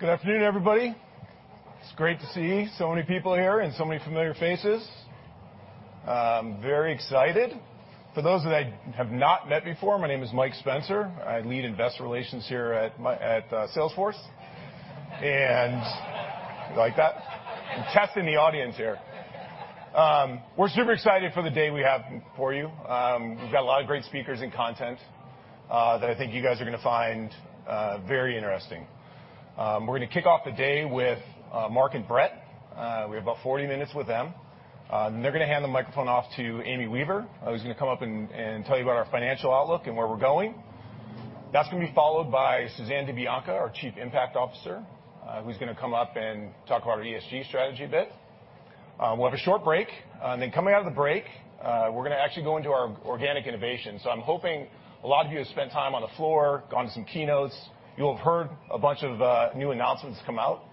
Good afternoon, everybody. It's great to see so many people here and so many familiar faces. Very excited. For those that I have not met before, my name is Mike Spencer. I lead Investor Relations here at Salesforce. You like that? I'm testing the audience here. We're super excited for the day we have for you. We've got a lot of great speakers and content that I think you guys are gonna find very interesting. We're gonna kick off the day with Marc and Bret. We have about 40 minutes with them. They're gonna hand the microphone off to Amy Weaver, who's gonna come up and tell you about our financial outlook and where we're going. That's gonna be followed by Suzanne DiBianca, our Chief Impact Officer, who's gonna come up and talk about our ESG strategy a bit. We'll have a short break, and then coming out of the break, we're gonna actually go into our organic innovation. I'm hoping a lot of you have spent time on the floor, gone to some keynotes. You'll have heard a bunch of new announcements come out,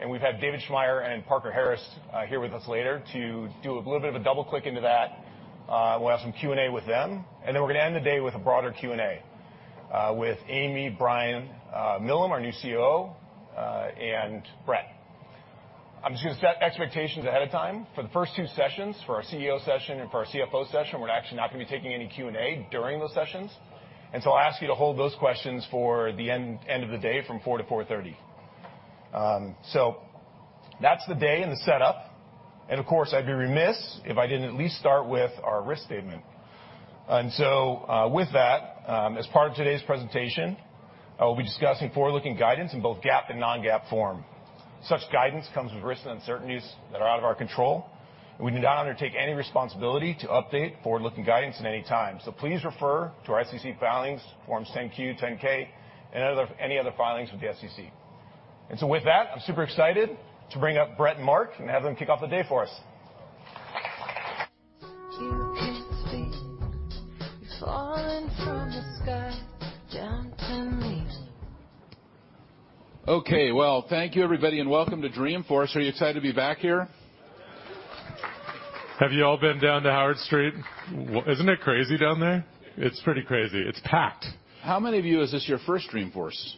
and we've had David Schmaier and Parker Harris here with us later to do a little bit of a double-click into that. We'll have some Q&A with them, and then we're gonna end the day with a broader Q&A with Amy, Brian Millham, our new COO, and Bret. I'm just gonna set expectations ahead of time. For the first two sessions, for our CEO session and for our CFO session, we're actually not gonna be taking any Q&A during those sessions, and so I'll ask you to hold those questions for the end of the day from 4:00 P.M. to 4:30 P.M. That's the day and the setup. Of course, I'd be remiss if I didn't at least start with our risk statement. With that, as part of today's presentation, I will be discussing forward-looking guidance in both GAAP and non-GAAP form. Such guidance comes with risks and uncertainties that are out of our control, and we do not undertake any responsibility to update forward-looking guidance at any time. Please refer to our SEC filings, Forms 10-Q and 10-K, and any other filings with the SEC. With that, I'm super excited to bring up Bret Taylor and Marc Benioff, and have them kick off the day for us. Okay. Well, thank you, everybody, and welcome to Dreamforce. Are you excited to be back here? Have you all been down to Howard Street? Isn't it crazy down there? It's pretty crazy. It's packed. How many of you is this your first Dreamforce?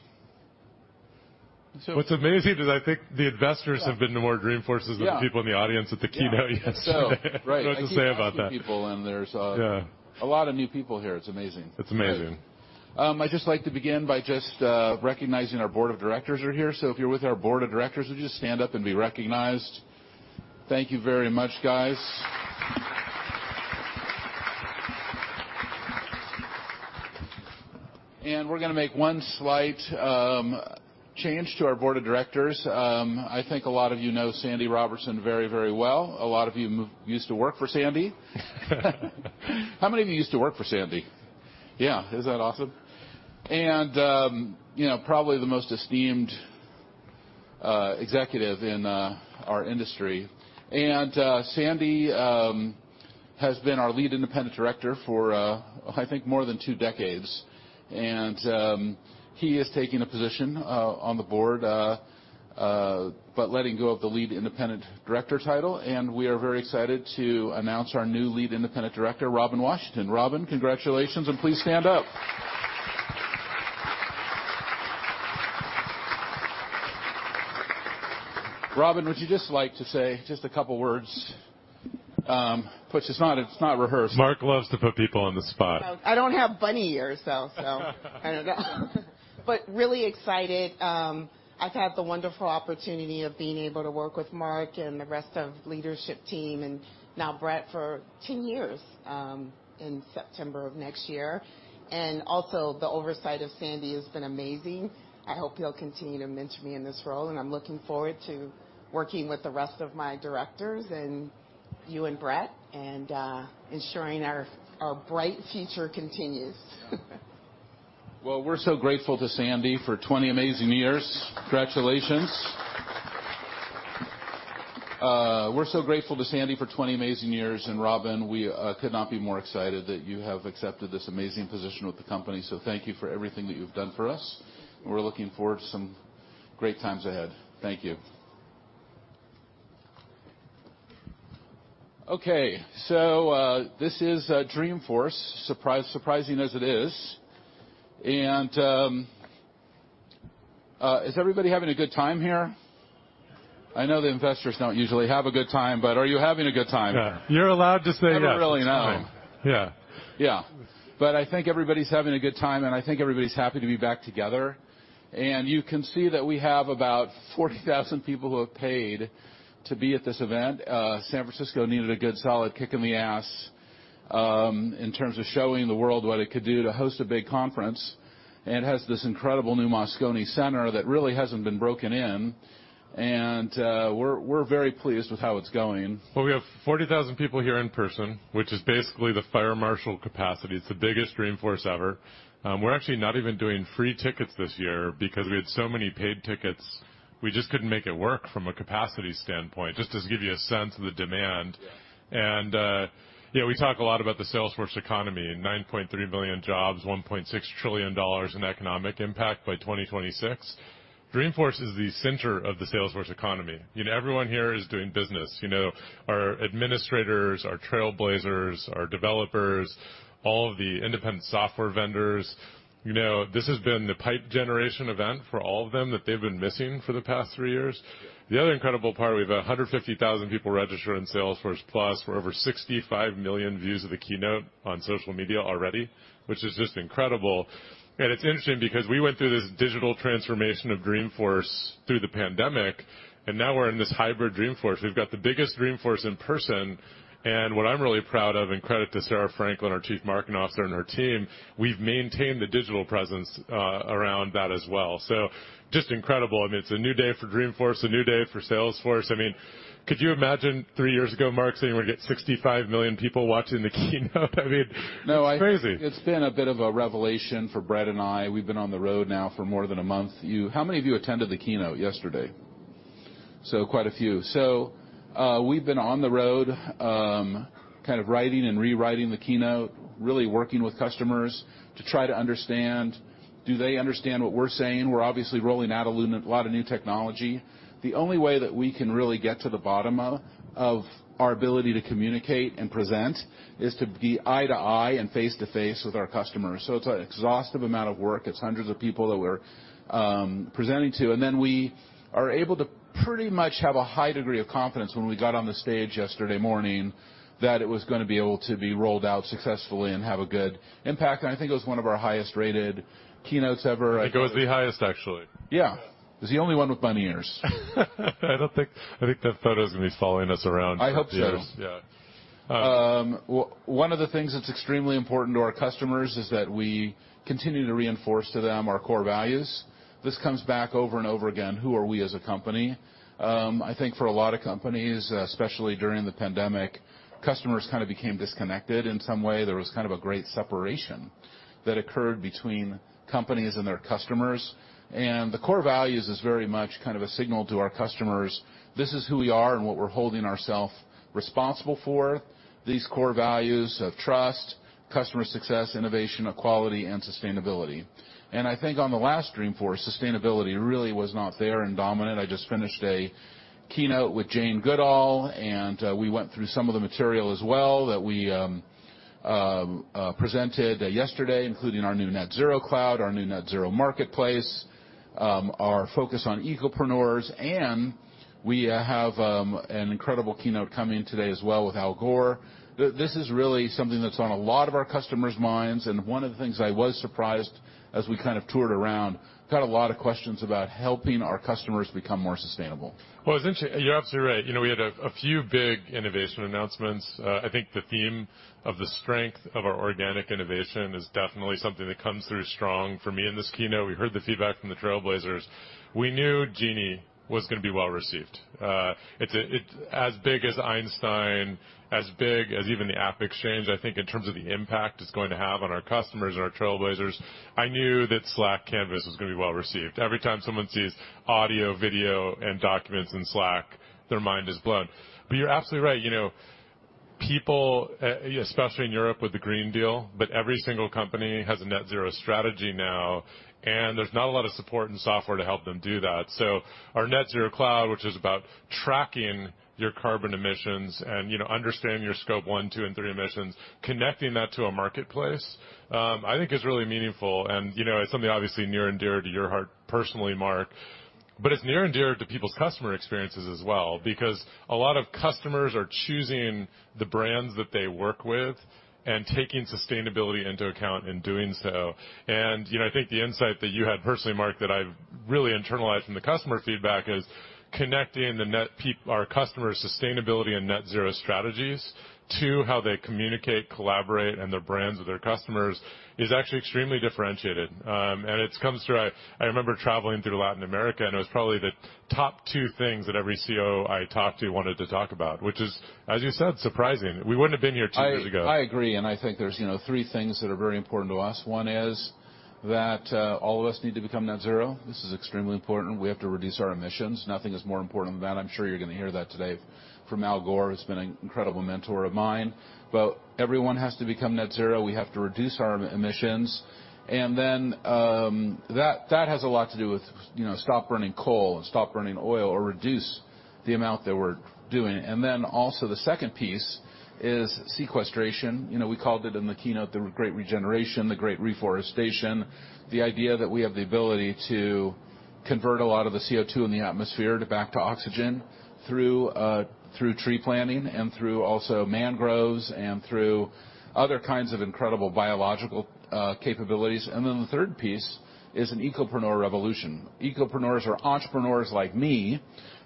What's amazing is I think the investors have been to more Dreamforces than the people in the audience at the keynote yesterday. Yeah. Right. What do you say about that? I keep asking people, and there's a lot of new people here. It's amazing. It's amazing. I'd just like to begin by just recognizing our board of directors are here. So if you're with our board of directors, would you just stand up and be recognized? Thank you very much, guys. We're gonna make one slight change to our board of directors. I think a lot of you know Sandy Robertson very, very well. A lot of you used to work for Sandy. How many of you used to work for Sandy? Yeah. Isn't that awesome? You know, probably the most esteemed executive in our industry. Sandy has been our Lead Independent Director for, I think more than two decades. He is taking a position on the board, but letting go of the Lead Independent Director title, and we are very excited to announce our new Lead Independent Director, Robin Washington. Robin, congratulations, and please stand up. Robin, would you just like to say just a couple words, which it's not rehearsed. Marc loves to put people on the spot. I know. I don't have bunny ears, though. I don't know. Really excited. I've had the wonderful opportunity of being able to work with Marc and the rest of leadership team and now Bret for 10 years, in September of next year. Also, the oversight of Sandy has been amazing. I hope you'll continue to mentor me in this role, and I'm looking forward to working with the rest of my directors and you and Bret and, ensuring our bright future continues. Well, we're so grateful to Sandy for 20 amazing years. Congratulations. We're so grateful to Sandy for 20 amazing years, and Robin, we could not be more excited that you have accepted this amazing position with the company, so thank you for everything that you've done for us, and we're looking forward to some great times ahead. Thank you. Okay, so this is Dreamforce, surprise, surprising as it is. Is everybody having a good time here? I know the investors don't usually have a good time, but are you having a good time? Yeah. You're allowed to say yes this time. I don't really know. Yeah. I think everybody's having a good time, and I think everybody's happy to be back together. You can see that we have about 40,000 people who have paid to be at this event. San Francisco needed a good, solid kick in the ass, in terms of showing the world what it could do to host a big conference. It has this incredible new Moscone Center that really hasn't been broken in. We're very pleased with how it's going. Well, we have 40,000 people here in person, which is basically the fire marshal capacity. It's the biggest Dreamforce ever. We're actually not even doing free tickets this year because we had so many paid tickets, we just couldn't make it work from a capacity standpoint, just to give you a sense of the demand. We talk a lot about the Salesforce economy, 9.3 million jobs, $1.6 trillion in economic impact by 2026. Dreamforce is the center of the Salesforce economy. You know, everyone here is doing business. You know, our administrators, our Trailblazers, our developers, all of the independent software vendors. You know, this has been the pipeline generation event for all of them that they've been missing for the past three years. The other incredible part, we have 150,000 people registered in Salesforce+. We're over 65 million views of the keynote on social media already, which is just incredible. It's interesting because we went through this digital transformation of Dreamforce through the pandemic, and now we're in this hybrid Dreamforce. We've got the biggest Dreamforce in person, and what I'm really proud of, and credit to Sarah Franklin, our Chief Marketing Officer, and her team, we've maintained the digital presence around that as well. Just incredible. I mean, it's a new day for Dreamforce, a new day for Salesforce. I mean, could you imagine three years ago, Marc, saying we're gonna get 65 million people watching the keynote? I mean, it's crazy. No, it's been a bit of a revelation for Bret and I. We've been on the road now for more than a month. How many of you attended the keynote yesterday? Quite a few. We've been on the road, kind of writing and rewriting the keynote, really working with customers to try to understand, do they understand what we're saying? We're obviously rolling out a lot of new technology. The only way that we can really get to the bottom of our ability to communicate and present is to be eye to eye and face to face with our customers. It's an exhaustive amount of work. It's hundreds of people that we're presenting to, and then we are able to pretty much have a high degree of confidence when we got on the stage yesterday morning that it was gonna be able to be rolled out successfully and have a good impact. I think it was one of our highest rated keynotes ever. I think it was the highest, actually. Yeah. It was the only one with bunny ears. I think that photo's gonna be following us around. I hope so. Yes. Yeah. One of the things that's extremely important to our customers is that we continue to reinforce to them our core values. This comes back over and over again, who are we as a company? I think for a lot of companies, especially during the pandemic, customers kind of became disconnected in some way. There was kind of a great separation that occurred between companies and their customers. The core values is very much kind of a signal to our customers, this is who we are and what we're holding ourself responsible for, these core values of trust, customer success, innovation, equality, and sustainability. I think on the last Dreamforce, sustainability really was not there and dominant. I just finished a keynote with Jane Goodall, and we went through some of the material as well that we presented yesterday, including our new Net Zero Cloud, our new Net Zero Marketplace, our focus on ecopreneurs. We have an incredible keynote coming today as well with Al Gore. This is really something that's on a lot of our customers' minds, and one of the things I was surprised as we kind of toured around, got a lot of questions about helping our customers become more sustainable. Well, it's interesting. You're absolutely right. You know, we had a few big innovation announcements. I think the theme of the strength of our organic innovation is definitely something that comes through strong for me in this keynote. We heard the feedback from the Trailblazers. We knew Genie was gonna be well received. It's as big as Einstein, as big as even the AppExchange, I think, in terms of the impact it's going to have on our customers and our Trailblazers. I knew that Slack Canvas was gonna be well received. Every time someone sees audio, video, and documents in Slack, their mind is blown. But you're absolutely right. You know, people, especially in Europe with the Green Deal, but every single company has a Net Zero strategy now, and there's not a lot of support and software to help them do that. Our Net Zero Cloud, which is about tracking your carbon emissions and, you know, understanding your scope 1, 2, and 3 emissions, connecting that to a marketplace, I think is really meaningful. You know, it's something obviously near and dear to your heart personally, Marc, but it's near and dear to people's customer experiences as well because a lot of customers are choosing the brands that they work with and taking sustainability into account in doing so. You know, I think the insight that you had personally, Marc, that I've really internalized from the customer feedback is connecting our customers' sustainability and Net Zero strategies to how they communicate, collaborate, and their brands with their customers is actually extremely differentiated. It comes through. I remember traveling through Latin America, and it was probably the top two things that every CIO I talked to wanted to talk about, which is, as you said, surprising. We wouldn't have been here two years ago. I agree, and I think there's, you know, three things that are very important to us. One is that all of us need to become Net Zero. This is extremely important. We have to reduce our emissions. Nothing is more important than that. I'm sure you're gonna hear that today from Al Gore, who's been an incredible mentor of mine. Everyone has to become Net Zero. We have to reduce our emissions. That has a lot to do with, you know, stop burning coal and stop burning oil or reduce the amount that we're doing. The second piece is sequestration. You know, we called it in the keynote, the great regeneration, the great reforestation, the idea that we have the ability to convert a lot of the CO2 in the atmosphere back to oxygen through tree planting and through also mangroves and through other kinds of incredible biological capabilities. Then the third piece is an ecopreneur revolution. Ecopreneurs are entrepreneurs like me,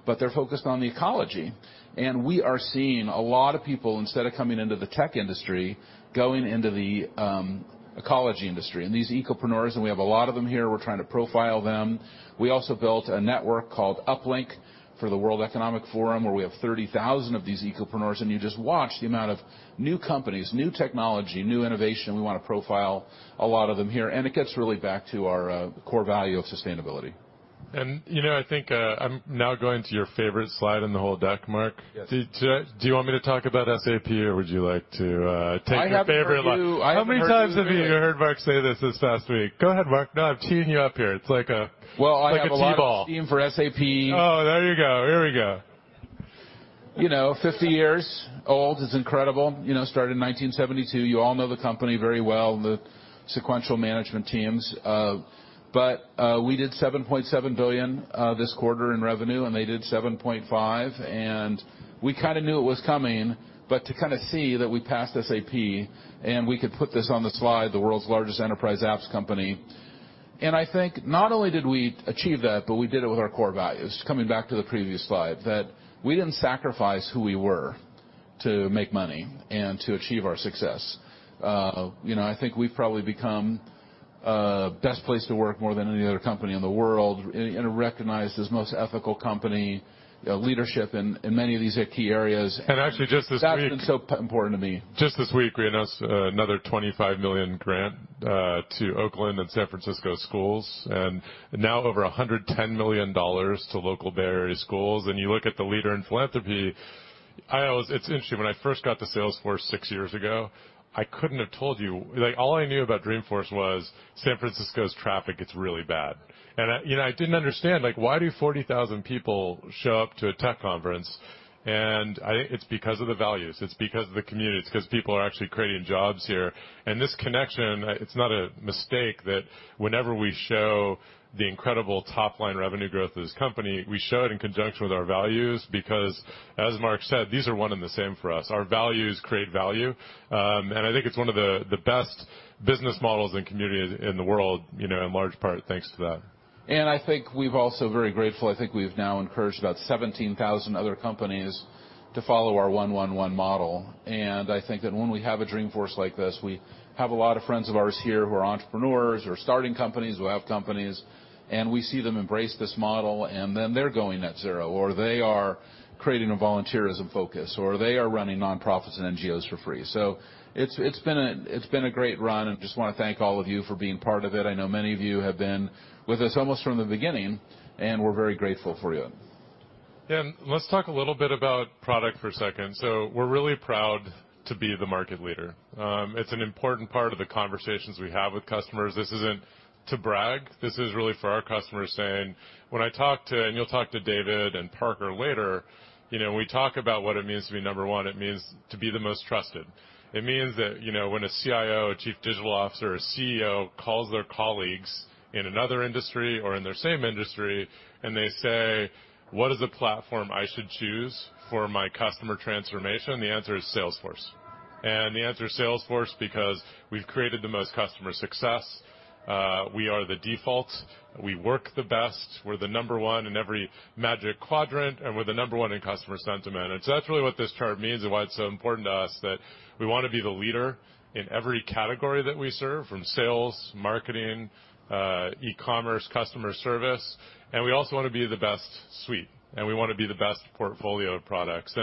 but they're focused on the ecology. We are seeing a lot of people, instead of coming into the tech industry, going into the ecology industry. These ecopreneurs, and we have a lot of them here, we're trying to profile them. We also built a network called UpLink for the World Economic Forum, where we have 30,000 of these ecopreneurs, and you just watch the amount of new companies, new technology, new innovation. We wanna profile a lot of them here, and it gets really back to our core value of sustainability. You know, I think I'm now going to your favorite slide in the whole deck, Marc. Yes. Do you want me to talk about SAP, or would you like to take your favorite line? I have heard you. How many times have you heard Marc say this past week? Go ahead, Marc. No, I'm teeing you up here. It's like a. Well, I have a lot of. Like a tee ball. steam for SAP. Oh, there you go. Here we go. You know, 50 years old is incredible. You know, started in 1972. You all know the company very well and the sequential management teams. We did $7.7 billion this quarter in revenue, and they did $7.5 billion. We kinda knew it was coming, but to kinda see that we passed SAP and we could put this on the slide, the world's largest enterprise apps company. I think not only did we achieve that, but we did it with our core values, coming back to the previous slide, that we didn't sacrifice who we were to make money and to achieve our success. You know, I think we've probably become best place to work more than any other company in the world and recognized as most ethical company, leadership in many of these key areas. Actually, just this week. That's been so important to me. Just this week we announced another $25 million grant to Oakland and San Francisco schools, and now over $110 million to local Bay Area schools. You look at the leader in philanthropy. It's interesting, when I first got to Salesforce six years ago, I couldn't have told you. Like, all I knew about Dreamforce was San Francisco's traffic gets really bad. I, you know, I didn't understand, like, why do 40,000 people show up to a tech conference? I think it's because of the values. It's because of the community. It's 'cause people are actually creating jobs here. This connection, it's not a mistake that whenever we show the incredible top-line revenue growth of this company, we show it in conjunction with our values because, as Marc said, these are one and the same for us. Our values create value. I think it's one of the best business models and community in the world, you know, in large part thanks to that. I think we're also very grateful. I think we've now encouraged about 17,000 other companies to follow our 1-1-1 model. I think that when we have a Dreamforce like this, we have a lot of friends of ours here who are entrepreneurs or starting companies, who have companies, and we see them embrace this model, and then they're going net zero, or they are creating a volunteerism focus, or they are running nonprofits and NGOs for free. It's been a great run, and just wanna thank all of you for being part of it. I know many of you have been with us almost from the beginning, and we're very grateful for you. Yeah. Let's talk a little bit about product for a second. We're really proud to be the market leader. It's an important part of the conversations we have with customers. This isn't to brag. This is really for our customers saying, when I talk to, and you'll talk to David and Parker later, you know, when we talk about what it means to be number one, it means to be the most trusted. It means that, you know, when a CIO, a chief digital officer, a CEO calls their colleagues in another industry or in their same industry, and they say, "What is a platform I should choose for my customer transformation?" The answer is Salesforce. The answer is Salesforce because we've created the most customer success. We are the default. We work the best. We're the number one in every Magic Quadrant, and we're the number one in customer sentiment. That's really what this chart means and why it's so important to us that we wanna be the leader in every category that we serve, from sales, marketing, e-commerce, customer service, and we also wanna be the best suite, and we wanna be the best portfolio of products.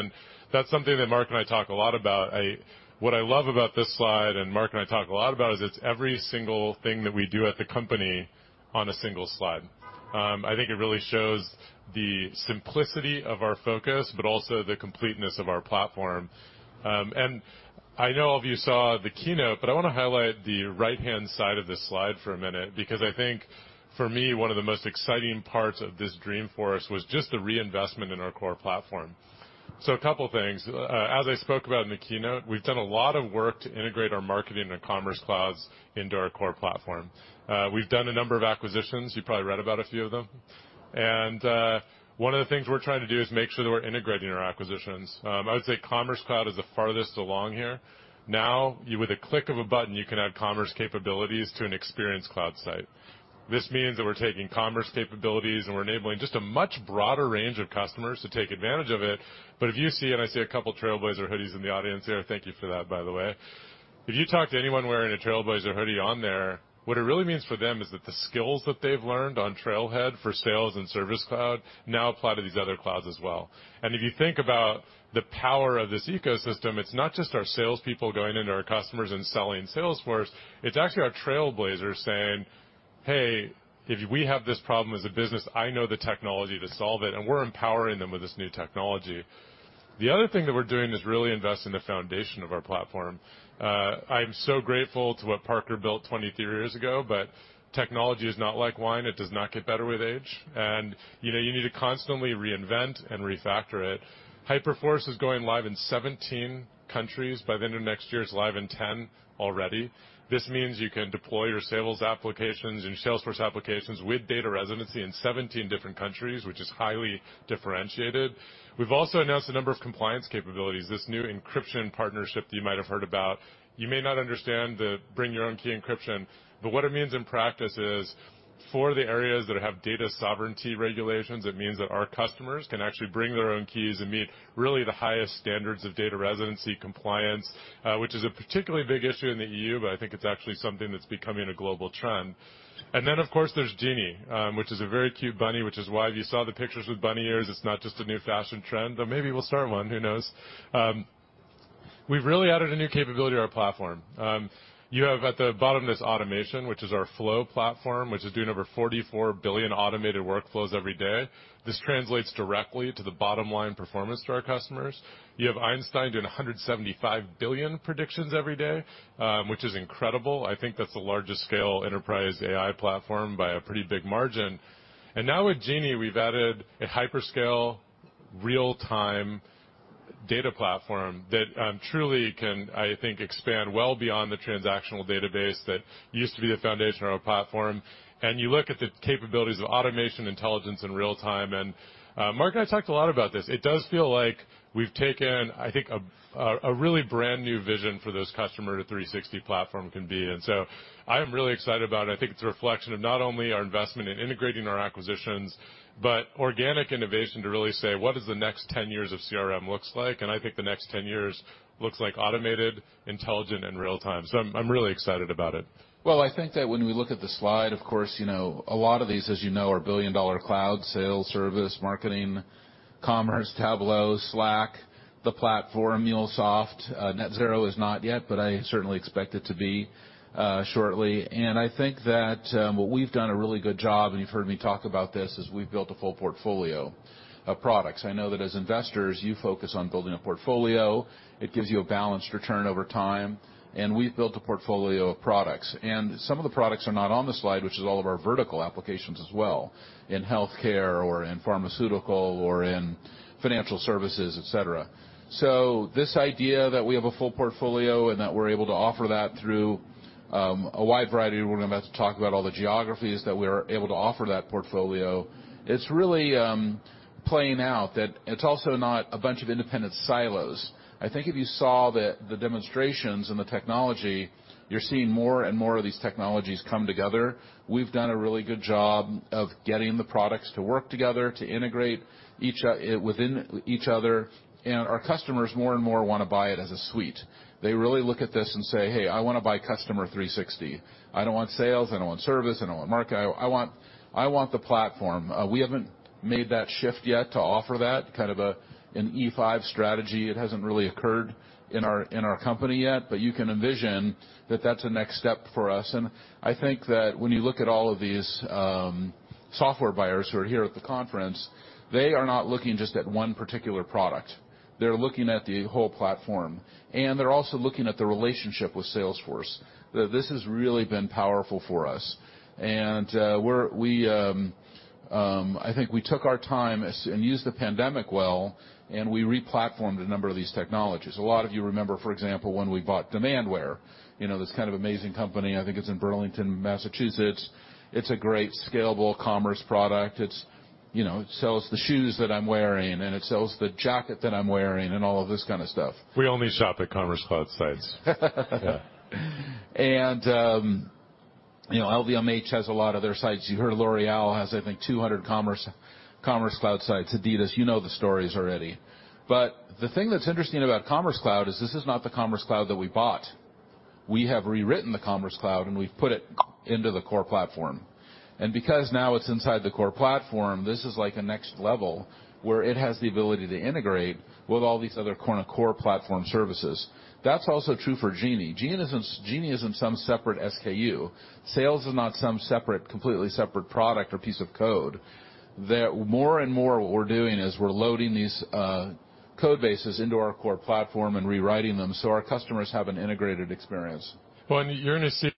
That's something that Marc and I talk a lot about. What I love about this slide, and Marc and I talk a lot about, is it's every single thing that we do at the company on a single slide. I think it really shows the simplicity of our focus, but also the completeness of our platform. I know all of you saw the keynote, but I wanna highlight the right-hand side of this slide for a minute because I think, for me, one of the most exciting parts of this Dreamforce was just the reinvestment in our core platform. A couple things. As I spoke about in the keynote, we've done a lot of work to integrate our Marketing Cloud and Commerce Cloud into our core platform. We've done a number of acquisitions. You probably read about a few of them. One of the things we're trying to do is make sure that we're integrating our acquisitions. I would say Commerce Cloud is the farthest along here. Now, with a click of a button, you can add commerce capabilities to an Experience Cloud site. This means that we're taking commerce capabilities, and we're enabling just a much broader range of customers to take advantage of it. If you see, and I see a couple Trailblazer hoodies in the audience here, thank you for that, by the way. If you talk to anyone wearing a Trailblazer hoodie on there, what it really means for them is that the skills that they've learned on Trailhead for Sales Cloud and Service Cloud now apply to these other clouds as well. If you think about the power of this ecosystem, it's not just our salespeople going into our customers and selling Salesforce, it's actually our Trailblazers saying, "Hey, if we have this problem as a business, I know the technology to solve it," and we're empowering them with this new technology. The other thing that we're doing is really invest in the foundation of our platform. I'm so grateful to what Parker built 23 years ago, but technology is not like wine. It does not get better with age. You know, you need to constantly reinvent and refactor it. Hyperforce is going live in 17 countries by the end of next year. It's live in 10 already. This means you can deploy your sales applications and Salesforce applications with data residency in 17 different countries, which is highly differentiated. We've also announced a number of compliance capabilities, this new encryption partnership that you might have heard about. You may not understand the bring your own key encryption, but what it means in practice is, for the areas that have data sovereignty regulations, it means that our customers can actually bring their own keys and meet really the highest standards of data residency compliance, which is a particularly big issue in the EU, but I think it's actually something that's becoming a global trend. Then, of course, there's Genie, which is a very cute bunny, which is why if you saw the pictures with bunny ears, it's not just a new fashion trend, but maybe we'll start one, who knows? We've really added a new capability to our platform. You have at the bottom, this automation, which is our Flow platform, which is doing over 44 billion automated workflows every day. This translates directly to the bottom line performance to our customers. You have Einstein doing 175 billion predictions every day, which is incredible. I think that's the largest scale enterprise AI platform by a pretty big margin. Now with Genie, we've added a hyperscale real-time data platform that truly can, I think, expand well beyond the transactional database that used to be the foundation of our platform. You look at the capabilities of automation, intelligence, and real-time. Marc and I talked a lot about this. It does feel like we've taken, I think, a really brand-new vision for this Customer 360 platform can be. I am really excited about it. I think it's a reflection of not only our investment in integrating our acquisitions, but organic innovation to really say, what is the next 10 years of CRM looks like? I think the next 10 years looks like automated, intelligent, and real-time. I'm really excited about it. Well, I think that when we look at the slide, of course, you know, a lot of these, as you know, are billion-dollar clouds, sales, service, marketing, commerce, Tableau, Slack, the platform, MuleSoft. Net Zero is not yet, but I certainly expect it to be, shortly. I think that, what we've done a really good job, and you've heard me talk about this, is we've built a full portfolio of products. I know that as investors, you focus on building a portfolio. It gives you a balanced return over time. We've built a portfolio of products. Some of the products are not on the slide, which is all of our vertical applications as well in healthcare or in pharmaceutical or in financial services, et cetera. This idea that we have a full portfolio and that we're able to offer that through a wide variety, we're going to have to talk about all the geographies that we're able to offer that portfolio. It's really playing out that it's also not a bunch of independent silos. I think if you saw the demonstrations and the technology, you're seeing more and more of these technologies come together. We've done a really good job of getting the products to work together, to integrate each other. Our customers more and more wanna buy it as a suite. They really look at this and say, "Hey, I wanna buy Customer 360. I don't want sales, I don't want service, I don't want market. I want the platform." We haven't made that shift yet to offer that kind of an E5 strategy. It hasn't really occurred in our company yet, but you can envision that that's the next step for us. I think that when you look at all of these software buyers who are here at the conference, they are not looking just at one particular product. They're looking at the whole platform, and they're also looking at the relationship with Salesforce. This has really been powerful for us. I think we took our time, and used the pandemic well, and we replatformed a number of these technologies. A lot of you remember, for example, when we bought Demandware, you know, this kind of amazing company. I think it's in Burlington, Massachusetts. It's a great scalable commerce product. It's, you know, it sells the shoes that I'm wearing, and it sells the jacket that I'm wearing and all of this kind of stuff. We only shop at Commerce Cloud sites. Yeah. You know, LVMH has a lot of their sites. You heard L'Oréal has, I think, 200 Commerce Cloud sites. Adidas, you know the stories already. The thing that's interesting about Commerce Cloud is this is not the Commerce Cloud that we bought. We have rewritten the Commerce Cloud, and we've put it into the core platform. Because now it's inside the core platform, this is like a next level where it has the ability to integrate with all these other core platform services. That's also true for Genie. Genie isn't some separate SKU. Sales is not some separate, completely separate product or piece of code. More and more what we're doing is we're loading these code bases into our core platform and rewriting them so our customers have an integrated experience. Well, you're gonna see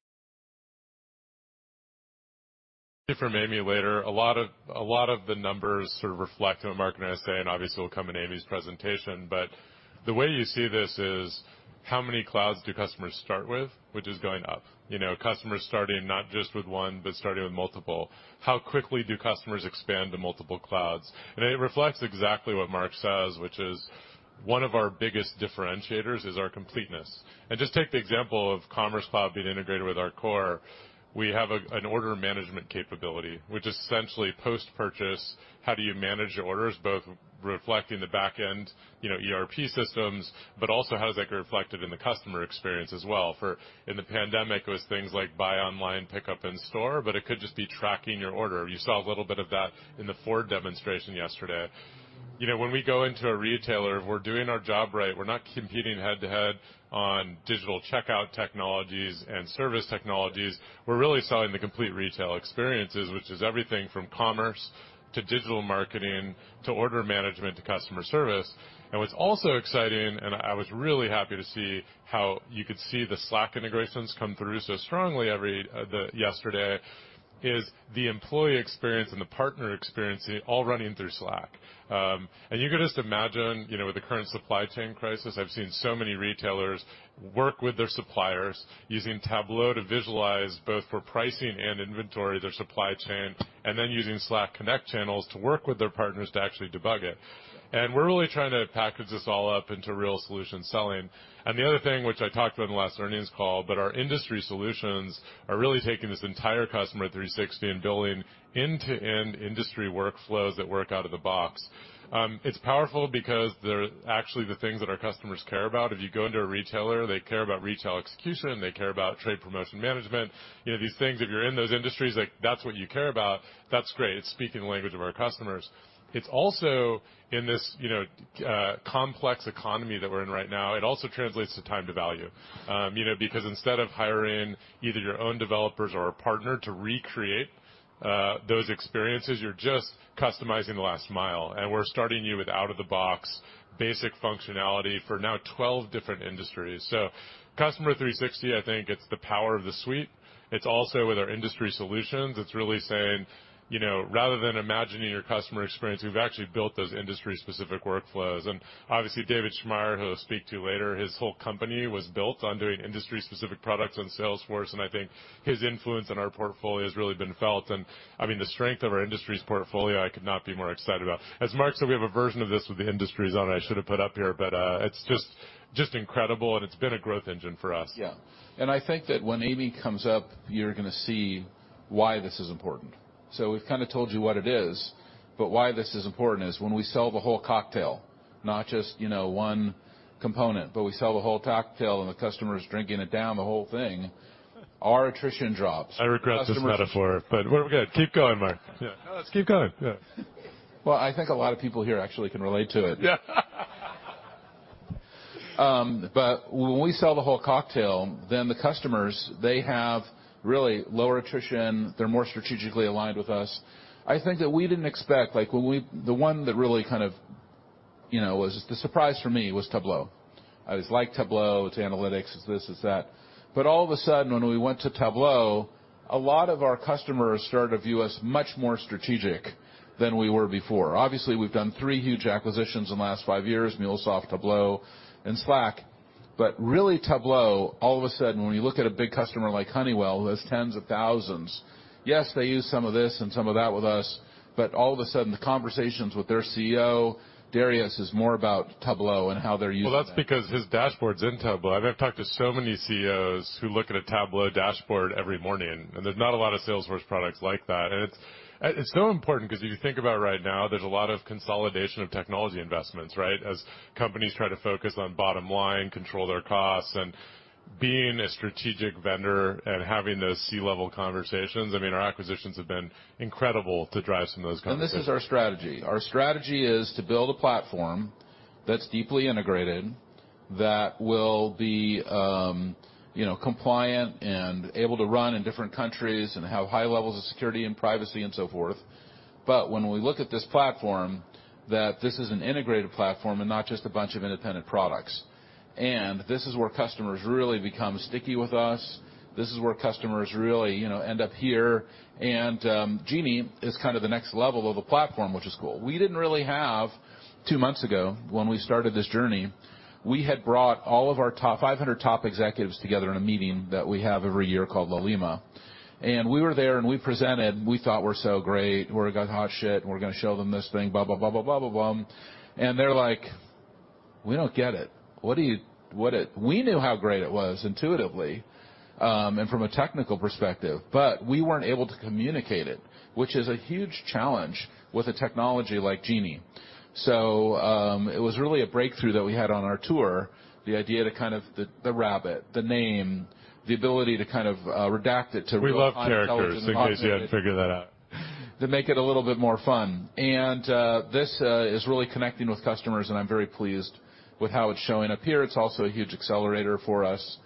from Amy later, a lot of the numbers sort of reflect what Marc and I say, and obviously will come in Amy's presentation. The way you see this is how many clouds do customers start with, which is going up. You know, customers starting not just with one, but starting with multiple. How quickly do customers expand to multiple clouds? It reflects exactly what Marc says, which is one of our biggest differentiators is our completeness. Just take the example of Commerce Cloud being integrated with our core. We have a, an order management capability, which is essentially post-purchase, how do you manage the orders, both reflecting the back end, you know, ERP systems, but also how is that reflected in the customer experience as well? In the pandemic, it was things like buy online, pickup in store, but it could just be tracking your order. You saw a little bit of that in the Ford demonstration yesterday. You know, when we go into a retailer, if we're doing our job right, we're not competing head-to-head on digital checkout technologies and service technologies. We're really selling the complete retail experiences, which is everything from commerce to digital marketing to order management to customer service. What's also exciting, I was really happy to see how you could see the Slack integrations come through so strongly everywhere yesterday, is the employee experience and the partner experience all running through Slack. You can just imagine, you know, with the current supply chain crisis, I've seen so many retailers work with their suppliers using Tableau to visualize, both for pricing and inventory, their supply chain, and then using Slack Connect channels to work with their partners to actually debug it. We're really trying to package this all up into real solution selling. The other thing which I talked about in the last earnings call, but our industry solutions are really taking this entire Customer 360 and building end-to-end industry workflows that work out of the box. It's powerful because they're actually the things that our customers care about. If you go into a retailer, they care about retail execution, they care about trade promotion management. You know, these things, if you're in those industries, like that's what you care about, that's great. It's speaking the language of our customers. It's also in this, you know, complex economy that we're in right now, it also translates to time to value. You know, because instead of hiring either your own developers or a partner to recreate those experiences, you're just customizing the last mile. We're starting you with out-of-the-box basic functionality for now 12 different industries. Customer 360, I think it's the power of the suite. It's also with our industry solutions. It's really saying, you know, rather than imagining your customer experience, we've actually built those industry-specific workflows. Obviously, David Schmaier, who we'll speak to later, his whole company was built on doing industry-specific products on Salesforce, and I think his influence on our portfolio has really been felt. I mean, the strength of our industries portfolio, I could not be more excited about. As Marc said, we have a version of this with the industries. I should have put up here, but it's just incredible, and it's been a growth engine for us. Yeah. I think that when Amy comes up, you're gonna see why this is important. We've kinda told you what it is, but why this is important is when we sell the whole cocktail, not just, you know, one component, but we sell the whole cocktail and the customer is drinking it down the whole thing, our attrition drops. I regret this metaphor, but we're good. Keep going, Marc. Yeah. No, let's keep going. Yeah. Well, I think a lot of people here actually can relate to it. When we sell the whole cocktail, then the customers, they have really lower attrition. They're more strategically aligned with us. I think that we didn't expect, like the one that really kind of, you know, was the surprise for me was Tableau. I was like, Tableau, it's analytics, it's this, it's that. All of a sudden, when we went to Tableau, a lot of our customers started to view us much more strategic than we were before. Obviously, we've done three huge acquisitions in the last five years, MuleSoft, Tableau, and Slack. Really, Tableau, all of a sudden, when you look at a big customer like Honeywell, who has tens of thousands, yes, they use some of this and some of that with us, but all of a sudden, the conversations with their CEO, Darius, is more about Tableau and how they're using it. Well, that's because his dashboard's in Tableau. I mean, I've talked to so many CEOs who look at a Tableau dashboard every morning, and there's not a lot of Salesforce products like that. It's so important 'cause if you think about right now, there's a lot of consolidation of technology investments, right? As companies try to focus on bottom line, control their costs, and being a strategic vendor and having those C-level conversations, I mean, our acquisitions have been incredible to drive some of those conversations. This is our strategy. Our strategy is to build a platform that's deeply integrated, that will be, you know, compliant and able to run in different countries and have high levels of security and privacy and so forth. When we look at this platform, that this is an integrated platform and not just a bunch of independent products. This is where customers really become sticky with us. This is where customers really end up here. Genie is kinda the next level of the platform, which is cool. We didn't really have two months ago, when we started this journey, we had brought all of our top 500 executives together in a meeting that we have every year called La Lima. We were there, and we presented, and we thought we're so great, we're hot shit, and we're gonna show them this thing, blah, blah, blah, blah. They're like, "We don't get it. What are you? What are?" We knew how great it was intuitively, and from a technical perspective, but we weren't able to communicate it, which is a huge challenge with a technology like Genie. It was really a breakthrough that we had on our tour, the idea to kind of the rabbit, the name, the ability to kind of redact it to, we love characters in case you hadn't figured that out. To make it a little bit more fun. This is really connecting with customers, and I'm very pleased with how it's showing up here. It's also a huge accelerator for us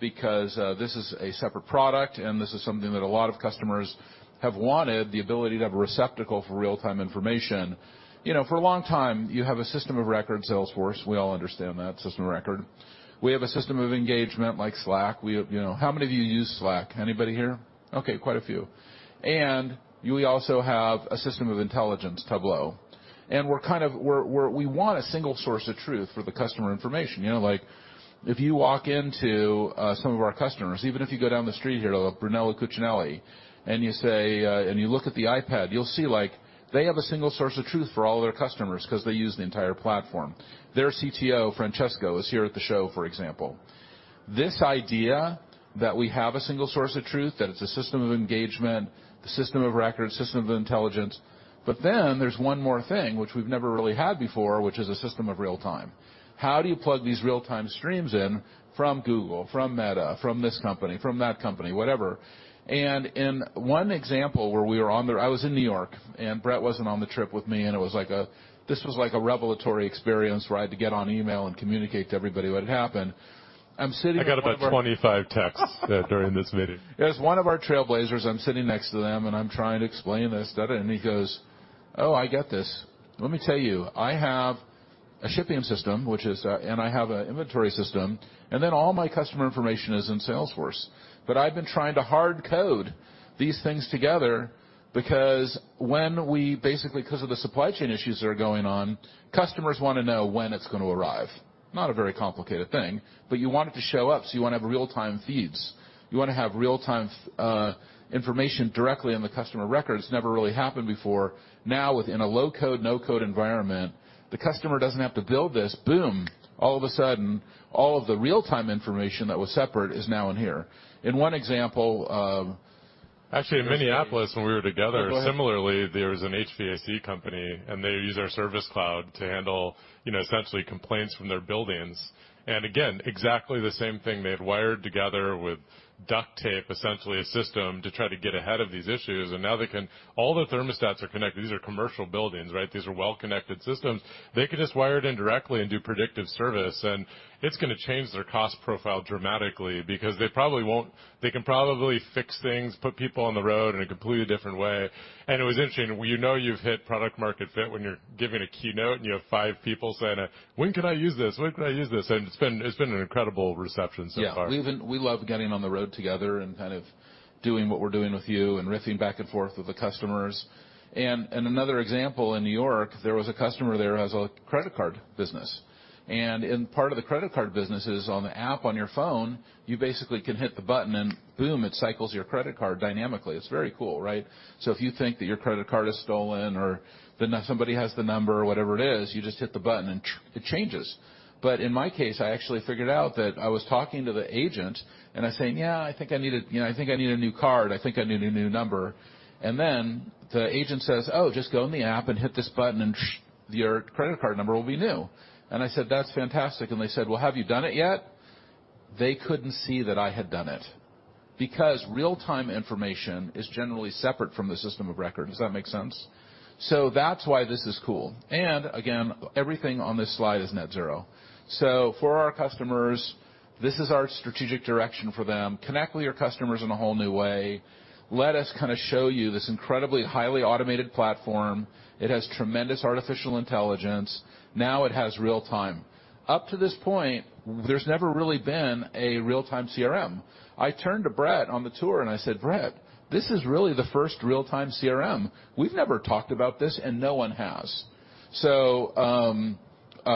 because this is a separate product, and this is something that a lot of customers have wanted, the ability to have a receptacle for real-time information. You know, for a long time, you have a system of record, Salesforce. We all understand that, system of record. We have a system of engagement like Slack. We, you know. How many of you use Slack? Anybody here? Okay, quite a few. We also have a system of intelligence, Tableau. We kind of want a single source of truth for the customer information. You know, like if you walk into some of our customers, even if you go down the street here to Brunello Cucinelli, and you say, and you look at the iPad, you'll see, like they have a single source of truth for all of their customers 'cause they use the entire platform. Their CTO, Francesco, is here at the show, for example. This idea that we have a single source of truth, that it's a system of engagement, system of record, system of intelligence. There's one more thing which we've never really had before, which is a system of real-time. How do you plug these real-time streams in from Google, from Meta, from this company, from that company, whatever. In one example where I was in New York, and Bret wasn't on the trip with me, and this was like a revelatory experience where I had to get on email and communicate to everybody what had happened. I'm sitting with one of our. I got about 25 texts during this meeting. It was one of our trailblazers. I'm sitting next to them, and I'm trying to explain this, that. He goes, "Oh, I get this. Let me tell you, I have a shipping system, which is, and I have an inventory system, and then all my customer information is in Salesforce. But I've been trying to hard code these things together because basically 'cause of the supply chain issues that are going on, customers wanna know when it's gonna arrive." Not a very complicated thing, but you want it to show up, so you wanna have real-time feeds. You wanna have real-time information directly in the customer records. It's never really happened before. Now, within a low-code, no-code environment, the customer doesn't have to build this. Boom. All of a sudden, all of the real-time information that was separate is now in here. In one example of. Actually, in Minneapolis, when we were together. Go ahead. Similarly, there was an HVAC company, and they use our Service Cloud to handle, you know, essentially complaints from their buildings. Again, exactly the same thing. They had wired together with duct tape, essentially a system to try to get ahead of these issues. Now they can, all the thermostats are connected. These are commercial buildings, right? These are well-connected systems. They could just wire it in directly and do predictive service, and it's gonna change their cost profile dramatically because they probably won't, they can probably fix things, put people on the road in a completely different way. It was interesting. When you know you've hit product market fit, when you're giving a keynote and you have five people saying, "When can I use this? When can I use this?" It's been an incredible reception so far. Yeah. We love getting on the road together and kind of doing what we're doing with you and riffing back and forth with the customers. Another example, in New York, there was a customer there who has a credit card business. In part of the credit card business is on the app on your phone, you basically can hit the button, and boom, it cycles your credit card dynamically. It's very cool, right? If you think that your credit card is stolen or that somebody has the number or whatever it is, you just hit the button and it changes. In my case, I actually figured out that I was talking to the agent, and I was saying, "Yeah, I think I need a, you know, I think I need a new card. I think I need a new number." The agent says, "Oh, just go in the app and hit this button, and your credit card number will be new." I said, "That's fantastic." They said, "Well, have you done it yet?" They couldn't see that I had done it because real-time information is generally separate from the system of record. Does that make sense? That's why this is cool. Again, everything on this slide is net zero. For our customers, this is our strategic direction for them. Connect with your customers in a whole new way. Let us kinda show you this incredibly highly automated platform. It has tremendous artificial intelligence. Now it has real-time. Up to this point, there's never really been a real-time CRM. I turned to Bret on the tour, and I said, "Bret, this is really the first real-time CRM. We've never talked about this, and no one has."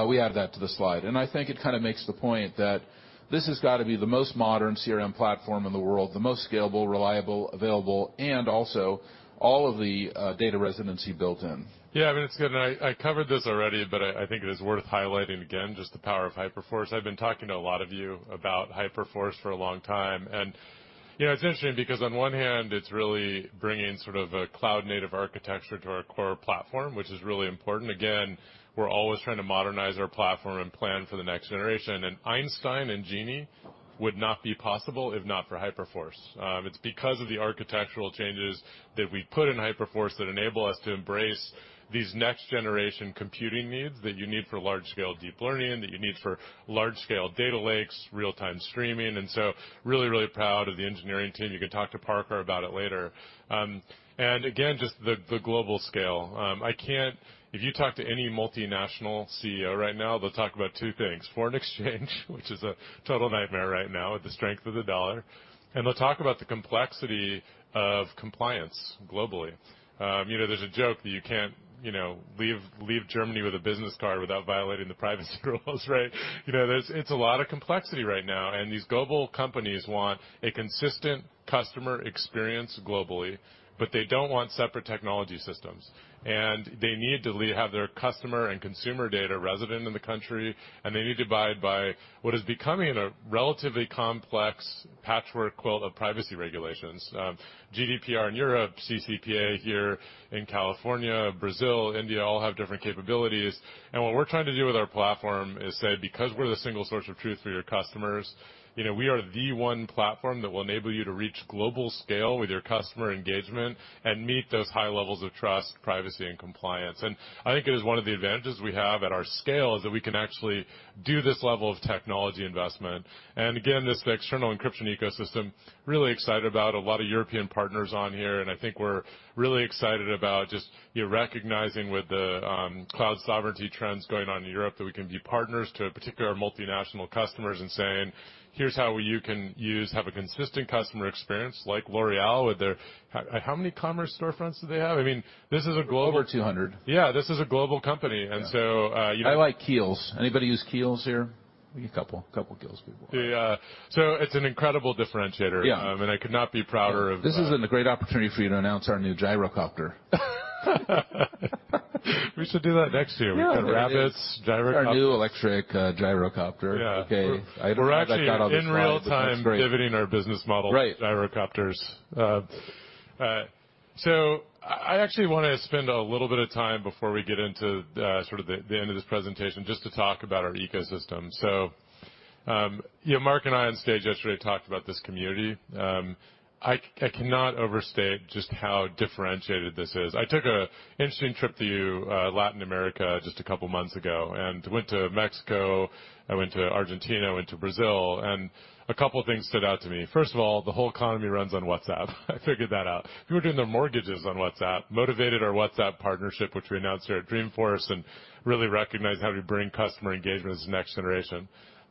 We add that to the slide. I think it kinda makes the point that this has got to be the most modern CRM platform in the world, the most scalable, reliable, available, and also all of the data residency built in. Yeah. I mean, it's good. I covered this already, but I think it is worth highlighting again, just the power of Hyperforce. I've been talking to a lot of you about Hyperforce for a long time. You know, it's interesting because on one hand, it's really bringing sort of a cloud-native architecture to our core platform, which is really important. Again, we're always trying to modernize our platform and plan for the next generation. Einstein and Genie would not be possible if not for Hyperforce. It's because of the architectural changes that we put in Hyperforce that enable us to embrace these next-generation computing needs that you need for large-scale deep learning, that you need for large-scale data lakes, real-time streaming. Really proud of the engineering team. You can talk to Parker about it later. Again, just the global scale. If you talk to any multinational CEO right now, they'll talk about two things: foreign exchange, which is a total nightmare right now with the strength of the dollar, and they'll talk about the complexity of compliance globally. You know, there's a joke that you can't, you know, leave Germany with a business card without violating the privacy rules, right? You know, it's a lot of complexity right now, and these global companies want a consistent customer experience globally, but they don't want separate technology systems. They need to have their customer and consumer data resident in the country, and they need to abide by what is becoming a relatively complex patchwork quilt of privacy regulations. GDPR in Europe, CCPA here in California, Brazil, India all have different capabilities. What we're trying to do with our platform is say, because we're the single source of truth for your customers, you know, we are the one platform that will enable you to reach global scale with your customer engagement and meet those high levels of trust, privacy, and compliance. I think it is one of the advantages we have at our scale is that we can actually do this level of technology investment. Again, this external encryption ecosystem, really excited about a lot of European partners on here, and I think we're really excited about just, you know, recognizing with the cloud sovereignty trends going on in Europe, that we can be partners to particular multinational customers and saying, "Here's how you can have a consistent customer experience like L'Oréal with their..." How many commerce storefronts do they have? I mean, this is a global. Over 200. Yeah, this is a global company. I like Kiehl's. Anybody use Kiehl's here? A couple. Couple Kiehl's people. Yeah. It's an incredible differentiator. I could not be prouder of. This isn't a great opportunity for you to announce our new gyrocopter. We should do that next year. We've got rabbits, gyrocopter. Our new electric gyrocopter. Okay. I've got all these slides. It's great. We're actually in real-time pivoting our business model to gyrocopters. I actually wanna spend a little bit of time before we get into sorta the end of this presentation just to talk about our ecosystem. You know, Marc and I on stage yesterday talked about this community. I cannot overstate just how differentiated this is. I took an interesting trip to Latin America just a couple months ago and went to Mexico, I went to Argentina, went to Brazil, and a couple of things stood out to me. First of all, the whole economy runs on WhatsApp. I figured that out. People are doing their mortgages on WhatsApp, that motivated our WhatsApp partnership, which we announced here at Dreamforce, and really recognized how we bring customer engagement as next generation.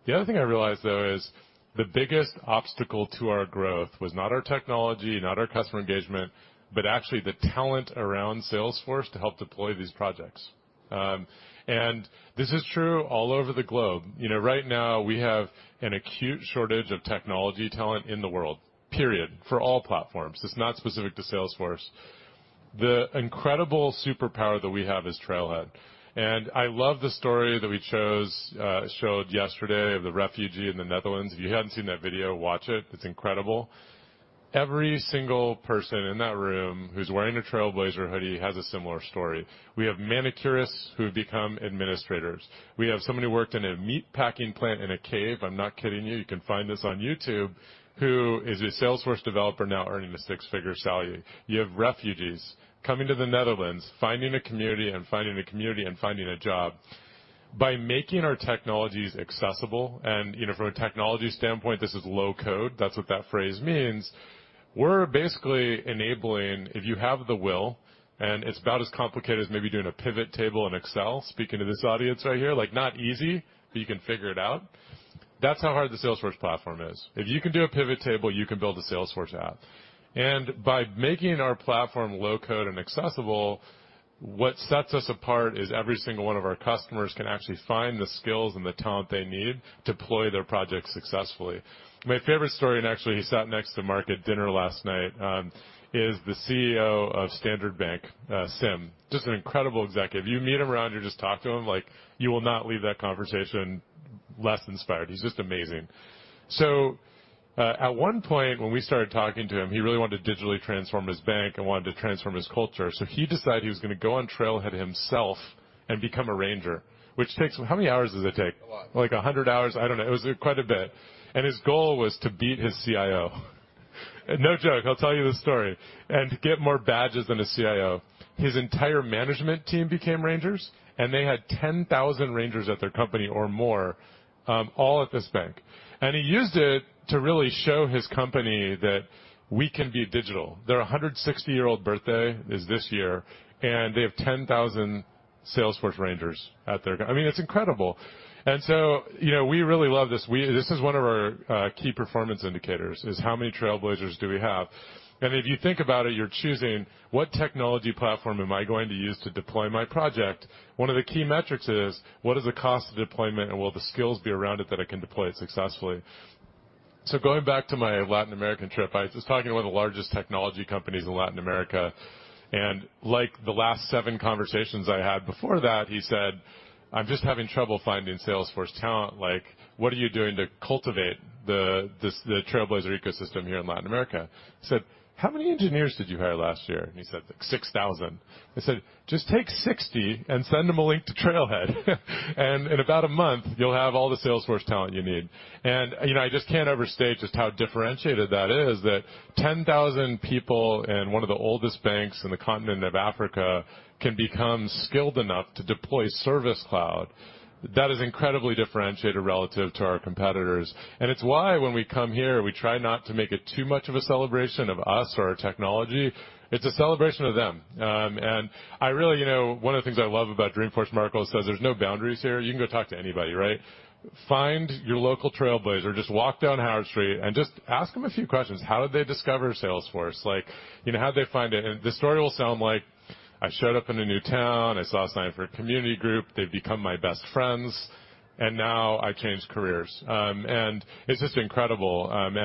The other thing I realized, though, is the biggest obstacle to our growth was not our technology, not our customer engagement, but actually the talent around Salesforce to help deploy these projects. This is true all over the globe. You know, right now, we have an acute shortage of technology talent in the world, period, for all platforms. It's not specific to Salesforce. The incredible superpower that we have is Trailhead. I love the story that we chose, showed yesterday of the refugee in the Netherlands. If you haven't seen that video, watch it. It's incredible. Every single person in that room who's wearing a Trailblazer hoodie has a similar story. We have manicurists who've become administrators. We have somebody who worked in a meat packing plant in a cave. I'm not kidding you can find this on YouTube, who is a Salesforce developer now earning a six-figure salary. You have refugees coming to the Netherlands, finding a community and finding a job. By making our technologies accessible, and, you know, from a technology standpoint, this is low code. That's what that phrase means. We're basically enabling, if you have the will, and it's about as complicated as maybe doing a pivot table in Excel, speaking to this audience right here, like, not easy, but you can figure it out. That's how hard the Salesforce platform is. If you can do a pivot table, you can build a Salesforce app. By making our platform low code and accessible, what sets us apart is every single one of our customers can actually find the skills and the talent they need to deploy their projects successfully. My favorite story, and actually he sat next to Marc at dinner last night, is the CEO of Standard Bank, Sim. Just an incredible executive. You meet him around, you just talk to him, like, you will not leave that conversation less inspired. He's just amazing. At one point, when we started talking to him, he really wanted to digitally transform his bank and wanted to transform his culture. He decided he was gonna go on Trailhead himself and become a ranger, which takes. How many hours does it take? A lot. Like, 100 hours. I don't know. It was quite a bit. His goal was to beat his CIO. No joke. I'll tell you this story. Get more badges than his CIO. His entire management team became rangers, and they had 10,000 rangers at their company or more, all at this bank. He used it to really show his company that we can be digital. Their 160-year-old birthday is this year, and they have 10,000 Salesforce rangers at their company. I mean, it's incredible. You know, we really love this. This is one of our key performance indicators, is how many Trailblazers do we have. If you think about it, you're choosing what technology platform am I going to use to deploy my project. One of the key metrics is what is the cost of deployment, and will the skills be around it that I can deploy it successfully? Going back to my Latin American trip, I was just talking to one of the largest technology companies in Latin America, and like the last 7 conversations I had before that, he said, "I'm just having trouble finding Salesforce talent, like, what are you doing to cultivate the Trailblazer ecosystem here in Latin America?" I said, "How many engineers did you hire last year?" He said, like, "6,000." I said, "Just take 60 and send them a link to Trailhead. And in about a month you'll have all the Salesforce talent you need." You know, I just can't overstate just how differentiated that is, that 10,000 people in one of the oldest banks in the continent of Africa can become skilled enough to deploy Service Cloud. That is incredibly differentiated relative to our competitors. It's why when we come here, we try not to make it too much of a celebration of us or our technology. It's a celebration of them. I really, you know, one of the things I love about Dreamforce, Marc always says, there's no boundaries here. You can go talk to anybody, right? Find your local Trailblazer. Just walk down Howard Street and just ask them a few questions. How did they discover Salesforce? Like, you know, how'd they find it? And the story will sound like, "I showed up in a new town. I saw a sign for a community group. They've become my best friends, and now I've changed careers." It's just incredible. I'm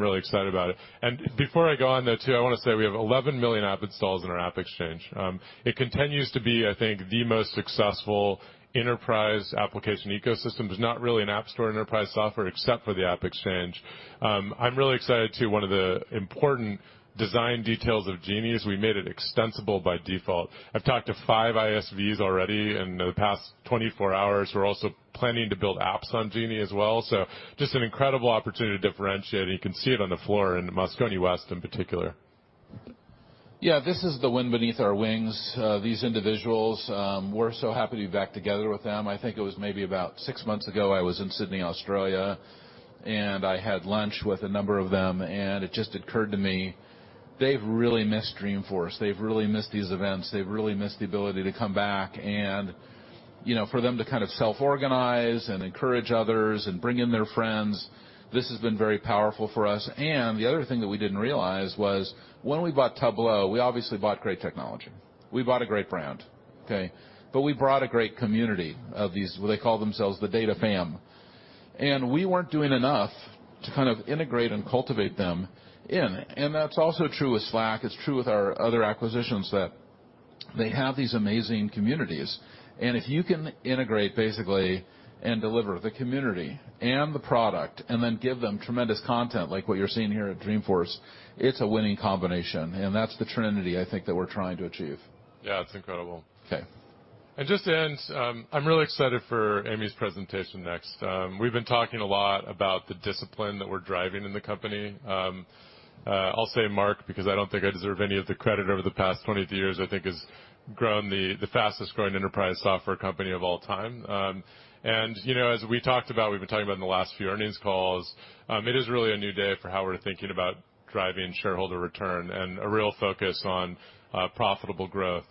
really excited about it. Before I go on, though, too, I want to say we have 11 million app installs in our AppExchange. It continues to be, I think, the most successful enterprise application ecosystem. There's not really an app store enterprise software except for the AppExchange. I'm really excited, too. One of the important design details of Genie is we made it extensible by default. I've talked to five ISVs already in the past 24 hours who are also planning to build apps on Genie as well. Just an incredible opportunity to differentiate, and you can see it on the floor in Moscone West in particular. Yeah, this is the wind beneath our wings, these individuals. We're so happy to be back together with them. I think it was maybe about six months ago, I was in Sydney, Australia, and I had lunch with a number of them, and it just occurred to me, they've really missed Dreamforce. They've really missed these events. They've really missed the ability to come back and, you know, for them to kind of self-organize and encourage others and bring in their friends. This has been very powerful for us. The other thing that we didn't realize was when we bought Tableau, we obviously bought great technology. We bought a great brand, okay? But we brought a great community of these, well, they call themselves the Data Fam. We weren't doing enough to kind of integrate and cultivate them in. That's also true with Slack. It's true with our other acquisitions, that they have these amazing communities. If you can integrate basically and deliver the community and the product and then give them tremendous content like what you're seeing here at Dreamforce, it's a winning combination. That's the trinity I think that we're trying to achieve. Yeah, it's incredible. Okay. Just to end, I'm really excited for Amy's presentation next. We've been talking a lot about the discipline that we're driving in the company. I'll say Marc, because I don't think I deserve any of the credit, over the past 22 years, I think, has grown the fastest growing enterprise software company of all time. You know, as we talked about, we've been talking about in the last few earnings calls, it is really a new day for how we're thinking about driving shareholder return and a real focus on profitable growth.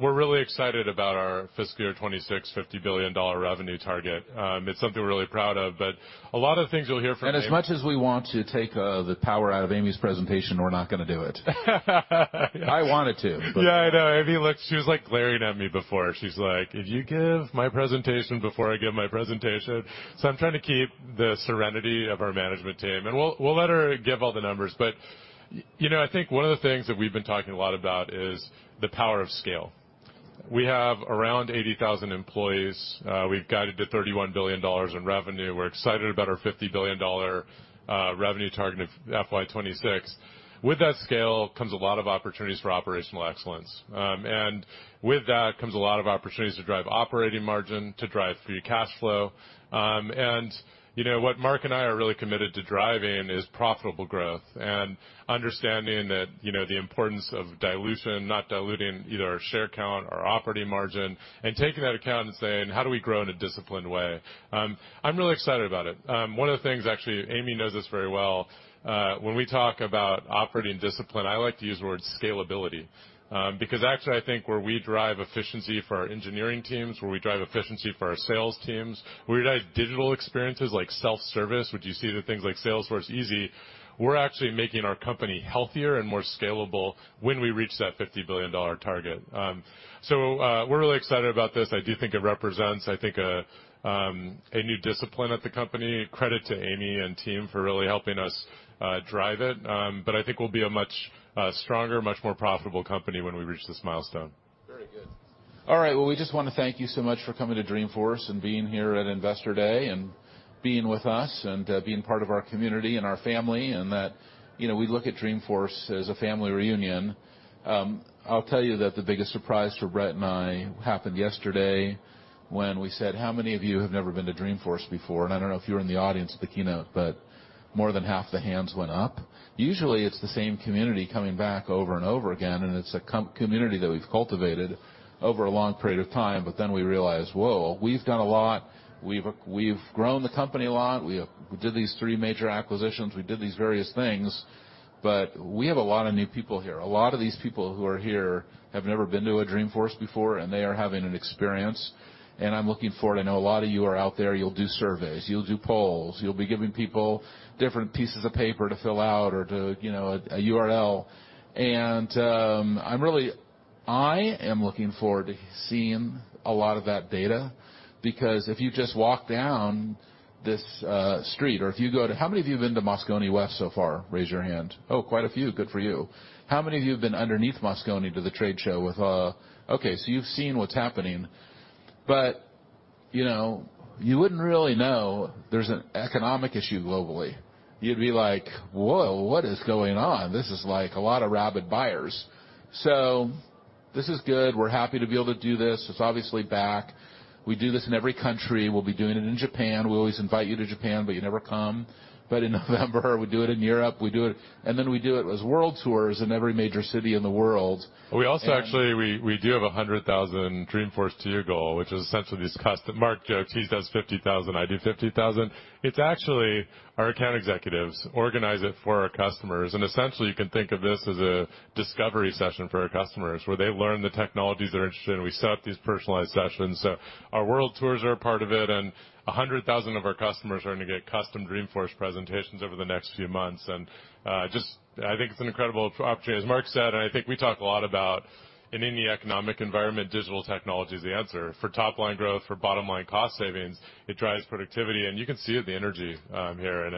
We're really excited about our fiscal year 2026 $50 billion revenue target. It's something we're really proud of, but a lot of the things you'll hear from Amy. As much as we want to take the power out of Amy's presentation, we're not gonna do it. I wanted to, but. Yeah, I know. Amy looked. She was, like, glaring at me before. She's like, "If you give my presentation before I give my presentation." I'm trying to keep the serenity of our management team. We'll let her give all the numbers. But, you know, I think one of the things that we've been talking a lot about is the power of scale. We have around 80,000 employees. We've guided to $31 billion in revenue. We're excited about our $50 billion revenue target of FY 2026. With that scale comes a lot of opportunities for operational excellence. And with that comes a lot of opportunities to drive operating margin, to drive free cash flow. You know what Marc and I are really committed to driving is profitable growth and understanding that, you know, the importance of dilution, not diluting either our share count or operating margin, and taking that into account and saying, "How do we grow in a disciplined way?" I'm really excited about it. One of the things. Actually, Amy knows this very well. When we talk about operating discipline, I like to use the word scalability, because actually, I think where we drive efficiency for our engineering teams, where we drive efficiency for our sales teams, where we drive digital experiences like self-service, which you see in things like Salesforce Easy, we're actually making our company healthier and more scalable when we reach that $50 billion target. We're really excited about this. I do think it represents, I think, a new discipline at the company. Credit to Amy and team for really helping us, drive it. I think we'll be a much stronger, much more profitable company when we reach this milestone. Very good. All right, well, we just wanna thank you so much for coming to Dreamforce and being here at Investor Day and being with us and being part of our community and our family, and that, you know, we look at Dreamforce as a family reunion. I'll tell you that the biggest surprise for Bret and I happened yesterday when we said, "How many of you have never been to Dreamforce before?" I don't know if you were in the audience at the keynote, but more than half the hands went up. Usually, it's the same community coming back over and over again, and it's a community that we've cultivated over a long period of time, but then we realized, "Whoa, we've done a lot. We've grown the company a lot. We have done these three major acquisitions. We did these various things, but we have a lot of new people here. A lot of these people who are here have never been to a Dreamforce before, and they are having an experience, and I'm looking forward. I know a lot of you are out there. You'll do surveys, you'll do polls, you'll be giving people different pieces of paper to fill out or to, you know, a URL. I am looking forward to seeing a lot of that data because if you just walk down this street or if you go to. How many of you have been to Moscone West so far? Raise your hand. Oh, quite a few. Good for you. How many of you have been underneath Moscone to the trade show with, Okay, you've seen what's happening, but you know, you wouldn't really know there's an economic issue globally. You'd be like, "Whoa, what is going on? This is like a lot of rabid buyers." This is good. We're happy to be able to do this. It's obviously back. We do this in every country. We'll be doing it in Japan. We always invite you to Japan, but you never come. In November, we do it in Europe. We do it. Then we do it as world tours in every major city in the world. We also actually do have 100,000 Dreamforce tour goal, which is essentially these custom. Marc jokes he does 50,000, I do 50,000. It's actually our account executives organize it for our customers, and essentially, you can think of this as a discovery session for our customers where they learn the technologies they're interested in. We set up these personalized sessions, so our world tours are a part of it, and 100,000 of our customers are gonna get custom Dreamforce presentations over the next few months. Just, I think it's an incredible opportunity. As Marc said, and I think we talk a lot about in any economic environment, digital technology is the answer. For top-line growth, for bottom-line cost savings, it drives productivity, and you can see it, the energy here, and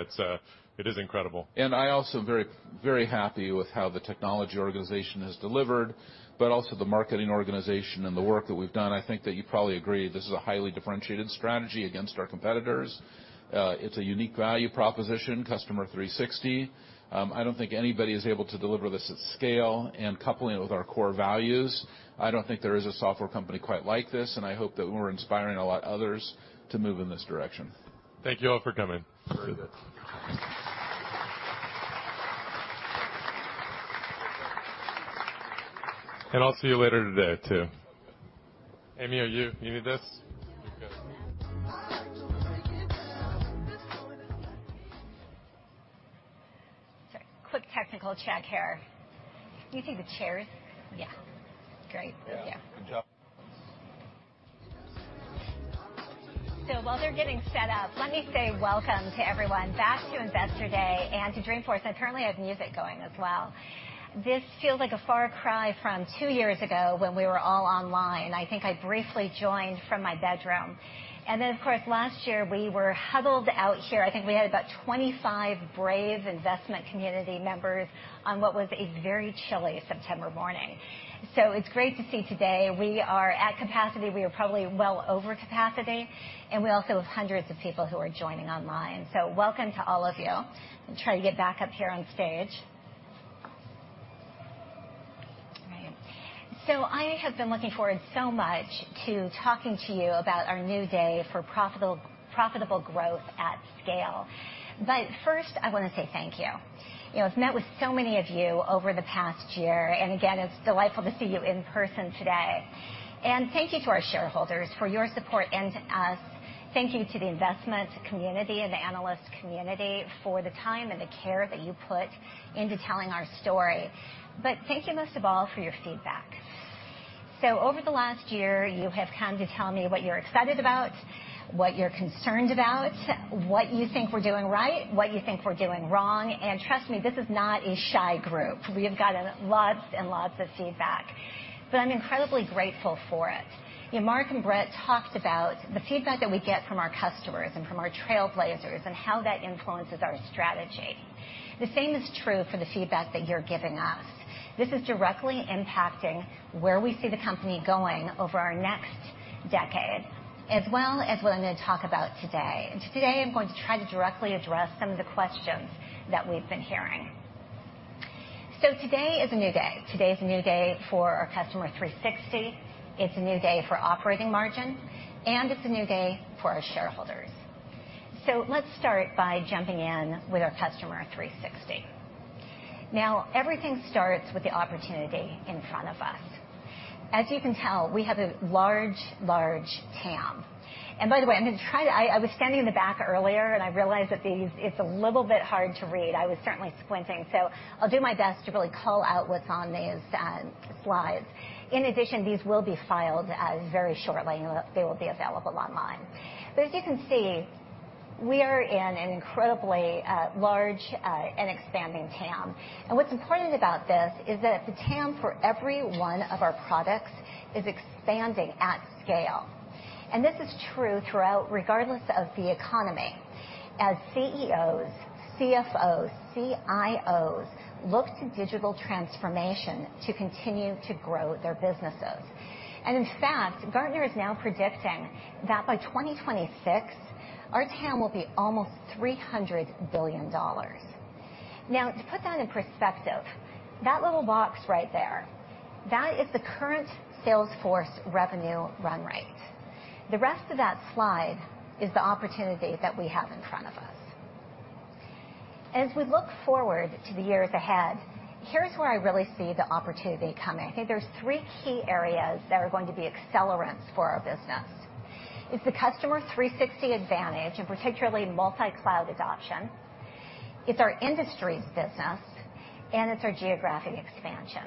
it is incredible. I also am very, very happy with how the technology organization has delivered, but also the marketing organization and the work that we've done. I think that you probably agree this is a highly differentiated strategy against our competitors. It's a unique value proposition, Customer 360. I don't think anybody is able to deliver this at scale and coupling it with our core values. I don't think there is a software company quite like this, and I hope that we're inspiring a lot of others to move in this direction. Thank you all for coming. Very good. I'll see you later today too. Amy, oh, you need this? Good. Sorry. Quick technical check here. Can you see the chairs? Yeah. Great. Yeah. Yeah. Good job. While they're getting set up, let me say welcome to everyone back to Investor Day and to Dreamforce. I currently have music going as well. This feels like a far cry from two years ago when we were all online. I think I briefly joined from my bedroom. Then, of course, last year we were huddled out here. I think we had about 25 brave investment community members on what was a very chilly September morning. It's great to see today we are at capacity. We are probably well over capacity, and we also have hundreds of people who are joining online. Welcome to all of you. I'll try to get back up here on stage. All right. I have been looking forward so much to talking to you about our new day for profitable growth at scale. First, I wanna say thank you. You know, I've met with so many of you over the past year, and again, it's delightful to see you in person today. Thank you to our shareholders for your support and to us. Thank you to the investment community and the analyst community for the time and the care that you put into telling our story. Thank you most of all for your feedback. Over the last year, you have come to tell me what you're excited about, what you're concerned about, what you think we're doing right, what you think we're doing wrong, and trust me, this is not a shy group. We have gotten lots and lots of feedback, but I'm incredibly grateful for it. Yeah, Marc and Bret talked about the feedback that we get from our customers and from our Trailblazers and how that influences our strategy. The same is true for the feedback that you're giving us. This is directly impacting where we see the company going over our next decade, as well as what I'm gonna talk about today. Today, I'm going to try to directly address some of the questions that we've been hearing. Today is a new day. Today is a new day for our Customer 360, it's a new day for operating margin, and it's a new day for our shareholders. Let's start by jumping in with our Customer 360. Now, everything starts with the opportunity in front of us. As you can tell, we have a large TAM. By the way, I was standing in the back earlier, and I realized that these it's a little bit hard to read. I was certainly squinting. I'll do my best to really call out what's on these slides. In addition, these will be filed very shortly, and they will be available online. As you can see, we are in an incredibly large and expanding TAM. What's important about this is that the TAM for every one of our products is expanding at scale. This is true throughout, regardless of the economy, as CEOs, CFOs, CIOs look to digital transformation to continue to grow their businesses. In fact, Gartner is now predicting that by 2026, our TAM will be almost $300 billion. Now, to put that in perspective, that little box right there, that is the current Salesforce revenue run rate. The rest of that slide is the opportunity that we have in front of us. As we look forward to the years ahead, here's where I really see the opportunity coming. I think there's three key areas that are going to be accelerants for our business. It's the Customer 360 advantage, and particularly multi-cloud adoption, it's our industry business, and it's our geographic expansion.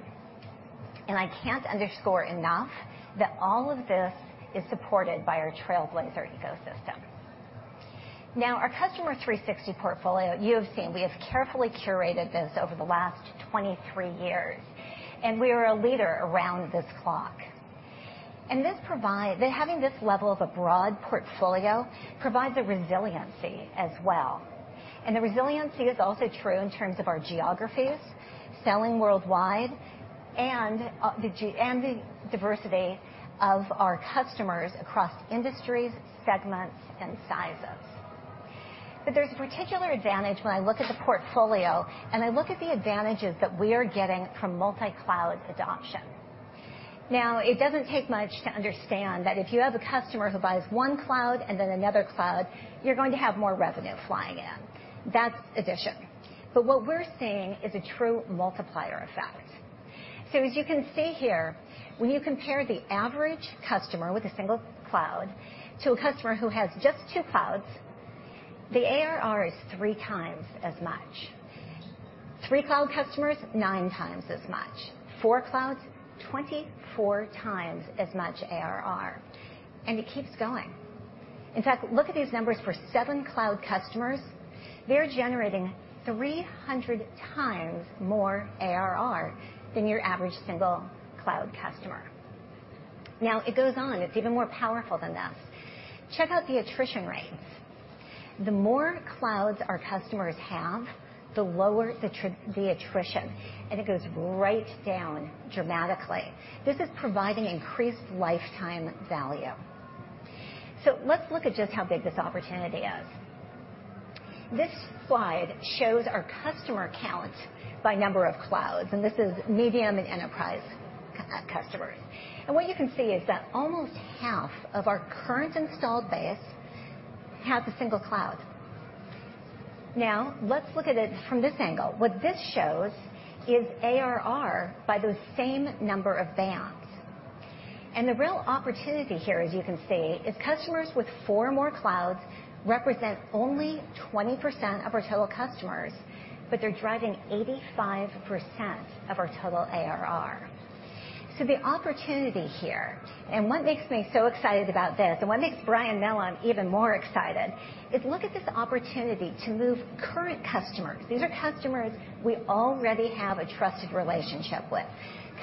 I can't underscore enough that all of this is supported by our Trailblazer ecosystem. Now, our Customer 360 portfolio, you have seen, we have carefully curated this over the last 23 years, and we are a leader around the clock. That having this level of a broad portfolio provides a resiliency as well. The resiliency is also true in terms of our geographies, selling worldwide, and the diversity of our customers across industries, segments, and sizes. There's a particular advantage when I look at the portfolio, and I look at the advantages that we are getting from multi-cloud adoption. Now, it doesn't take much to understand that if you have a customer who buys 1 cloud and then another cloud, you're going to have more revenue flying in. That's addition. What we're seeing is a true multiplier effect. As you can see here, when you compare the average customer with a single cloud to a customer who has just 2 clouds, the ARR is 3 times as much. 3-cloud customers, 9 times as much. 4 clouds, 24 times as much ARR. It keeps going. In fact, look at these numbers for seven cloud customers, they're generating 300 times more ARR than your average single cloud customer. Now, it goes on. It's even more powerful than this. Check out the attrition rates. The more clouds our customers have, the lower the attrition. It goes right down dramatically. This is providing increased lifetime value. Let's look at just how big this opportunity is. This slide shows our customer count by number of clouds, and this is medium and enterprise customers. What you can see is that almost half of our current installed base has a single cloud. Now, let's look at it from this angle. What this shows is ARR by those same number of bands. The real opportunity here, as you can see, is customers with four or more clouds represent only 20% of our total customers, but they're driving 85% of our total ARR. The opportunity here, and what makes me so excited about this, and what makes Brian and I are even more excited, is look at this opportunity to move current customers. These are customers we already have a trusted relationship with,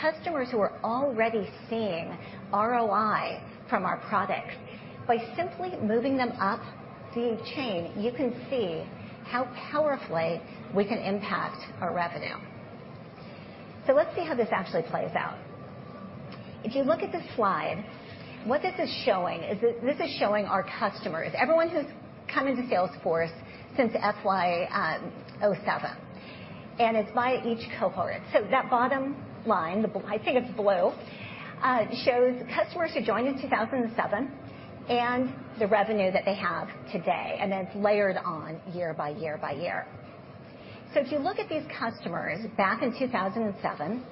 customers who are already seeing ROI from our products. By simply moving them up the chain, you can see how powerfully we can impact our revenue. Let's see how this actually plays out. If you look at this slide, what this is showing is this is showing our customers, everyone who's come into Salesforce since FY 2007. It's by each cohort. That bottom line, I think it's blue, shows customers who joined in 2007 and the revenue that they have today, and then it's layered on year by year by year. If you look at these customers back in 2007,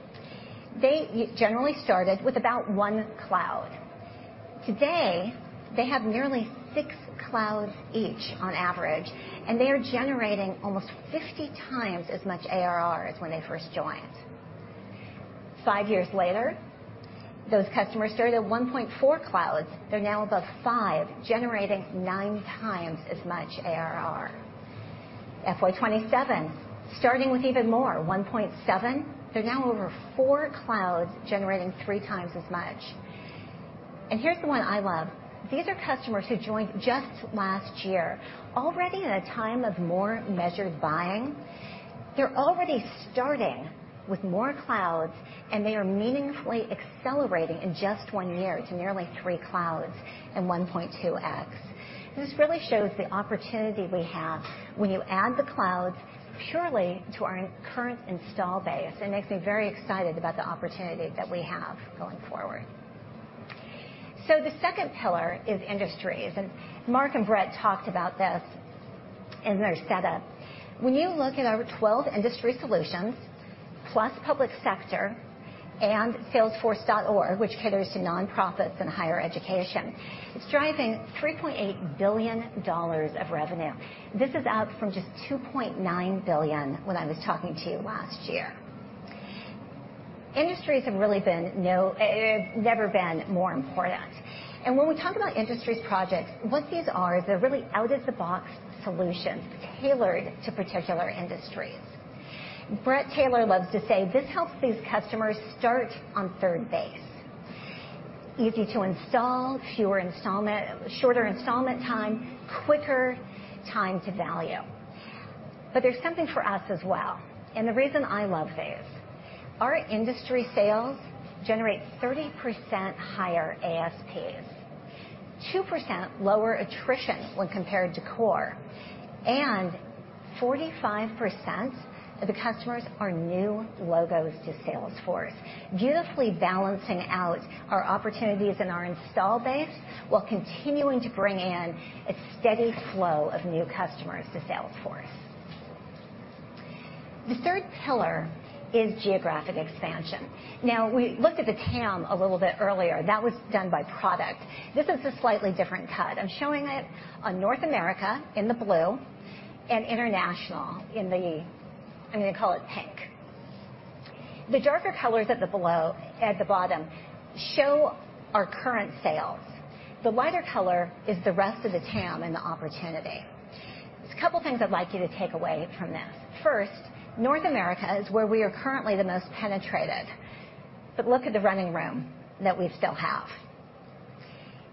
they generally started with about one cloud. Today, they have nearly six clouds each on average, and they are generating almost 50 times as much ARR as when they first joined. Five years later, those customers started at 1.4 clouds, they're now above five, generating nine times as much ARR. FY 2027, starting with even more, 1.7. There are now over four clouds generating three times as much. Here's the one I love. These are customers who joined just last year. Already in a time of more measured buying, they're already starting with more clouds, and they are meaningfully accelerating in just one year to nearly 3 clouds and 1.2x. This really shows the opportunity we have when you add the clouds purely to our current installed base. It makes me very excited about the opportunity that we have going forward. The second pillar is industries, and Marc and Bret talked about this in their setup. When you look at our 12 industry solutions, plus public sector and Salesforce.org, which caters to nonprofits and higher education, it's driving $3.8 billion of revenue. This is up from just $2.9 billion when I was talking to you last year. Industries have never been more important. When we talk about industry projects, what these are is they're really out-of-the-box solutions tailored to particular industries. Bret Taylor loves to say this helps these customers start on third base. Easy to install, shorter implementation time, quicker time to value. But there's something for us as well, and the reason I love these, our industry sales generate 30% higher ASPs, 2% lower attrition when compared to core, and 45% of the customers are new logos to Salesforce, beautifully balancing out our opportunities in our installed base while continuing to bring in a steady flow of new customers to Salesforce. The third pillar is geographic expansion. Now, we looked at the TAM a little bit earlier. That was done by product. This is a slightly different cut. I'm showing it on North America in the blue and international in the, I'm gonna call it pink. The darker colors at the bottom show our current sales. The lighter color is the rest of the TAM and the opportunity. There's a couple things I'd like you to take away from this. First, North America is where we are currently the most penetrated, but look at the running room that we still have.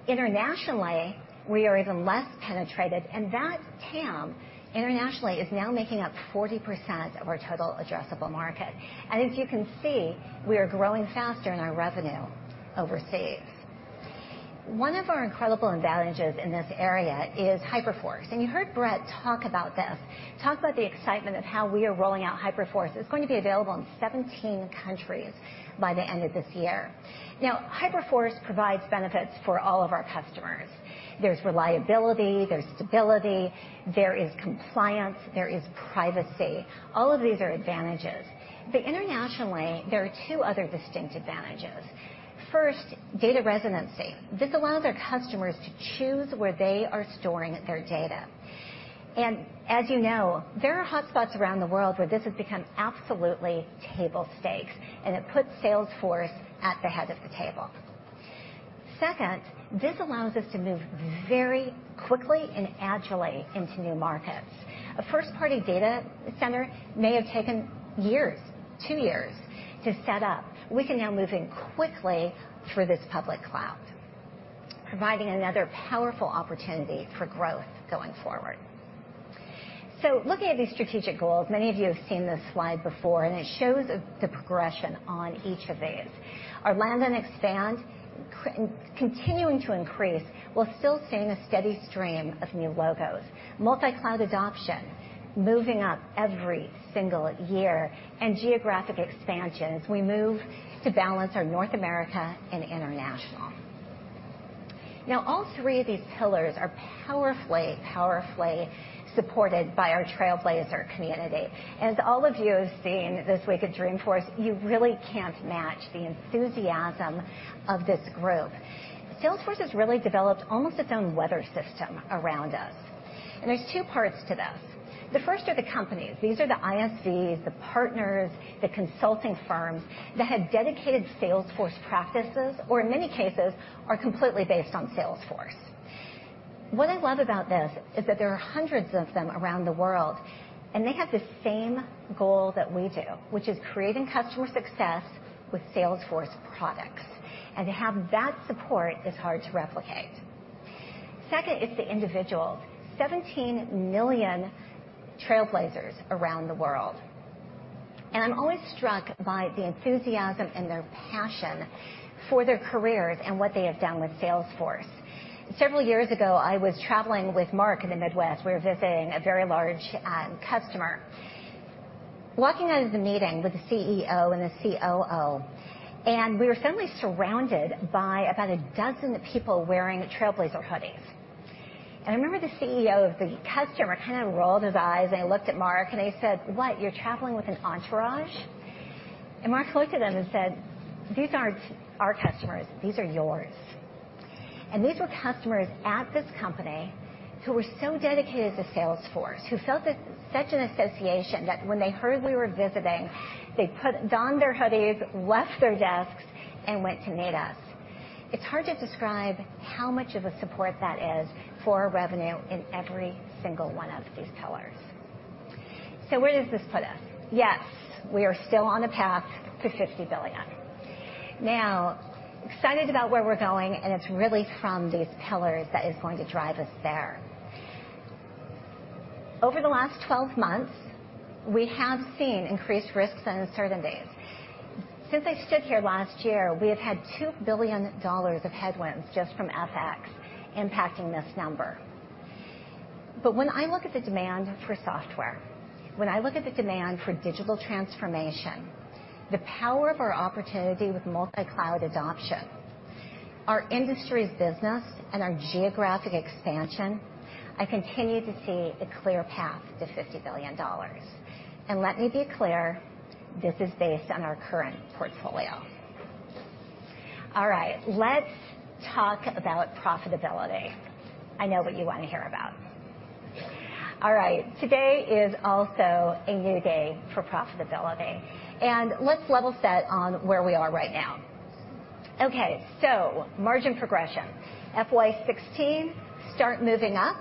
Internationally, we are even less penetrated, and that TAM internationally is now making up 40% of our total addressable market. As you can see, we are growing faster in our revenue overseas. One of our incredible advantages in this area is Hyperforce, and you heard Bret talk about this. Talk about the excitement of how we are rolling out Hyperforce. It's going to be available in 17 countries by the end of this year. Now, Hyperforce provides benefits for all of our customers. There's reliability, there's stability, there is compliance, there is privacy. All of these are advantages. Internationally, there are two other distinct advantages. First, data residency. This allows our customers to choose where they are storing their data. As you know, there are hotspots around the world where this has become absolutely table stakes, and it puts Salesforce at the head of the table. Second, this allows us to move very quickly and agilely into new markets. A first-party data center may have taken years, two years to set up. We can now move in quickly through this public cloud, providing another powerful opportunity for growth going forward. Looking at these strategic goals, many of you have seen this slide before, and it shows the progression on each of these. Our land and expand continuing to increase, while still seeing a steady stream of new logos. Multi-cloud adoption, moving up every single year. Geographic expansion as we move to balance our North America and international. Now, all three of these pillars are powerfully supported by our Trailblazer community. As all of you have seen this week at Dreamforce, you really can't match the enthusiasm of this group. Salesforce has really developed almost its own weather system around us, and there's two parts to this. The first are the companies. These are the ISVs, the partners, the consulting firms that have dedicated Salesforce practices, or in many cases, are completely based on Salesforce. What I love about this is that there are hundreds of them around the world, and they have the same goal that we do, which is creating customer success with Salesforce products. To have that support is hard to replicate. Second is the individuals. 17 million Trailblazers around the world. I'm always struck by the enthusiasm and their passion for their careers and what they have done with Salesforce. Several years ago, I was traveling with Marc in the Midwest. We were visiting a very large customer. Walking out of the meeting with the CEO and the COO, we were suddenly surrounded by about a dozen people wearing Trailblazer hoodies. I remember the CEO of the customer kind of rolled his eyes, and he looked at Marc and he said, "What, you're traveling with an entourage?" Marc looked at him and said, "These aren't our customers, these are yours." These were customers at this company who were so dedicated to Salesforce, who felt this, such an association that when they heard we were visiting, they donned their hoodies, left their desks, and went to meet us. It's hard to describe how much of a support that is for our revenue in every single one of these pillars. Where does this put us? Yes, we are still on the path to $50 billion. Now, excited about where we're going, and it's really from these pillars that is going to drive us there. Over the last 12 months, we have seen increased risks and uncertainties. Since I stood here last year, we have had $2 billion of headwinds just from FX impacting this number. When I look at the demand for software, when I look at the demand for digital transformation, the power of our opportunity with multi-cloud adoption, our industry's business, and our geographic expansion, I continue to see a clear path to $50 billion. Let me be clear, this is based on our current portfolio. All right, let's talk about profitability. I know what you wanna hear about. All right. Today is also a new day for profitability, and let's level set on where we are right now. Okay, margin progression. FY16 start moving up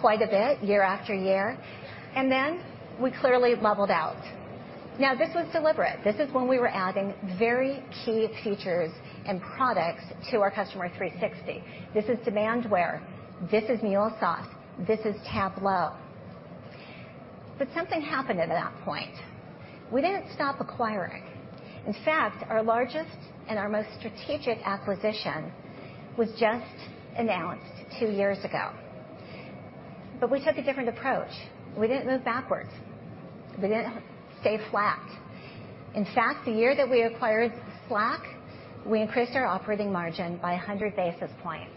quite a bit year after year, and then we clearly leveled out. Now, this was deliberate. This is when we were adding very key features and products to our Customer 360. This is Demandware, this is MuleSoft, this is Tableau. Something happened at that point. We didn't stop acquiring. In fact, our largest and our most strategic acquisition was just announced two years ago. We took a different approach. We didn't move backwards. We didn't stay flat. In fact, the year that we acquired Slack, we increased our operating margin by 100 basis points.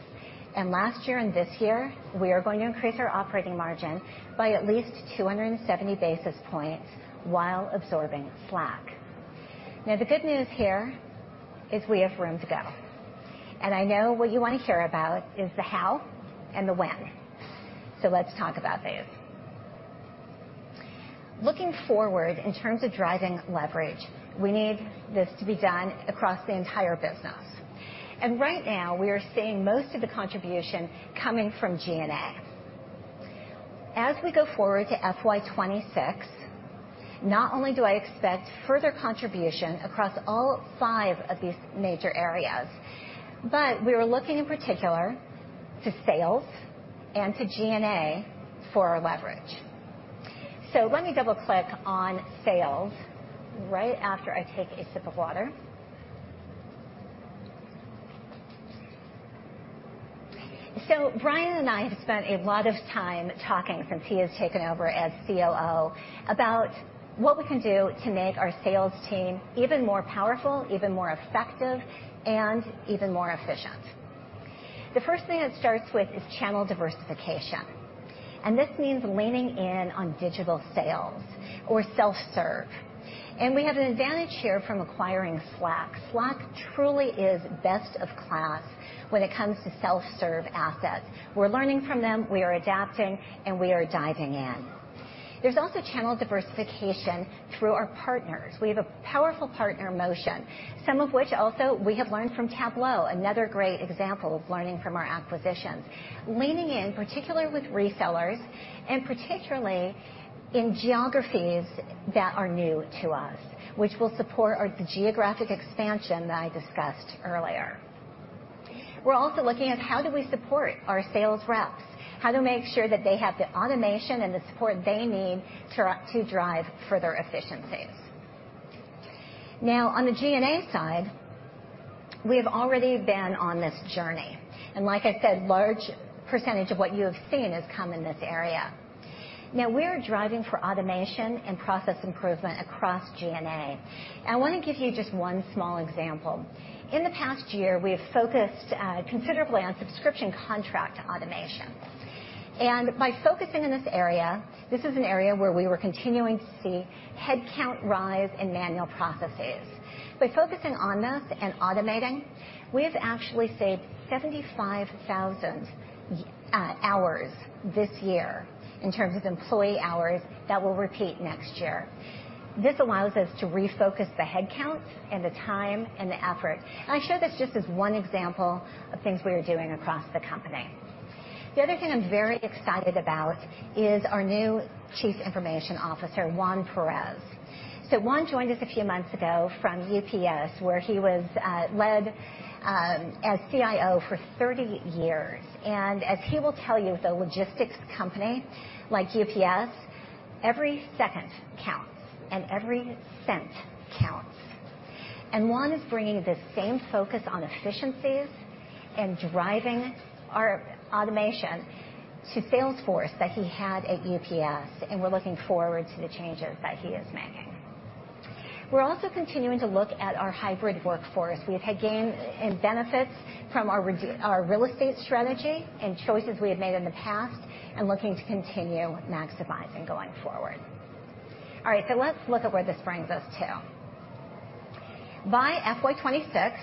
Last year and this year, we are going to increase our operating margin by at least 270 basis points while absorbing Slack. Now, the good news here is we have room to go. I know what you wanna hear about is the how and the when. Let's talk about those. Looking forward in terms of driving leverage, we need this to be done across the entire business. Right now we are seeing most of the contribution coming from G&A. As we go forward to FY 2026, not only do I expect further contribution across all five of these major areas, but we're looking in particular to sales and to G&A for our leverage. Let me double-click on sales right after I take a sip of water. Brian and I have spent a lot of time talking since he has taken over as COO about what we can do to make our sales team even more powerful, even more effective, and even more efficient. The first thing it starts with is channel diversification, and this means leaning in on digital sales or self-serve. We have an advantage here from acquiring Slack. Slack truly is best of class when it comes to self-serve assets. We're learning from them, we are adapting, and we are diving in. There's also channel diversification through our partners. We have a powerful partner motion, some of which also we have learned from Tableau, another great example of learning from our acquisitions. Leaning in, particularly with resellers and particularly in geographies that are new to us, which will support our geographic expansion that I discussed earlier. We're also looking at how do we support our sales reps, how to make sure that they have the automation and the support they need to drive further efficiencies. Now on the G&A side, we have already been on this journey, and like I said, large percentage of what you have seen has come in this area. Now we are driving for automation and process improvement across G&A. I wanna give you just one small example. In the past year, we have focused considerably on subscription contract automation. By focusing in this area, this is an area where we were continuing to see headcount rise and manual processes. By focusing on this and automating, we have actually saved 75,000 hours this year in terms of employee hours that will repeat next year. This allows us to refocus the headcounts and the time and the effort. I share this just as one example of things we are doing across the company. The other thing I'm very excited about is our new Chief Information Officer, Juan Perez. Juan joined us a few months ago from UPS, where he was led as CIO for 30 years. As he will tell you, the logistics company, like UPS, every second counts and every cent counts. Juan is bringing the same focus on efficiencies and driving our automation to Salesforce that he had at UPS, and we're looking forward to the changes that he is making. We're also continuing to look at our hybrid workforce. We have had gains and benefits from our real estate strategy and choices we have made in the past and looking to continue maximizing going forward. Let's look at where this brings us to. By FY 2026,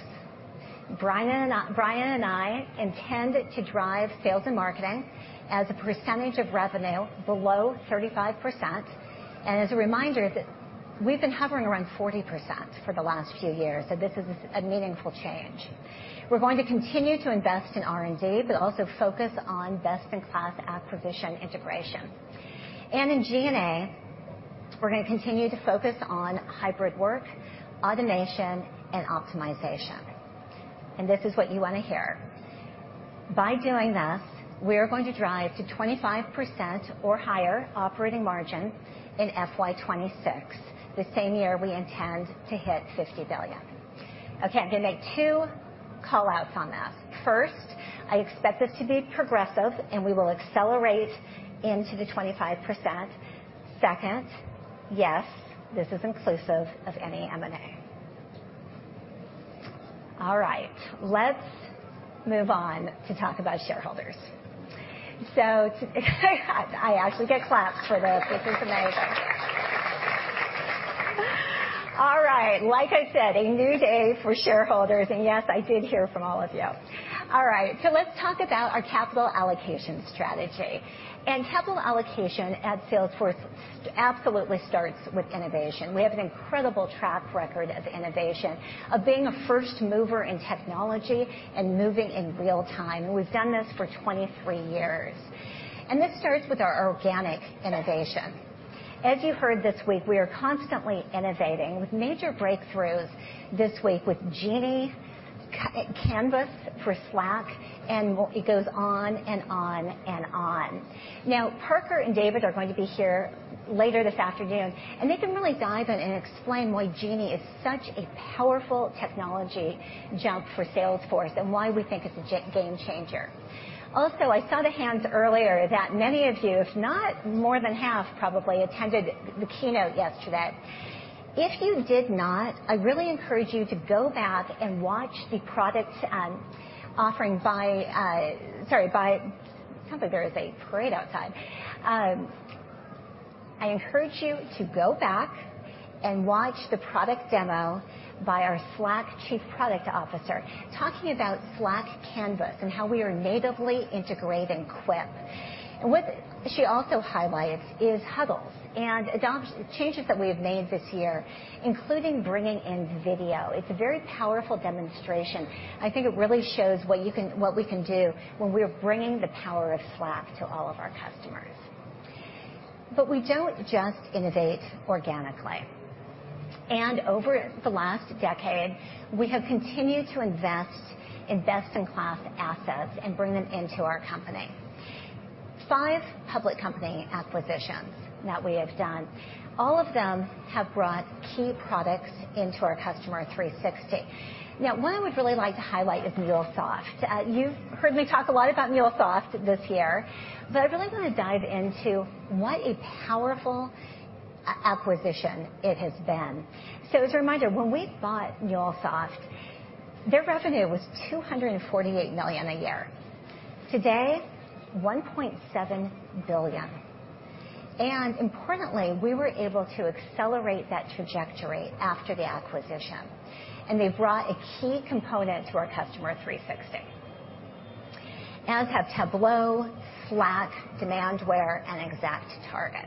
Brian and I intend to drive sales and marketing as a percentage of revenue below 35%. As a reminder, we've been hovering around 40% for the last few years, so this is a meaningful change. We're going to continue to invest in R&D, but also focus on best-in-class acquisition integration. In G&A, we're gonna continue to focus on hybrid work, automation, and optimization. This is what you wanna hear. By doing this, we are going to drive to 25% or higher operating margin in FY 2026, the same year we intend to hit $50 billion. Okay, I'm gonna make two call-outs on this. First, I expect this to be progressive, and we will accelerate into the 25%. Second, yes, this is inclusive of any M&A. All right, let's move on to talk about shareholders. I actually get claps for this. This is amazing. All right, like I said, a new day for shareholders. Yes, I did hear from all of you. All right, let's talk about our capital allocation strategy. Capital allocation at Salesforce absolutely starts with innovation. We have an incredible track record of innovation, of being a first mover in technology and moving in real time. We've done this for 23 years, and this starts with our organic innovation. As you heard this week, we are constantly innovating with major breakthroughs this week with Genie, Canvas for Slack, and it goes on and on and on. Now, Parker and David are going to be here later this afternoon, and they can really dive in and explain why Genie is such a powerful technology jump for Salesforce and why we think it's a game changer. Also, I saw the hands earlier that many of you, if not more than half, probably attended the keynote yesterday. If you did not, I really encourage you to go back and watch the product offering by. It sounds like there is a parade outside. I encourage you to go back and watch the product demo by our Slack Chief Product Officer talking about Slack Canvas and how we are natively integrating Quip. What she also highlights is Huddles and changes that we have made this year, including bringing in video. It's a very powerful demonstration. I think it really shows what we can do when we're bringing the power of Slack to all of our customers. We don't just innovate organically. Over the last decade, we have continued to invest in best-in-class assets and bring them into our company. Five public company acquisitions that we have done, all of them have brought key products into our Customer 360. Now, one I would really like to highlight is MuleSoft. You've heard me talk a lot about MuleSoft this year, but I really wanna dive into what a powerful acquisition it has been. As a reminder, when we bought MuleSoft, their revenue was $248 million a year. Today, $1.7 billion. Importantly, we were able to accelerate that trajectory after the acquisition, and they've brought a key component to our Customer 360. As have Tableau, Slack, Demandware, and ExactTarget.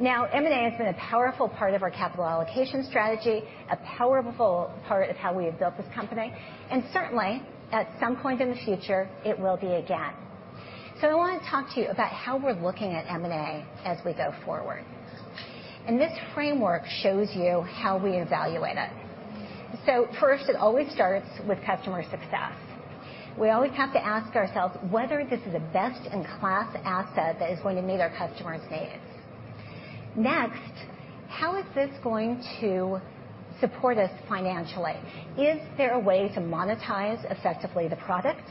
Now, M&A has been a powerful part of our capital allocation strategy, a powerful part of how we have built this company, and certainly, at some point in the future, it will be again. I wanna talk to you about how we're looking at M&A as we go forward, and this framework shows you how we evaluate it. First, it always starts with customer success. We always have to ask ourselves whether this is a best-in-class asset that is going to meet our customers' needs. Next, how is this going to support us financially? Is there a way to monetize effectively the product?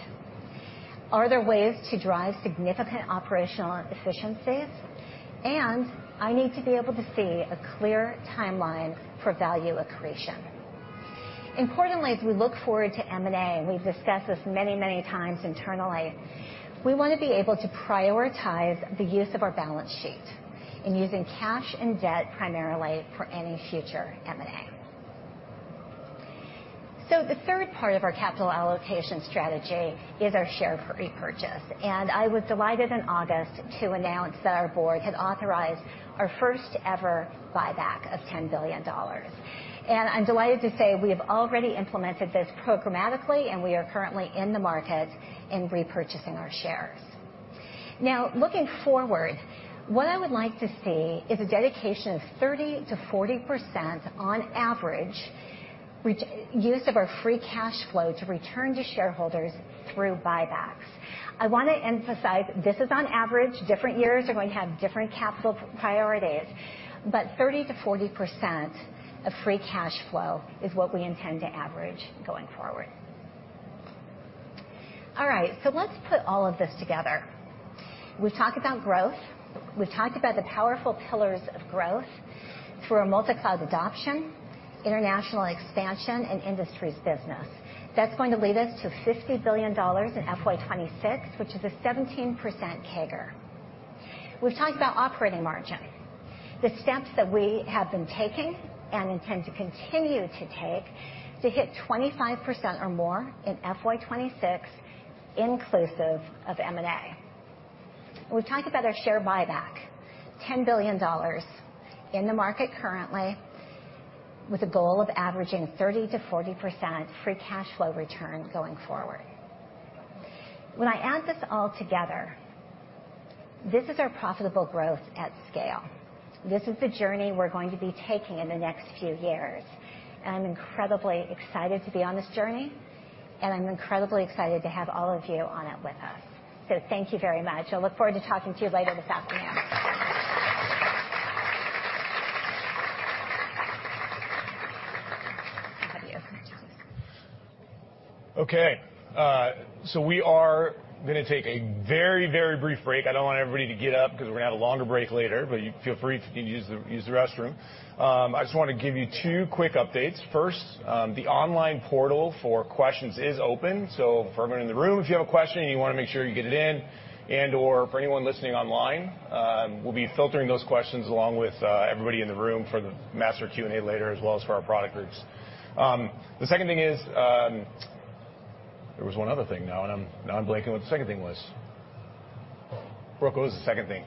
Are there ways to drive significant operational efficiencies? I need to be able to see a clear timeline for value accretion. Importantly, as we look forward to M&A, and we've discussed this many, many times internally, we wanna be able to prioritize the use of our balance sheet in using cash and debt primarily for any future M&A. The third part of our capital allocation strategy is our share repurchase. I was delighted in August to announce that our board had authorized our first-ever buyback of $10 billion. I'm delighted to say we have already implemented this programmatically, and we are currently in the market and repurchasing our shares. Now, looking forward, what I would like to see is a dedication of 30% to 40% on average reuse of our free cash flow to return to shareholders through buybacks. I wanna emphasize this is on average. Different years are going to have different capital priorities, but 30% to 40% of free cash flow is what we intend to average going forward. All right, so let's put all of this together. We've talked about growth. We've talked about the powerful pillars of growth through our multi-cloud adoption, international expansion, and industries business. That's going to lead us to $50 billion in FY 2026, which is a 17% CAGR. We've talked about operating margin, the steps that we have been taking and intend to continue to take to hit 25% or more in FY 2026, inclusive of M&A. We talked about our share buyback, $10 billion in the market currently, with a goal of averaging 30% to 40% free cash flow return going forward. When I add this all together, this is our profitable growth at scale. This is the journey we're going to be taking in the next few years, and I'm incredibly excited to be on this journey, and I'm incredibly excited to have all of you on it with us. Thank you very much. I look forward to talking to you later this afternoon. I love you. Okay. We are gonna take a very, very brief break. I don't want everybody to get up 'cause we're gonna have a longer break later, but feel free if you can use the restroom. I just wanna give you two quick updates. First, the online portal for questions is open, so for everyone in the room, if you have a question and you wanna make sure you get it in and/or for anyone listening online, we'll be filtering those questions along with everybody in the room for the master Q&A later, as well as for our product groups. The second thing is, there was one other thing, now I'm blanking what the second thing was. Brooke, what was the second thing?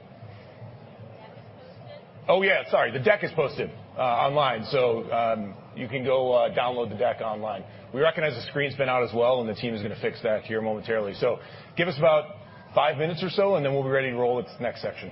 The deck is posted. Oh, yeah. Sorry. The deck is posted online. You can go download the deck online. We recognize the screen's been out as well, and the team is gonna fix that here momentarily. Give us about five minutes or so, and then we'll be ready to roll with the next section.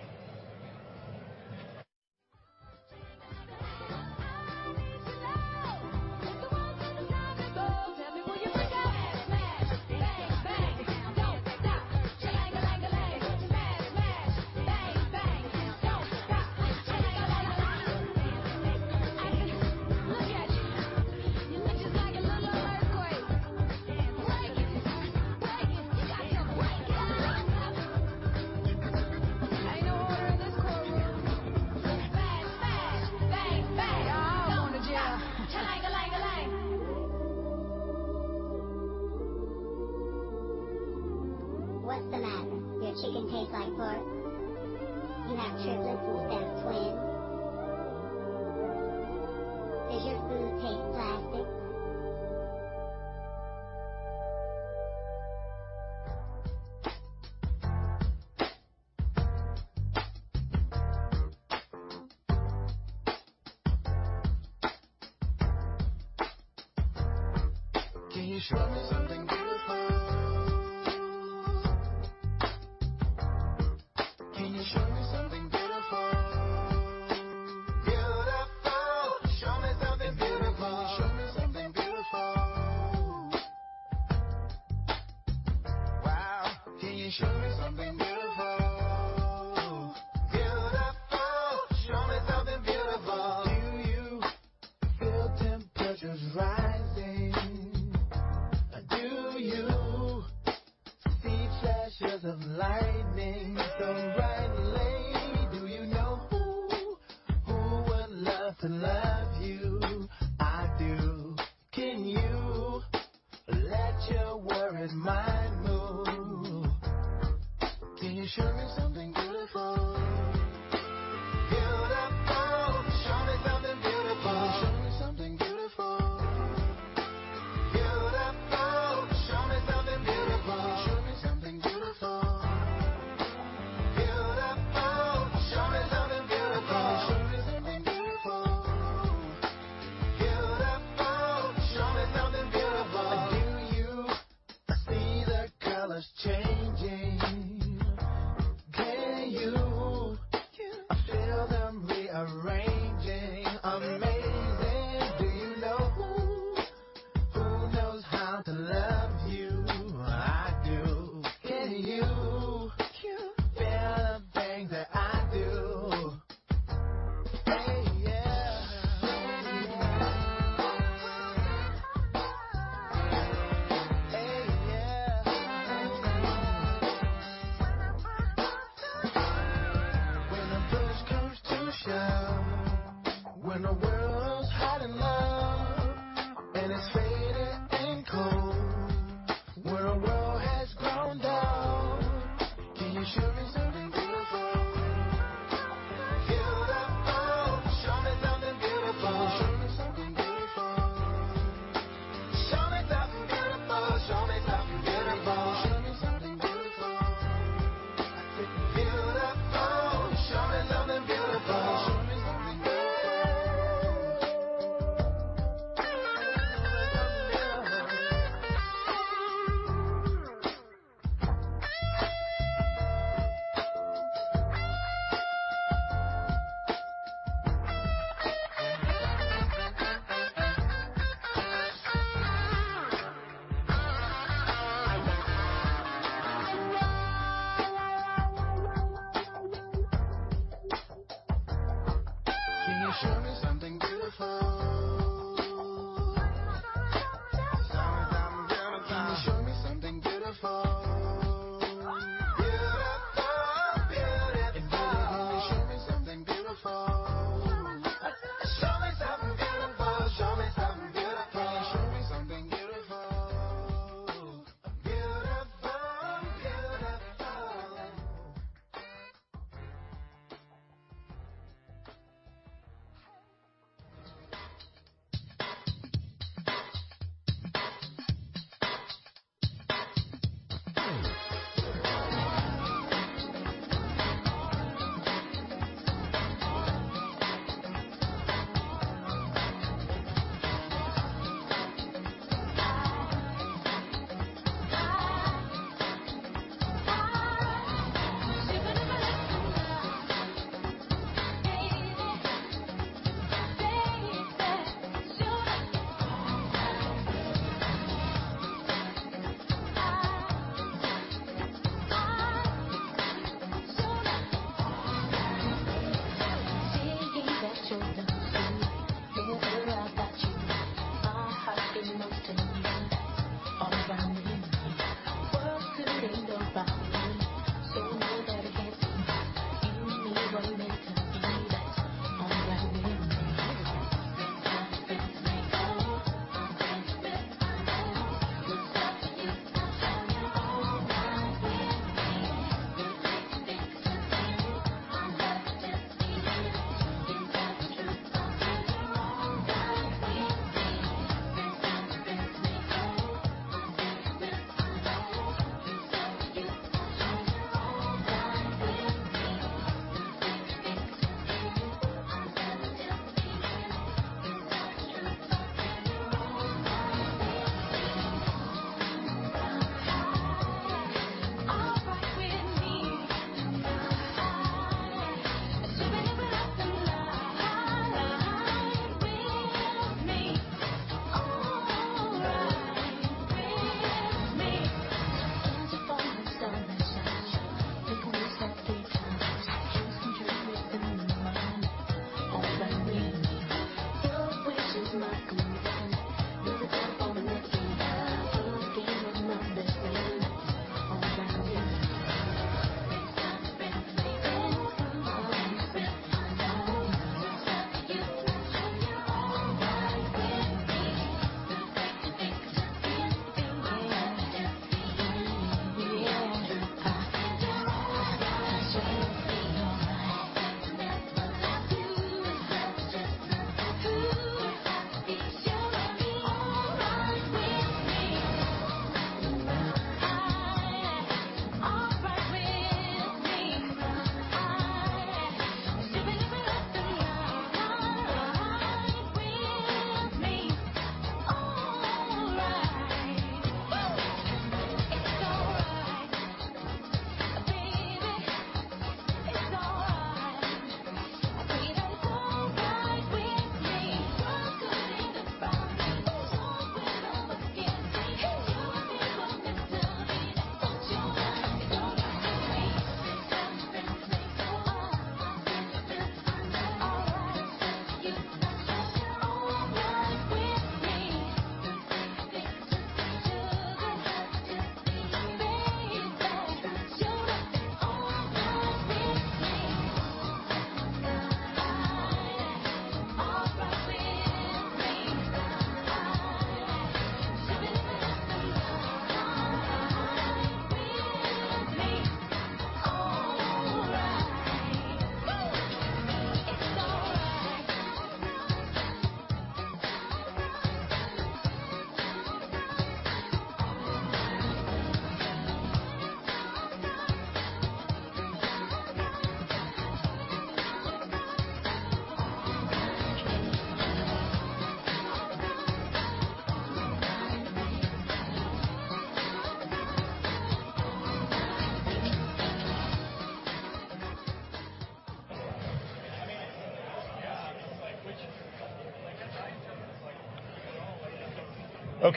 While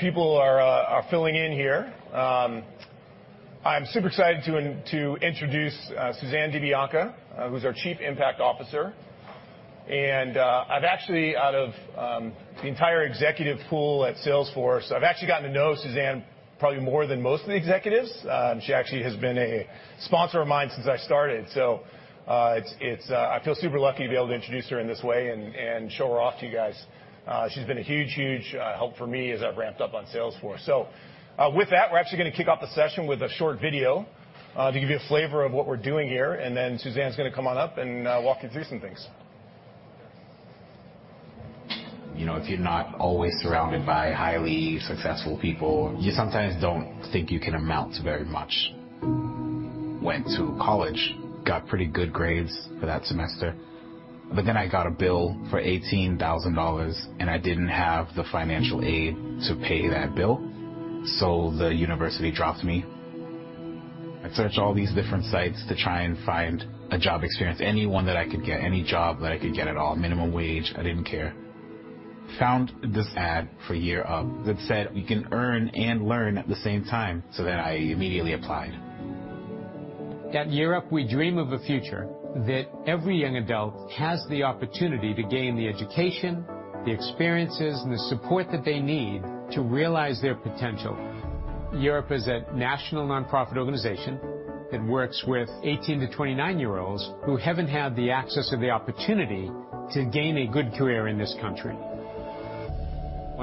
people are filling in here, I'm super excited to introduce Suzanne DiBianca, who's our Chief Impact Officer. I've actually, out of the entire executive pool at Salesforce, gotten to know Suzanne probably more than most of the executives. She actually has been a sponsor of mine since I started. It's I feel super lucky to be able to introduce her in this way and show her off to you guys. She's been a huge help for me as I've ramped up on Salesforce. With that, we're actually gonna kick off the session with a short video to give you a flavor of what we're doing here, and then Suzanne's gonna come on up and walk you through some things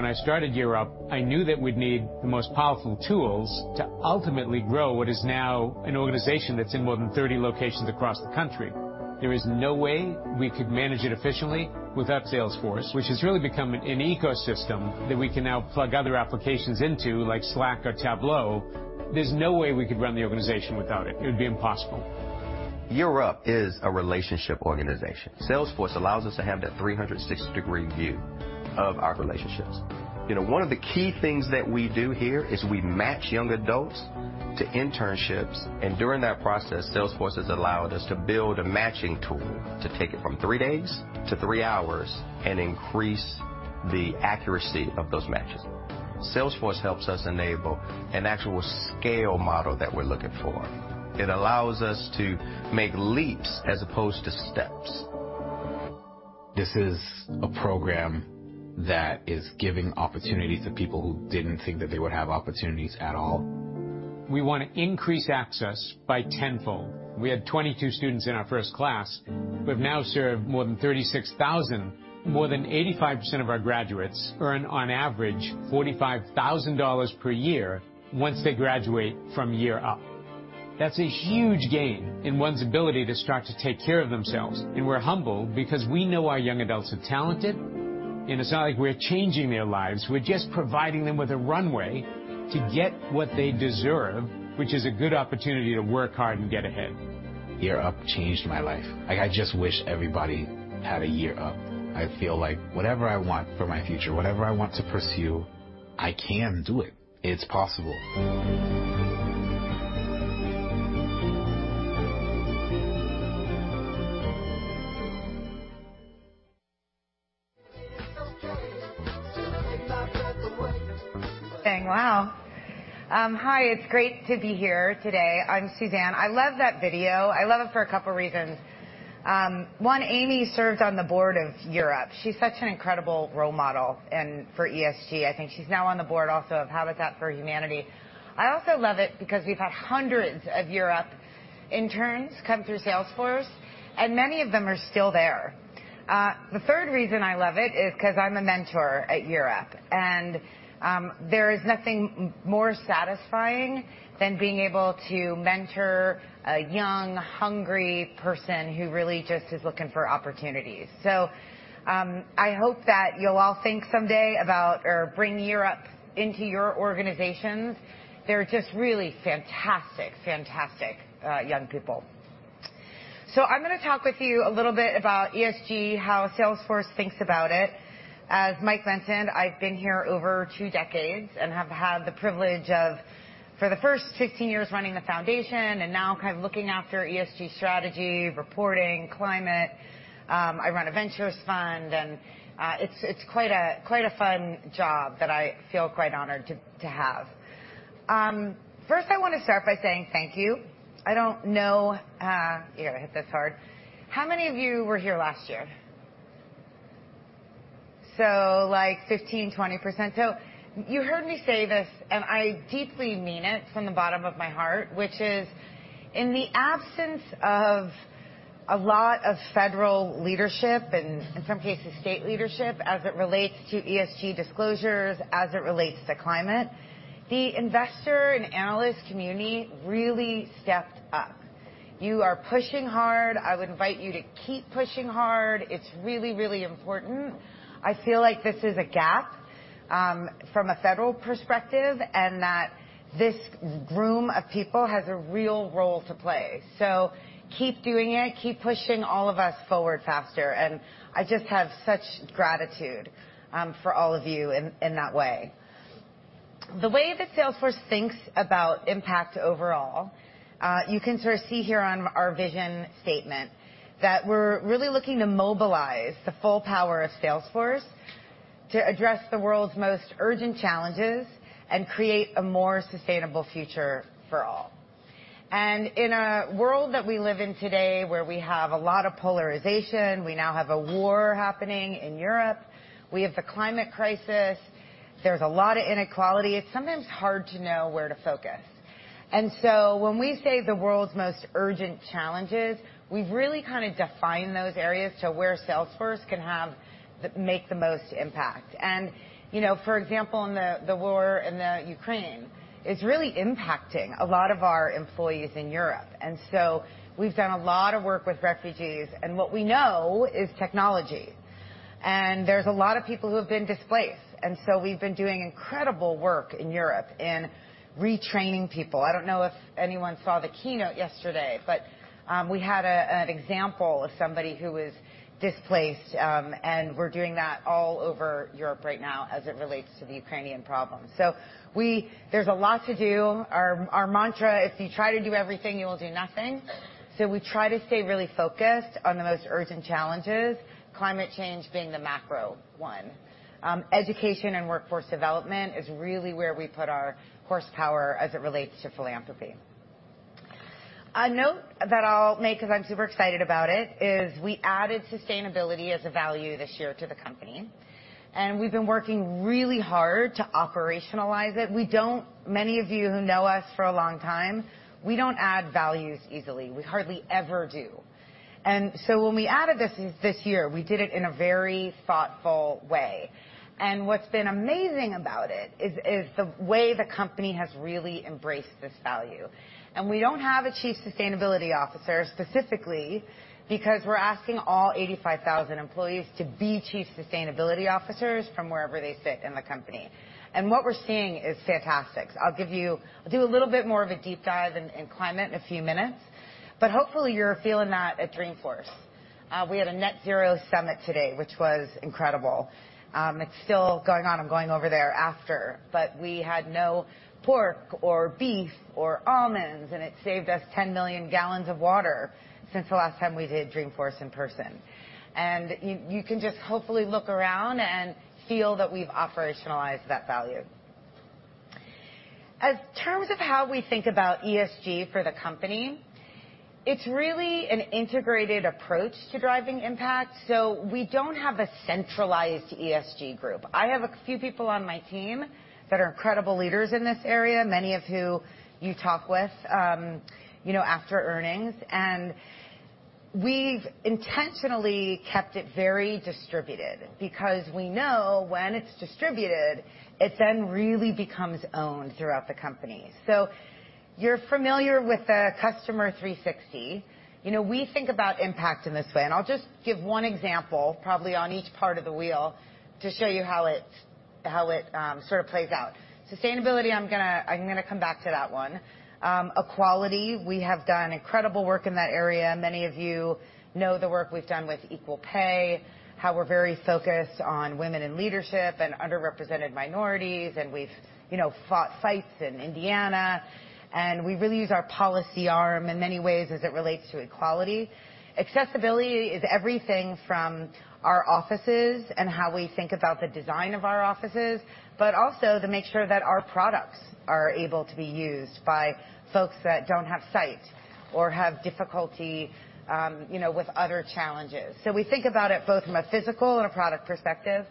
Wow. Hi, it's great to be here today. I'm Suzanne. I love that video. I love it for a couple reasons. One, Amy served on the board of Year Up. She's such an incredible role model and for ESG. I think she's now on the board also of Habitat for Humanity. I also love it because we've had hundreds of Year Up interns come through Salesforce, and many of them are still there. The third reason I love it is 'cause I'm a mentor at Year Up, and there is nothing more satisfying than being able to mentor a young, hungry person who really just is looking for opportunities. I hope that you'll all think someday about or bring Year Up into your organizations. They're just really fantastic young people. I'm gonna talk with you a little bit about ESG, how Salesforce thinks about it. As Mike mentioned, I've been here over two decades and have had the privilege of, for the first 16 years, running the foundation and now kind of looking after ESG strategy, reporting, climate. I run a ventures fund and, it's quite a fun job that I feel quite honored to have. First I wanna start by saying thank you. I don't know, Here, I hit this hard. How many of you were here last year? Like 15, 20%. You heard me say this, and I deeply mean it from the bottom of my heart, which is in the absence of a lot of federal leadership and in some cases state leadership as it relates to ESG disclosures, as it relates to climate, the investor and analyst community really stepped up. You are pushing hard. I would invite you to keep pushing hard. It's really, really important. I feel like this is a gap from a federal perspective, and that this room of people has a real role to play. Keep doing it. Keep pushing all of us forward faster. I just have such gratitude for all of you in that way. The way that Salesforce thinks about impact overall, you can sort of see here on our vision statement that we're really looking to mobilize the full power of Salesforce to address the world's most urgent challenges and create a more sustainable future for all. In a world that we live in today, where we have a lot of polarization, we now have a war happening in Europe, we have the climate crisis, there's a lot of inequality, it's sometimes hard to know where to focus. When we say the world's most urgent challenges, we've really kinda defined those areas to where Salesforce can make the most impact. You know, for example, in the war in Ukraine is really impacting a lot of our employees in Europe. We've done a lot of work with refugees. What we know is technology. There's a lot of people who have been displaced. We've been doing incredible work in Europe in retraining people. I don't know if anyone saw the keynote yesterday, but we had an example of somebody who was displaced, and we're doing that all over Europe right now as it relates to the Ukrainian problem. There's a lot to do. Our mantra, if you try to do everything, you will do nothing. We try to stay really focused on the most urgent challenges, climate change being the macro one. Education and workforce development is really where we put our horsepower as it relates to philanthropy. A note that I'll make, 'cause I'm super excited about it, is we added sustainability as a value this year to the company, and we've been working really hard to operationalize it. Many of you who know us for a long time, we don't add values easily. We hardly ever do. When we added this year, we did it in a very thoughtful way. What's been amazing about it is the way the company has really embraced this value. We don't have a chief sustainability officer specifically because we're asking all 85,000 employees to be chief sustainability officers from wherever they sit in the company. What we're seeing is fantastic. I'll do a little bit more of a deep dive in climate in a few minutes, but hopefully you're feeling that at Dreamforce. We had a Net Zero Summit today, which was incredible. It's still going on. I'm going over there after. We had no pork or beef or almonds, and it saved us 10 million gallons of water since the last time we did Dreamforce in person. You can just hopefully look around and feel that we've operationalized that value. In terms of how we think about ESG for the company, it's really an integrated approach to driving impact, so we don't have a centralized ESG group. I have a few people on my team that are incredible leaders in this area, many of who you talk with, you know, after earnings. We've intentionally kept it very distributed because we know when it's distributed, it then really becomes owned throughout the company. You're familiar with the Customer 360. You know, we think about impact in this way, and I'll just give one example, probably on each part of the wheel, to show you how it sort of plays out. Sustainability, I'm gonna come back to that one. Equality, we have done incredible work in that area. Many of you know the work we've done with equal pay, how we're very focused on women in leadership and underrepresented minorities, and we've, you know, fought fights in Indiana, and we really use our policy arm in many ways as it relates to equality. Accessibility is everything from our offices and how we think about the design of our offices, but also to make sure that our products are able to be used by folks that don't have sight or have difficulty, you know, with other challenges. We think about it both from a physical and a product perspective.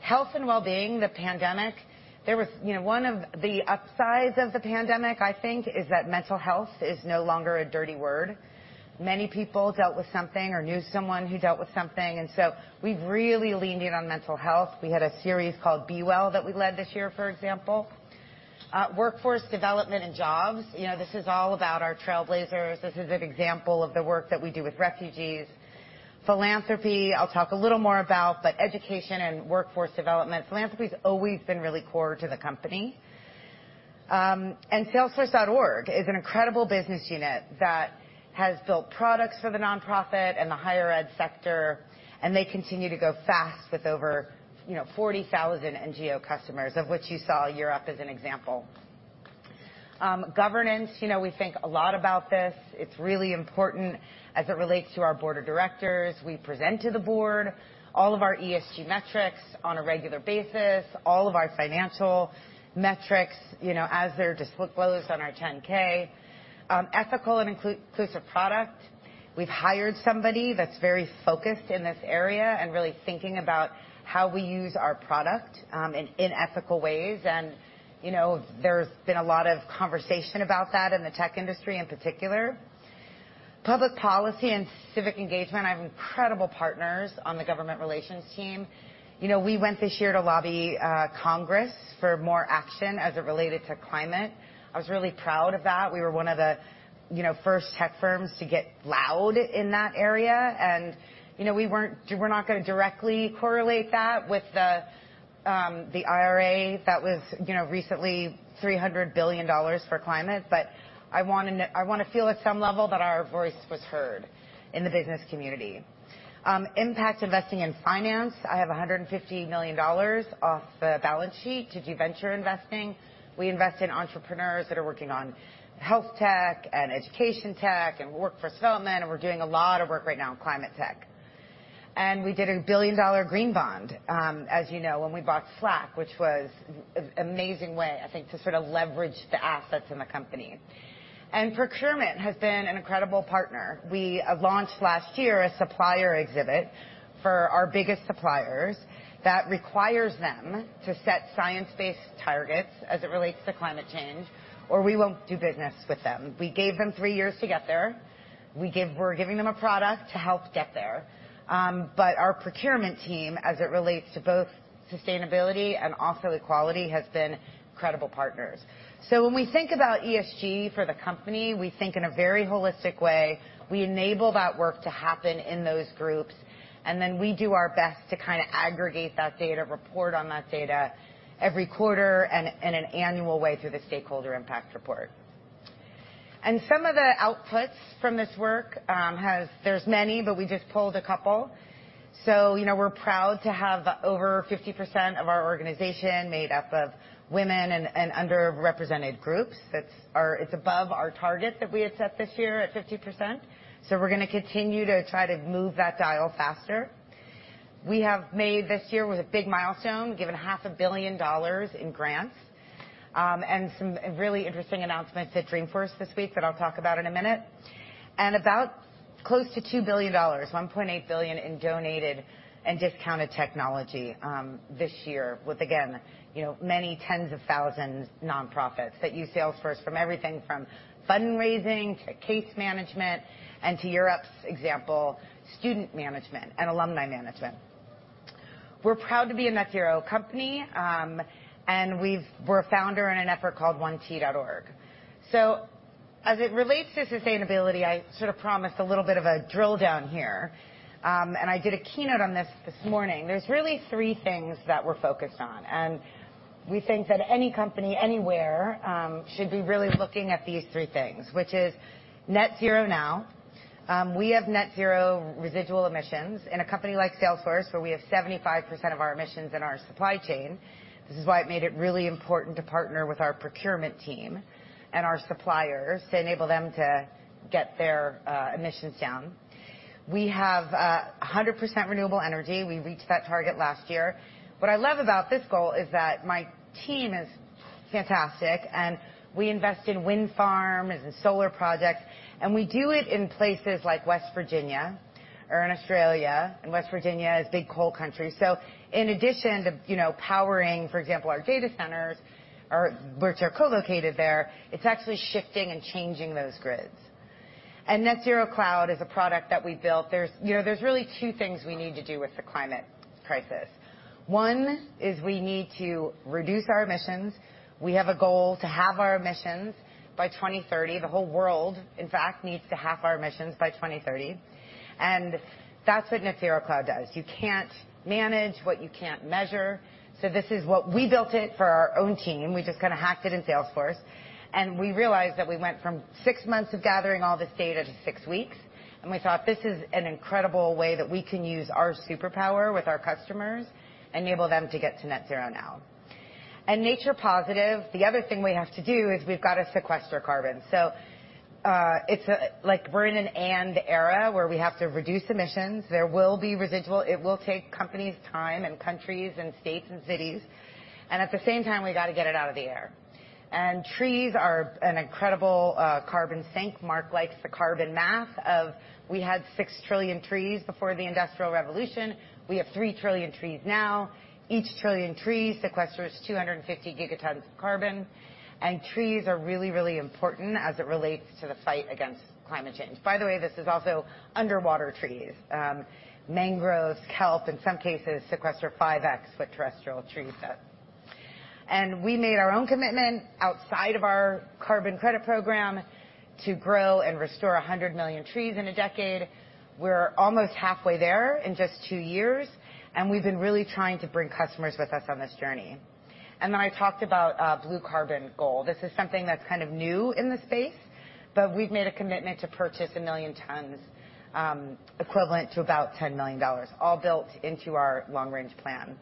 Health and wellbeing, the pandemic. There was. You know, one of the upsides of the pandemic, I think, is that mental health is no longer a dirty word. Many people dealt with something or knew someone who dealt with something, and so we've really leaned in on mental health. We had a series called B-Well Together that we led this year, for example. Workforce development and jobs. You know, this is all about our trailblazers. This is an example of the work that we do with refugees. Philanthropy, I'll talk a little more about, but education and workforce development. Philanthropy's always been really core to the company. Salesforce.org is an incredible business unit that has built products for the nonprofit and the higher ed sector, and they continue to go fast with over, you know, 40,000 NGO customers, of which you saw Europe as an example. Governance, you know, we think a lot about this. It's really important as it relates to our board of directors. We present to the board all of our ESG metrics on a regular basis, all of our financial metrics, you know, as they're disclosed on our 10-K. Ethical and inclusive product. We've hired somebody that's very focused in this area and really thinking about how we use our product in ethical ways. You know, there's been a lot of conversation about that in the tech industry in particular. Public policy and civic engagement. I have incredible partners on the government relations team. You know, we went this year to lobby Congress for more action as it related to climate. I was really proud of that. We were one of the, you know, first tech firms to get loud in that area. You know, we're not gonna directly correlate that with the IRA that was, you know, recently $300 billion for climate. I wanna feel at some level that our voice was heard in the business community. Impact investing and finance. I have $150 million off the balance sheet to do venture investing. We invest in entrepreneurs that are working on health tech and education tech and workforce development, and we're doing a lot of work right now in climate tech. We did a billion-dollar green bond, as you know, when we bought Slack, which was an amazing way, I think, to sort of leverage the assets in the company. Procurement has been an incredible partner. We launched last year a supplier initiative for our biggest suppliers that requires them to set science-based targets as it relates to climate change, or we won't do business with them. We gave them three years to get there. We're giving them a product to help get there. But our procurement team, as it relates to both sustainability and also equality, has been incredible partners. When we think about ESG for the company, we think in a very holistic way. We enable that work to happen in those groups, and then we do our best to kinda aggregate that data, report on that data every quarter and in an annual way through the Stakeholder Impact Report. Some of the outputs from this work, there's many, but we just pulled a couple. You know, we're proud to have over 50% of our organization made up of women and underrepresented groups. It's above our target that we had set this year at 50%, so we're gonna continue to try to move that dial faster. We have made this year with a big milestone, given half a billion dollars in grants, and some really interesting announcements at Dreamforce this week that I'll talk about in a minute. About close to $2 billion, $1.8 billion in donated and discounted technology this year with, again, many tens of thousands nonprofits that use Salesforce from everything from fundraising to case management and, for example, student management and alumni management. We're proud to be a net zero company, and we're a founder in an effort called 1t.org. As it relates to sustainability, I sort of promised a little bit of a drill down here. I did a keynote on this this morning. There's really three things that we're focused on, and we think that any company anywhere should be really looking at these three things, which is net zero now. We have net zero residual emissions. In a company like Salesforce, where we have 75% of our emissions in our supply chain, this is why it made it really important to partner with our procurement team and our suppliers to enable them to get their emissions down. We have 100% renewable energy. We reached that target last year. What I love about this goal is that my team is fantastic, and we invest in wind farms and solar projects, and we do it in places like West Virginia or in Australia. West Virginia is big coal country, so in addition to, you know, powering, for example, our data centers or which are co-located there, it's actually shifting and changing those grids. Net Zero Cloud is a product that we built. There's, you know, really two things we need to do with the climate crisis. One is we need to reduce our emissions. We have a goal to halve our emissions by 2030. The whole world, in fact, needs to halve our emissions by 2030. That's what Net Zero Cloud does. You can't manage what you can't measure. This is what we built for our own team. We just kinda hacked it in Salesforce, and we realized that we went from 6 months of gathering all this data to 6 weeks, and we thought, "This is an incredible way that we can use our superpower with our customers, enable them to get to net zero now." Nature positive, the other thing we have to do is we've got to sequester carbon. It's like we're in an 'and' era, where we have to reduce emissions. There will be residual. It will take companies time, and countries and states and cities, and at the same time, we gotta get it out of the air. Trees are an incredible carbon sink. Marc likes the carbon math of we had 6 trillion trees before the Industrial Revolution. We have 3 trillion trees now. Each trillion trees sequesters 250 gigatons of carbon. Trees are really, really important as it relates to the fight against climate change. By the way, this is also underwater trees. Mangroves, kelp, in some cases sequester 5x what terrestrial trees does. We made our own commitment outside of our carbon credit program to grow and restore 100 million trees in a decade. We're almost halfway there in just 2 years, and we've been really trying to bring customers with us on this journey. I talked about blue carbon gold. This is something that's kind of new in the space, but we've made a commitment to purchase 1 million tons, equivalent to about $10 million, all built into our long-range plan.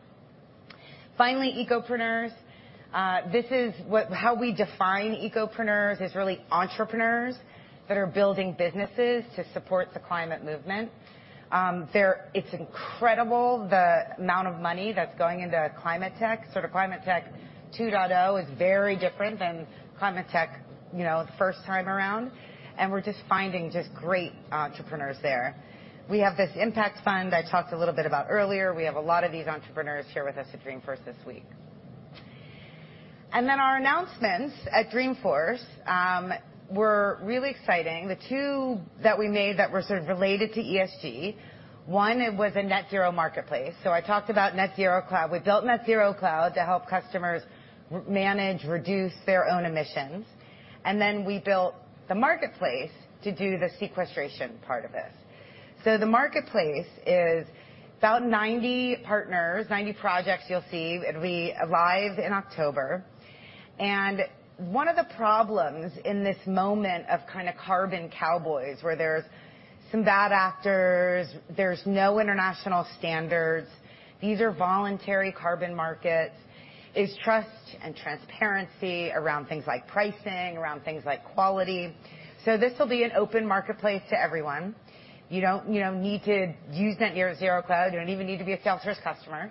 Finally, Ecopreneers. This is how we define Ecopreneers is really entrepreneurs that are building businesses to support the climate movement. It's incredible the amount of money that's going into climate tech. Sort of climate tech 2.0 is very different than climate tech, you know, the first time around. We're just finding great entrepreneurs there. We have this impact fund I talked a little bit about earlier. We have a lot of these entrepreneurs here with us at Dreamforce this week. Our announcements at Dreamforce were really exciting. The two that we made that were sort of related to ESG, one was a Net Zero Marketplace. I talked about Net Zero Cloud. We built Net Zero Cloud to help customers manage, reduce their own emissions, and then we built the marketplace to do the sequestration part of this. The marketplace is about 90 partners, 90 projects you'll see. It'll be live in October. One of the problems in this moment of kind of carbon cowboys, where there's some bad actors, there's no international standards, these are voluntary carbon markets, is trust and transparency around things like pricing, around things like quality. This'll be an open marketplace to everyone. You don't, you know, need to use Net Zero Cloud. You don't even need to be a Salesforce customer.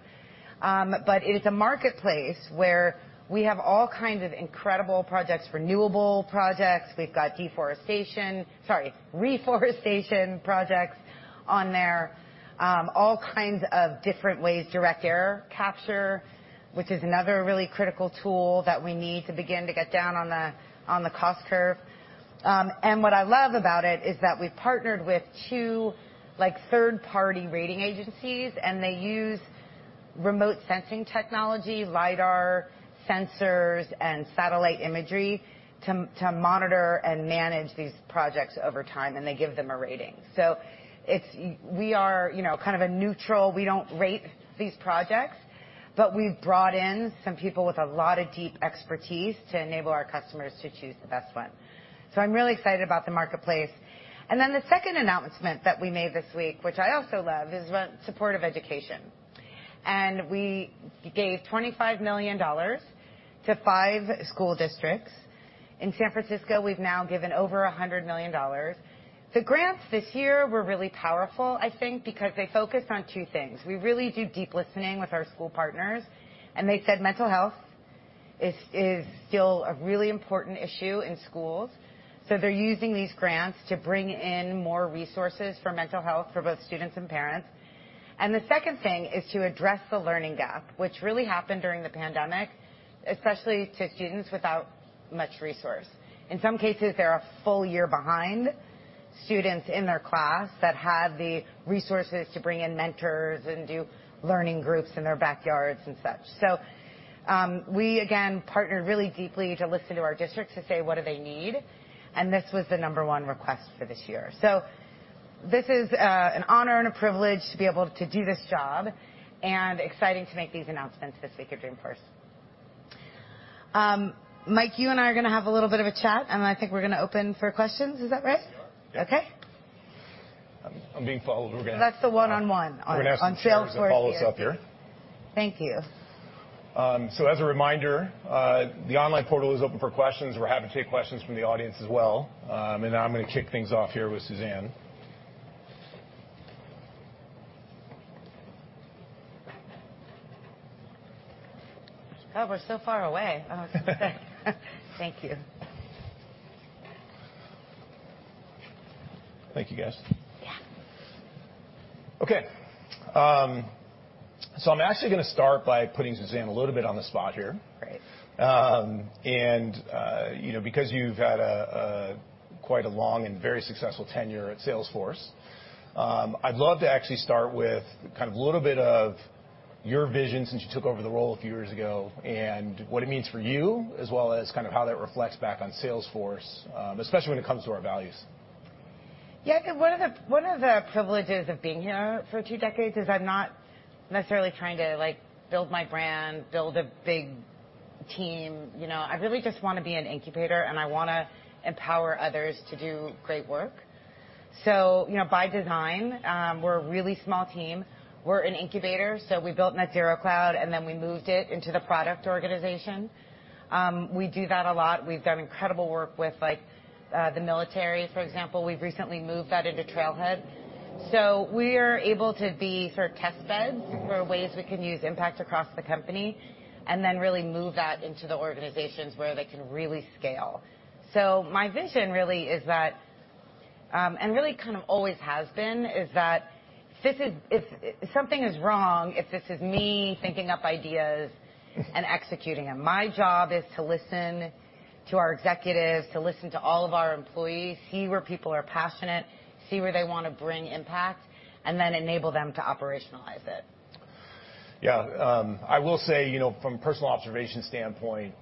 But it is a marketplace where we have all kinds of incredible projects, renewable projects. We've got deforestation, sorry, reforestation projects on there. All kinds of different ways. Direct air capture, which is another really critical tool that we need to begin to get down on the cost curve. What I love about it is that we've partnered with 2, like, third-party rating agencies, and they use remote sensing technology, lidar sensors, and satellite imagery to monitor and manage these projects over time, and they give them a rating. So we are, you know, kind of a neutral. We don't rate these projects, but we've brought in some people with a lot of deep expertise to enable our customers to choose the best one. So I'm really excited about the marketplace. Then the second announcement that we made this week, which I also love, is about support of education. We gave $25 million to five school districts. In San Francisco, we've now given over $100 million. The grants this year were really powerful, I think, because they focused on two things. We really do deep listening with our school partners, and they said mental health is still a really important issue in schools, so they're using these grants to bring in more resources for mental health for both students and parents. The second thing is to address the learning gap, which really happened during the pandemic, especially to students without much resources. In some cases, they're a full year behind students in their class that have the resources to bring in mentors and do learning groups in their backyards and such. We again partnered really deeply to listen to our districts to say what do they need? This was the number one request for this year. This is an honor and a privilege to be able to do this job and exciting to make these announcements this week at Dreamforce. Mike, you and I are gonna have a little bit of a chat, and then I think we're gonna open for questions. Is that right? Yes, we are. Yes. Okay. I'm being followed. We're gonna That's the one-on-one on Salesforce. We're gonna have some chairs follow us up here. Thank you. As a reminder, the online portal is open for questions. We're happy to take questions from the audience as well. Now I'm gonna kick things off here with Suzanne. Oh, we're so far away. Oh. Thank you. Thank you, guys. I'm actually gonna start by putting Suzanne a little bit on the spot here. Great. You know, because you've had a quite long and very successful tenure at Salesforce, I'd love to actually start with kind of a little bit of your vision since you took over the role a few years ago and what it means for you, as well as kind of how that reflects back on Salesforce, especially when it comes to our values. One of the privileges of being here for two decades is I'm not necessarily trying to, like, build my brand, build a big team, you know. I really just wanna be an incubator, and I wanna empower others to do great work. You know, by design, we're a really small team. We're an incubator, so we built Net Zero Cloud, and then we moved it into the product organization. We do that a lot. We've done incredible work with, like, the military, for example. We've recently moved that into Trailhead. We're able to be sort of test beds for ways we can use impact across the company and then really move that into the organizations where they can really scale. My vision really is that, and really kind of always has been, is that this is. If something is wrong, if this is me thinking up ideas and executing them, my job is to listen to our executives, to listen to all of our employees, see where people are passionate, see where they wanna bring impact, and then enable them to operationalize it. Yeah. I will say, you know, from personal observation standpoint,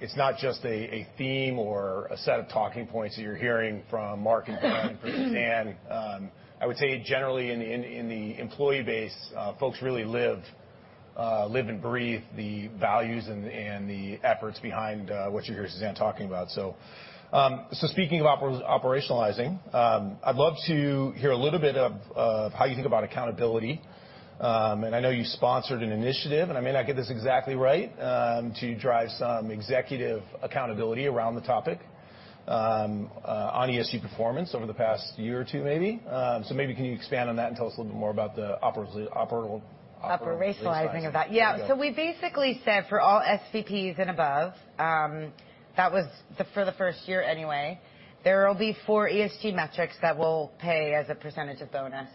it's not just a theme or a set of talking points that you're hearing from Marc, Brian, and Suzanne. I would say generally in the employee base, folks really live and breathe the values and the efforts behind what you hear Suzanne talking about. Speaking of operationalizing, I'd love to hear a little bit of how you think about accountability. I know you sponsored an initiative, and I may not get this exactly right, to drive some executive accountability around the topic on ESG performance over the past year or two maybe. Maybe can you expand on that and tell us a little bit more about the operational- Operationalizing of that. There you go. We basically said for all SVPs and above, for the first year anyway, there will be four ESG metrics that will pay as a percentage of bonus,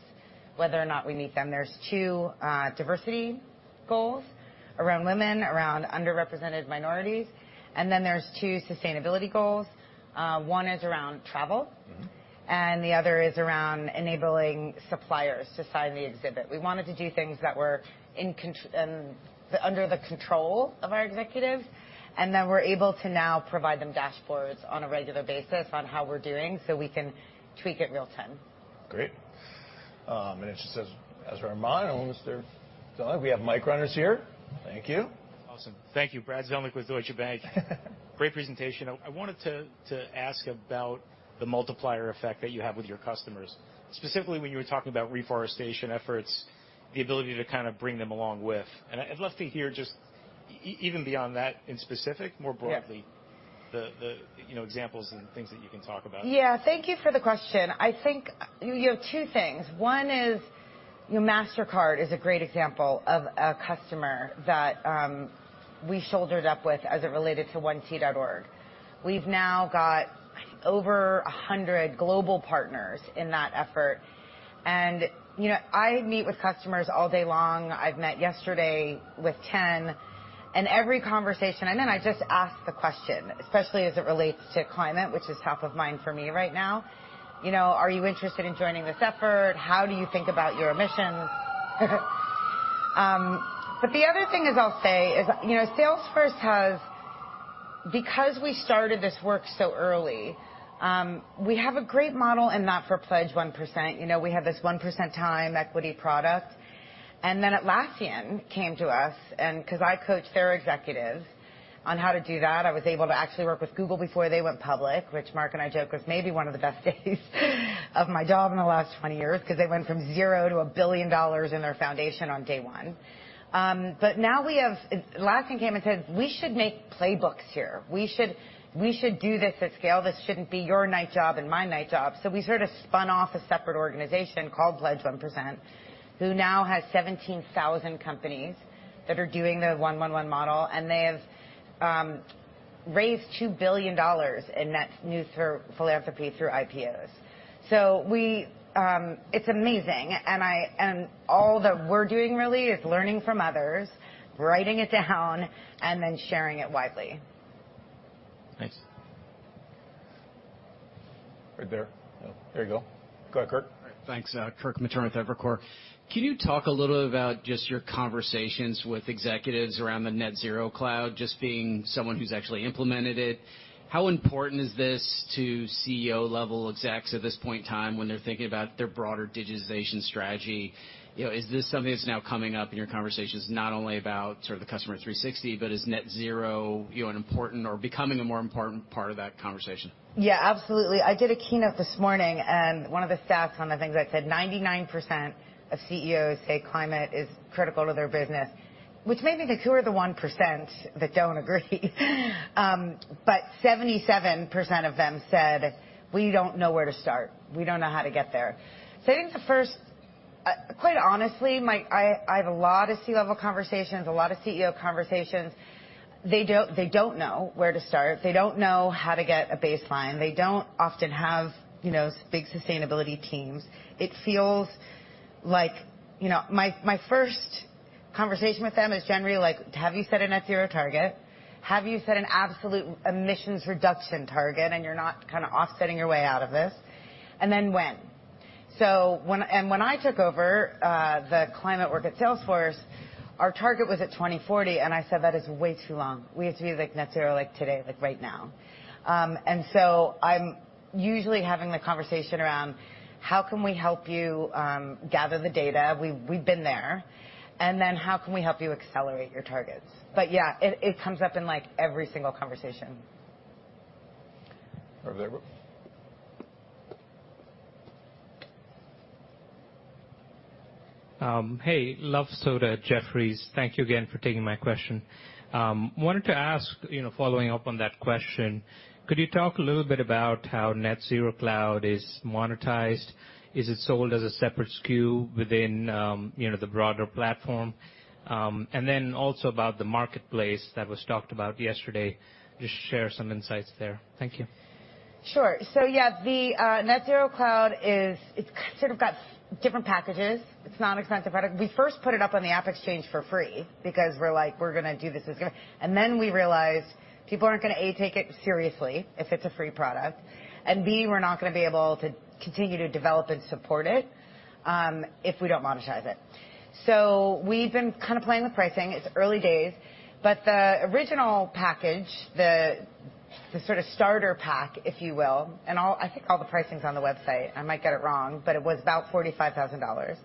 whether or not we meet them. There's two diversity goals around women, around underrepresented minorities, and then there's two sustainability goals. One is around travel. The other is around enabling suppliers to sign the exhibit. We wanted to do things that were under the control of our executives, and then we're able to now provide them dashboards on a regular basis on how we're doing, so we can tweak it real-time. Great. It just says, as a reminder, almost they're done. We have mic runners here. Thank you. Awesome. Thank you. Brad Zelnick with Deutsche Bank. Great presentation. I wanted to ask about the multiplier effect that you have with your customers. Specifically, when you were talking about reforestation efforts, the ability to kind of bring them along with. I'd love to hear just even beyond that in specific. More broadly, the you know, examples and things that you can talk about. Yeah. Thank you for the question. I think you have two things. One is Mastercard is a great example of a customer that we shouldered up with as it related to 1t.org. We've now got over 100 global partners in that effort. You know, I meet with customers all day long. I've met yesterday with 10, and every conversation I just ask the question, especially as it relates to climate, which is top of mind for me right now. You know, "Are you interested in joining this effort? How do you think about your emissions?" The other thing is, you know, Salesforce has, because we started this work so early, we have a great model in that for Pledge 1%. You know, we have this 1% time equity product. Atlassian came to us, and 'cause I coach their executives on how to do that. I was able to actually work with Google before they went public, which Marc and I joke was maybe one of the best days of my job in the last 20 years, 'cause they went from zero to $1 billion in their foundation on day one. Atlassian came and said, "We should make playbooks here. We should do this at scale. This shouldn't be your night job and my night job." We sort of spun off a separate organization called Pledge 1%, who now has 17,000 companies that are doing the 1, 1 model, and they have raised $2 billion in net new through philanthropy through IPOs. We It's amazing, and all that we're doing really is learning from others, writing it down, and then sharing it widely. Nice. Right there. There you go. Go ahead, Kirk. Thanks, Kirk Materne with Evercore. Can you talk a little about just your conversations with executives around the Net Zero Cloud, just being someone who's actually implemented it? How important is this to CEO-level execs at this point in time when they're thinking about their broader digitization strategy? You know, is this something that's now coming up in your conversations not only about sort of the Customer 360, but is Net Zero, you know, an important or becoming a more important part of that conversation? Yeah, absolutely. I did a keynote this morning, and one of the stats on the things that said 99% of CEOs say climate is critical to their business, which made me think, who are the 1% that don't agree? 77% of them said, "We don't know where to start. We don't know how to get there." I think quite honestly, I have a lot of C-level conversations, a lot of CEO conversations. They don't know where to start. They don't know how to get a baseline. They don't often have, you know, big sustainability teams. It feels like, you know, my first conversation with them is generally like, "Have you set a net zero target? Have you set an absolute emissions reduction target, and you're not kinda offsetting your way out of this? When I took over the climate work at Salesforce, our target was at 2040, and I said, "That is way too long. We have to be, like, net zero, like, today, like, right now." So I'm usually having the conversation around how can we help you gather the data, we've been there, and then how can we help you accelerate your targets? But yeah, it comes up in, like, every single conversation. Over there. Hey, Luv Sodha, Jefferies. Thank you again for taking my question. Wanted to ask, you know, following up on that question, could you talk a little bit about how Net Zero Cloud is monetized? Is it sold as a separate SKU within, you know, the broader platform? Also about the marketplace that was talked about yesterday, just share some insights there. Thank you. Sure. Yeah, the Net Zero Cloud is. It's sort of got different packages. It's not a consistent product. We first put it up on the AppExchange for free because we're like, we're gonna do this. We realized people aren't gonna, A, take it seriously if it's a free product, and B, we're not gonna be able to continue to develop and support it if we don't monetize it. We've been kind of playing with pricing. It's early days. The original package, the sort of starter pack, if you will, and all, I think all the pricing's on the website. I might get it wrong. It was about $45,000.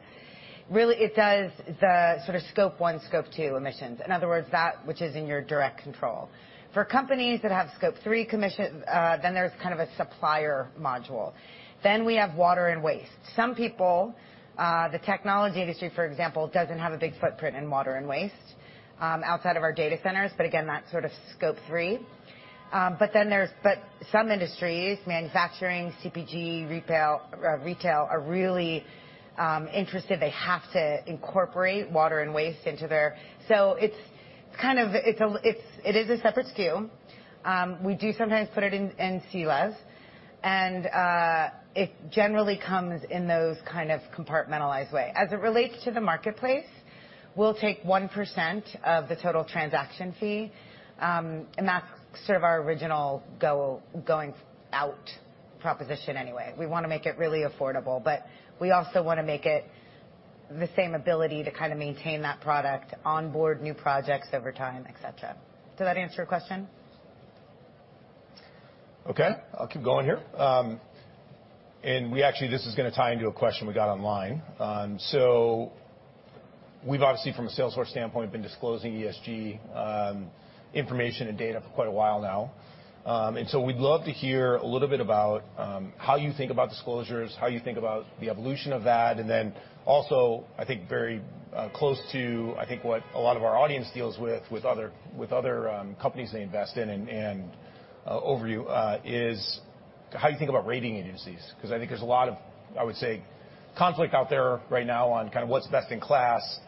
Really it does the sort of Scope 1, Scope 2 emissions. In other words, that which is in your direct control. For companies that have Scope 3 emissions, then there's kind of a supplier module. We have water and waste. Some people, the technology industry, for example, doesn't have a big footprint in water and waste outside of our data centers, but again, that's sort of Scope 3. Some industries, manufacturing, CPG, retail, are really interested. They have to incorporate water and waste into their. It's kind of, it is a separate SKU. We do sometimes put it in ELAs, and it generally comes in those kind of compartmentalized way. As it relates to the marketplace, we'll take 1% of the total transaction fee, and that's sort of our original go-to-market proposition anyway. We wanna make it really affordable, but we also wanna make it the same ability to kind of maintain that product, onboard new projects over time, et cetera. Does that answer your question? Okay, I'll keep going here. We actually, this is gonna tie into a question we got online. We've obviously from a Salesforce standpoint been disclosing ESG information and data for quite a while now. We'd love to hear a little bit about how you think about disclosures, how you think about the evolution of that. Then also, I think very close to what a lot of our audience deals with with other companies they invest in and an overview is how you think about rating agencies. 'Cause I think there's a lot of, I would say, conflict out there right now on kinda what's best in class.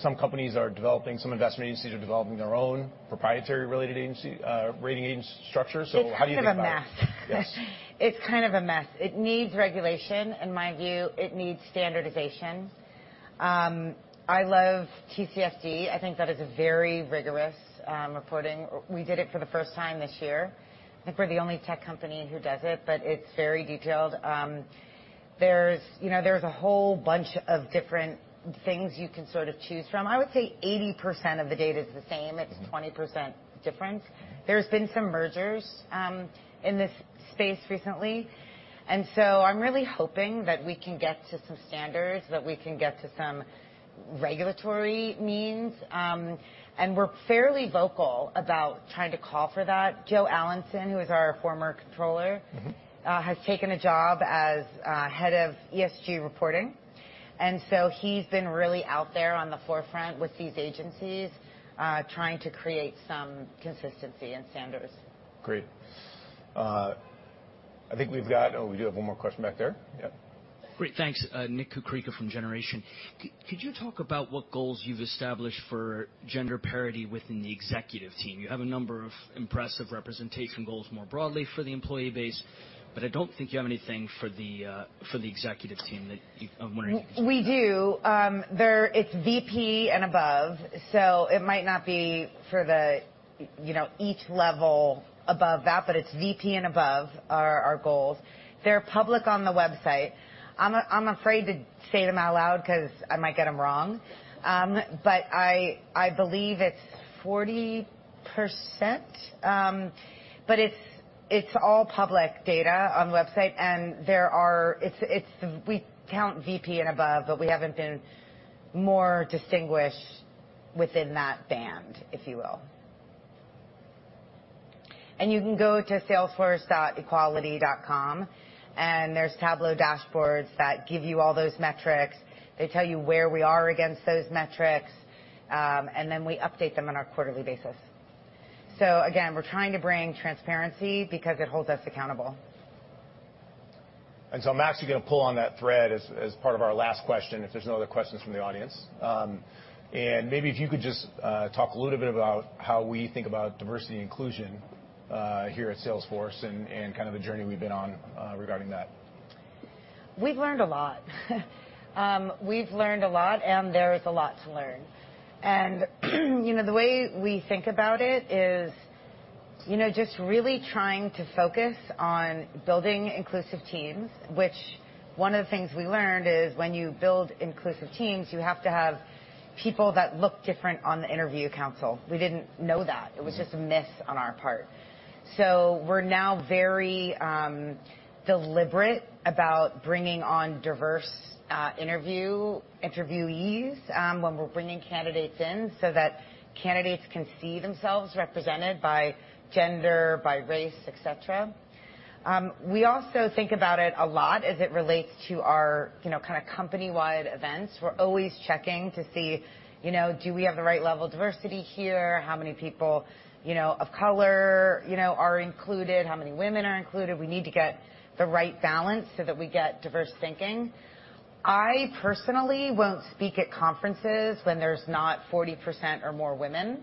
Some companies are developing, some investment agencies are developing their own proprietary rating agency structure. How do you think about it? It's kind of a mess. Yes. It's kind of a mess. It needs regulation. In my view, it needs standardization. I love TCFD. I think that is a very rigorous reporting. We did it for the first time this year. I think we're the only tech company who does it, but it's very detailed. There's, you know, there's a whole bunch of different things you can sort of choose from. I would say 80% of the data is the same. It's 20% different. There's been some mergers in this space recently. I'm really hoping that we can get to some standards, that we can get to some regulatory means, and we're fairly vocal about trying to call for that. Joe Allanson, who is our former controller has taken a job as head of ESG reporting, and so he's been really out there on the forefront with these agencies, trying to create some consistency in standards. Great. I think we've got. Oh, we do have one more question back there. Yeah. Great. Thanks. Nick Kukrika from Generation. Could you talk about what goals you've established for gender parity within the executive team? You have a number of impressive representation goals more broadly for the employee base, but I don't think you have anything for the executive team. I'm wondering if you could share. We do. There, it's VP and above, so it might not be for the, you know, each level above that, but it's VP and above are our goals. They're public on the website. I'm afraid to say them out loud 'cause I might get them wrong. But I believe it's 40%. But it's all public data on the website, and there are. We count VP and above, but we haven't been more distinguished within that band, if you will. You can go to equality.salesforce.com, and there's Tableau dashboards that give you all those metrics. They tell you where we are against those metrics, and then we update them on a quarterly basis. Again, we're trying to bring transparency because it holds us accountable. Max, you're gonna pull on that thread as part of our last question if there's no other questions from the audience. Maybe if you could just talk a little bit about how we think about diversity and inclusion here at Salesforce and kind of the journey we've been on regarding that. We've learned a lot, and there is a lot to learn. You know, the way we think about it is, you know, just really trying to focus on building inclusive teams, which one of the things we learned is when you build inclusive teams, you have to have people that look different on the interview panel. We didn't know that. It was just a miss on our part. We're now very deliberate about bringing on diverse interviewees when we're bringing candidates in, so that candidates can see themselves represented by gender, by race, et cetera. We also think about it a lot as it relates to our, you know, kind of company-wide events. We're always checking to see, you know, do we have the right level of diversity here? How many people, you know, of color, you know, are included? How many women are included? We need to get the right balance so that we get diverse thinking. I personally won't speak at conferences when there's not 40% or more women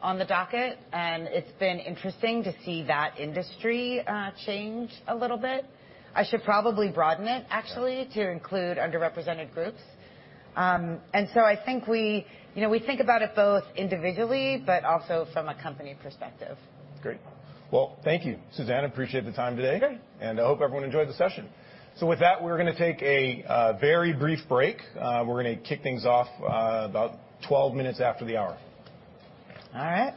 on the docket, and it's been interesting to see that industry change a little bit. I should probably broaden it actually to include underrepresented groups. I think we think about it both individually but also from a company perspective. Great. Well, thank you, Suzanne. I appreciate the time today. Okay. I hope everyone enjoyed the session. With that, we're gonna take a very brief break. We're gonna kick things off about 12 minutes after the hour. All right.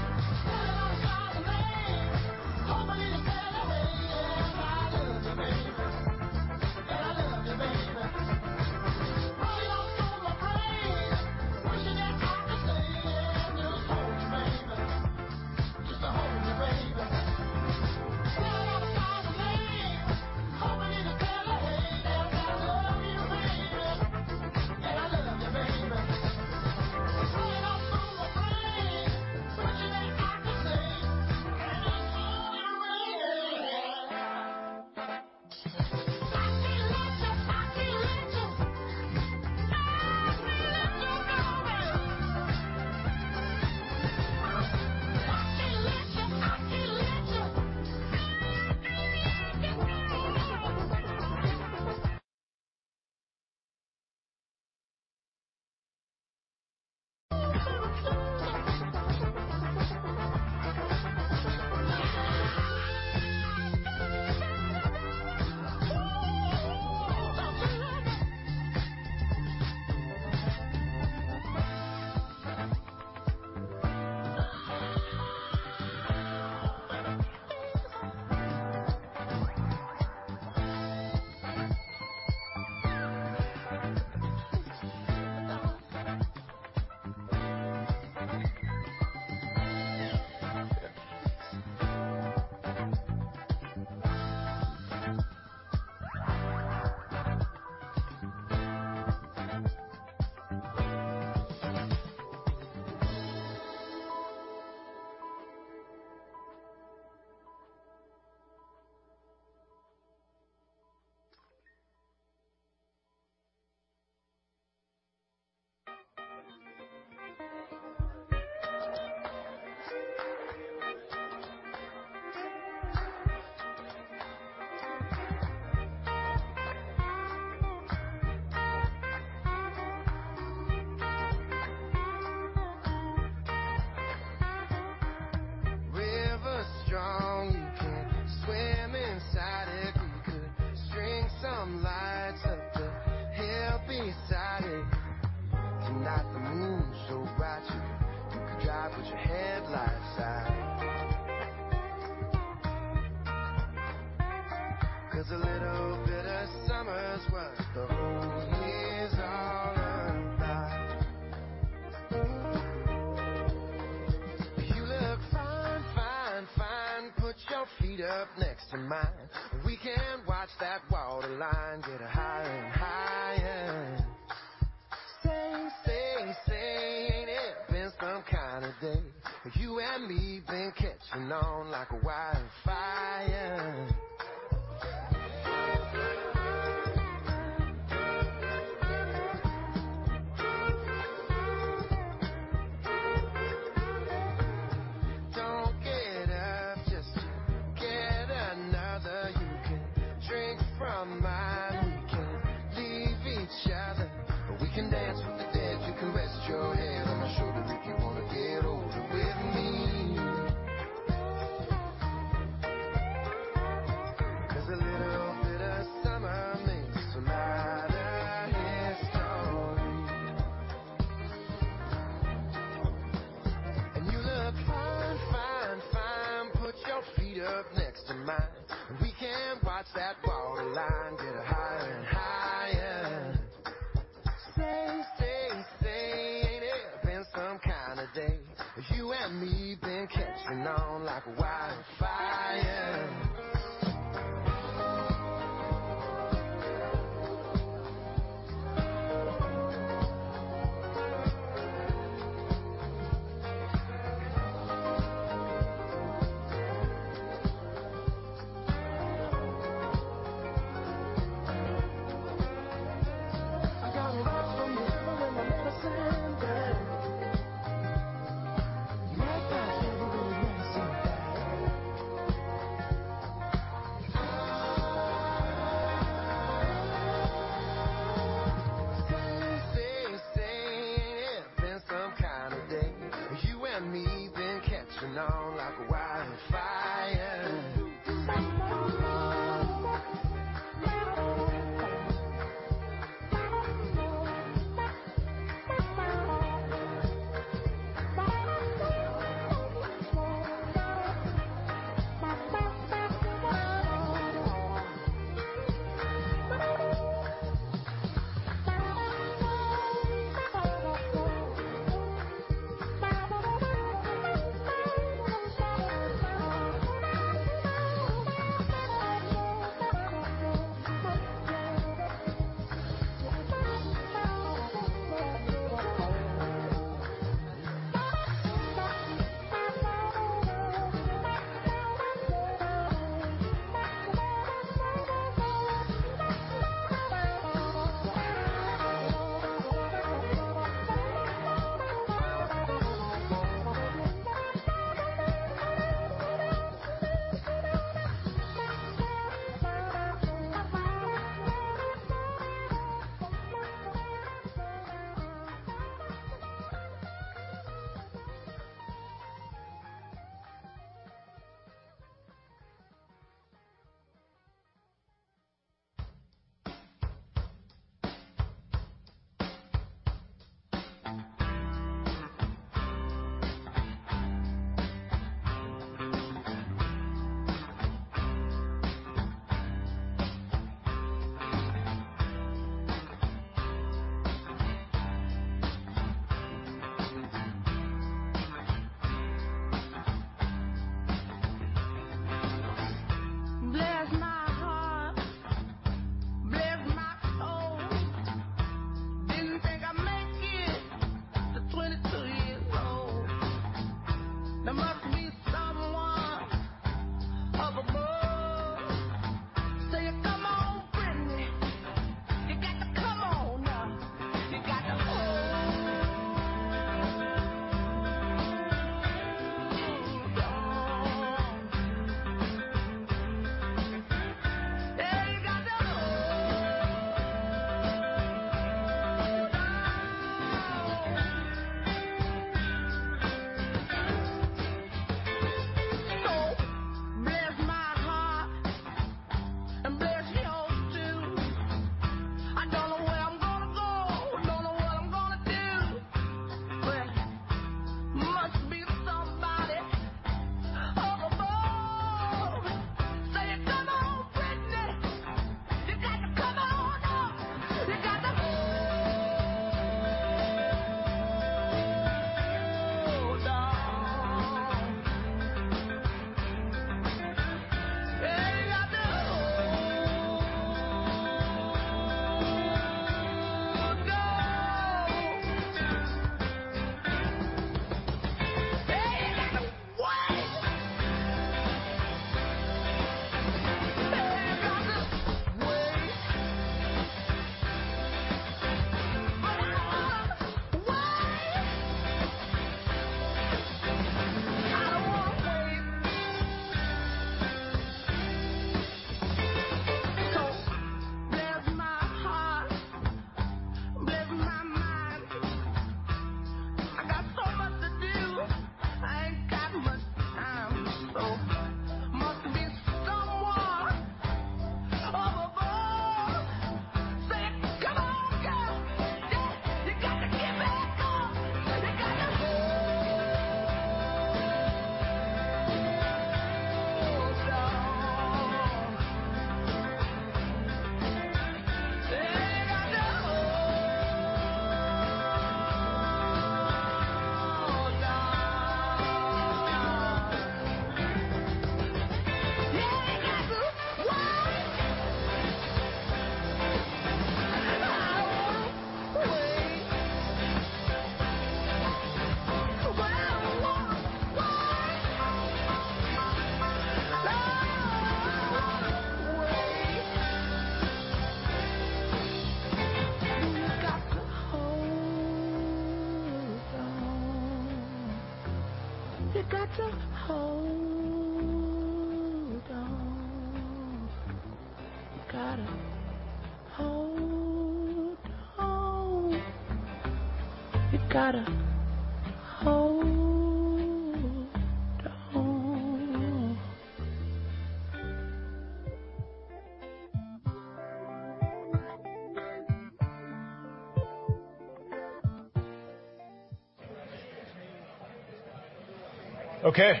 Okay.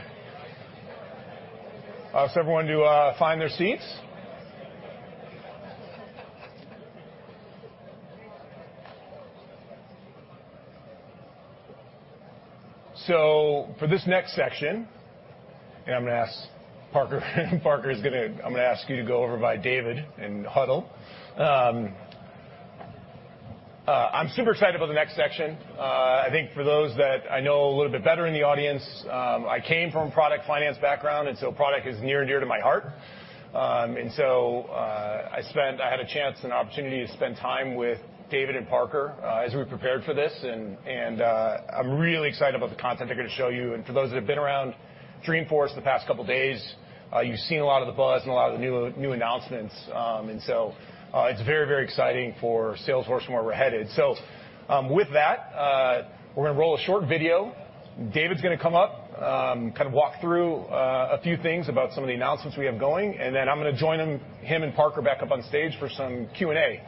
I'll ask everyone to find their seats. For this next section, I'm gonna ask Parker. I'm gonna ask you to go over by David and huddle. I'm super excited about the next section. I think for those that I know a little bit better in the audience, I came from a product finance background, and so product is near and dear to my heart. I had a chance and opportunity to spend time with David and Parker, as we prepared for this and I'm really excited about the content they're gonna show you. For those that have been around Dreamforce the past couple days, you've seen a lot of the buzz and a lot of the new announcements. It's very, very exciting for Salesforce and where we're headed. With that, we're gonna roll a short video. David's gonna come up, kind of walk through a few things about some of the announcements we have going, and then I'm gonna join him and Parker back up on stage for some Q&A.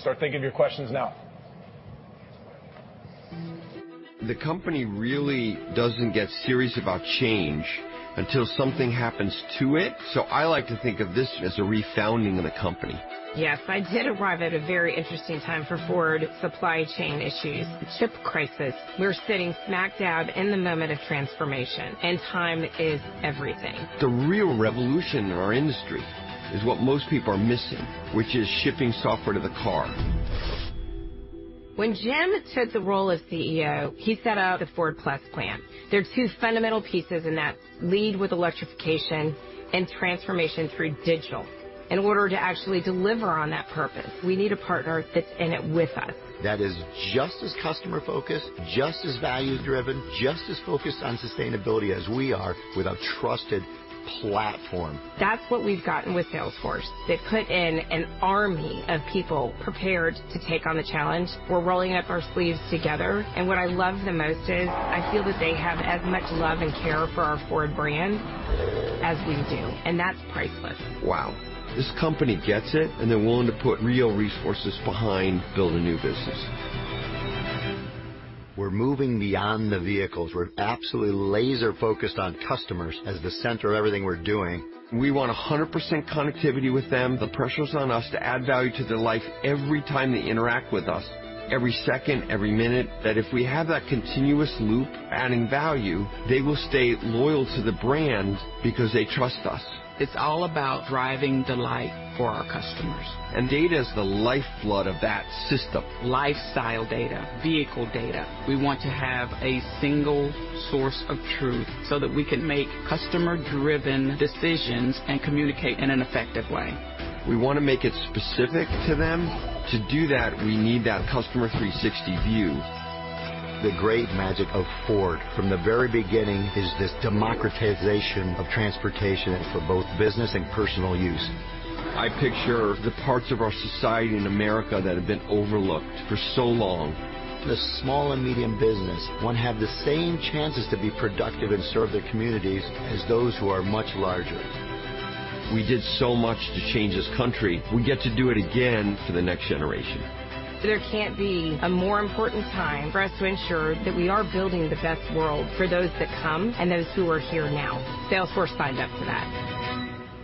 Start thinking of your questions nowThe real revolution in our industry is what most people are missing, which is shipping software to the car.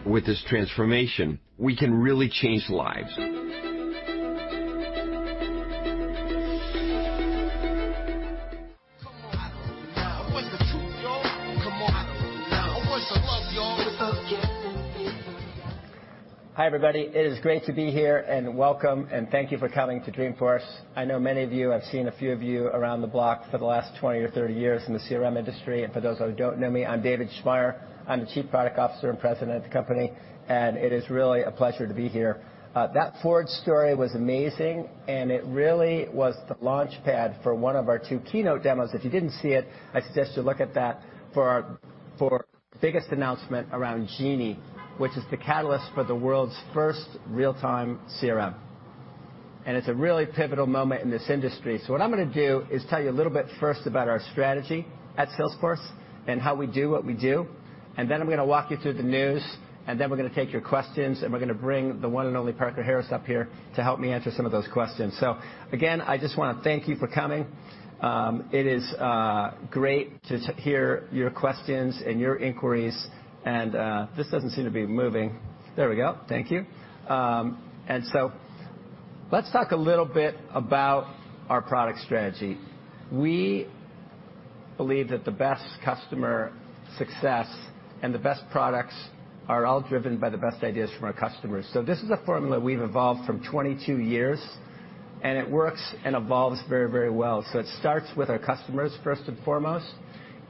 Hi, everybody. It is great to be here, and welcome, and thank you for coming to Dreamforce. I know many of you. I've seen a few of you around the block for the last 20 or 30 years in the CRM industry. For those who don't know me, I'm David Schmaier. I'm the Chief Product Officer and President of the company, and it is really a pleasure to be here. That Ford story was amazing, and it really was the launchpad for one of our two keynote demos. If you didn't see it, I suggest you look at that for our biggest announcement around Genie, which is the catalyst for the world's first real-time CRM. It's a really pivotal moment in this industry. What I'm gonna do is tell you a little bit first about our strategy at Salesforce and how we do what we do. I'm gonna walk you through the news, and then we're gonna take your questions, and we're gonna bring the one and only Parker Harris up here to help me answer some of those questions. Again, I just wanna thank you for coming. It is great to hear your questions and your inquiries. This doesn't seem to be moving. There we go. Thank you. Let's talk a little bit about our product strategy. We believe that the best customer success and the best products are all driven by the best ideas from our customers. This is a formula we've evolved from 22 years, and it works and evolves very, very well. It starts with our customers first and foremost,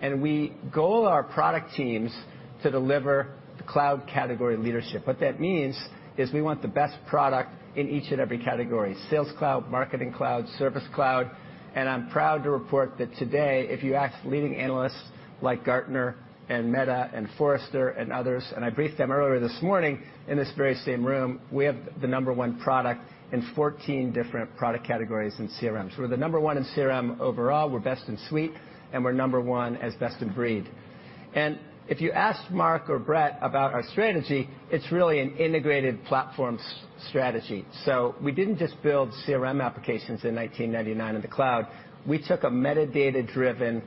and we goad our product teams to deliver the cloud category leadership. What that means is we want the best product in each and every category, Sales Cloud, Marketing Cloud, Service Cloud. I'm proud to report that today, if you ask leading analysts like Gartner and Meta and Forrester and others, and I briefed them earlier this morning in this very same room, we have the number one product in 14 different product categories in CRMs. We're the number one in CRM overall. We're best in suite, and we're number one as best-in-breed. If you ask Marc or Bret about our strategy, it's really an integrated platform strategy. We didn't just build CRM applications in 1999 in the cloud, we took a metadata-driven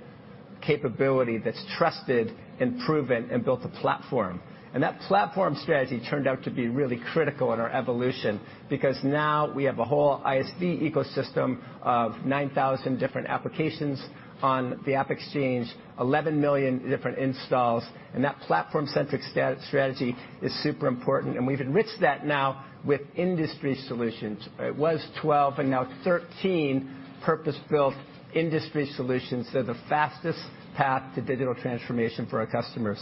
capability that's trusted and proven and built a platform. That platform strategy turned out to be really critical in our evolution because now we have a whole ISV ecosystem of 9,000 different applications on the AppExchange, 11 million different installs, and that platform-centric strategy is super important, and we've enriched that now with industry solutions. It was 12, but now 13 purpose-built industry solutions. They're the fastest path to digital transformation for our customers.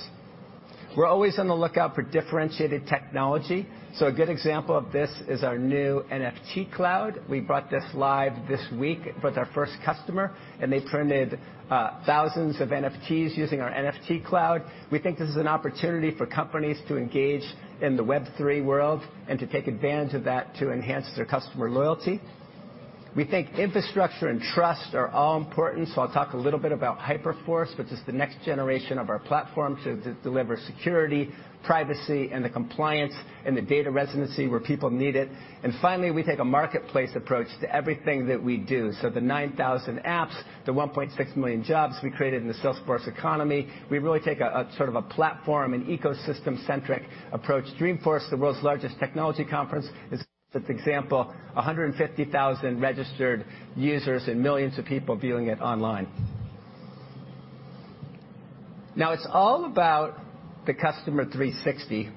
We're always on the lookout for differentiated technology, so a good example of this is our new NFT Cloud. We brought this live this week with our first customer, and they printed thousands of NFTs using our NFT Cloud. We think this is an opportunity for companies to engage in the Web3 world and to take advantage of that to enhance their customer loyalty. We think infrastructure and trust are all important, so I'll talk a little bit about Hyperforce, which is the next generation of our platform to deliver security, privacy, and the compliance and the data residency where people need it. Finally, we take a marketplace approach to everything that we do. The 9,000 apps, the 1.6 million jobs we created in the Salesforce economy, we really take a sort of platform and ecosystem-centric approach. Dreamforce, the world's largest technology conference, is a perfect example. 150,000 registered users and millions of people viewing it online. Now, it's all about the Customer 360,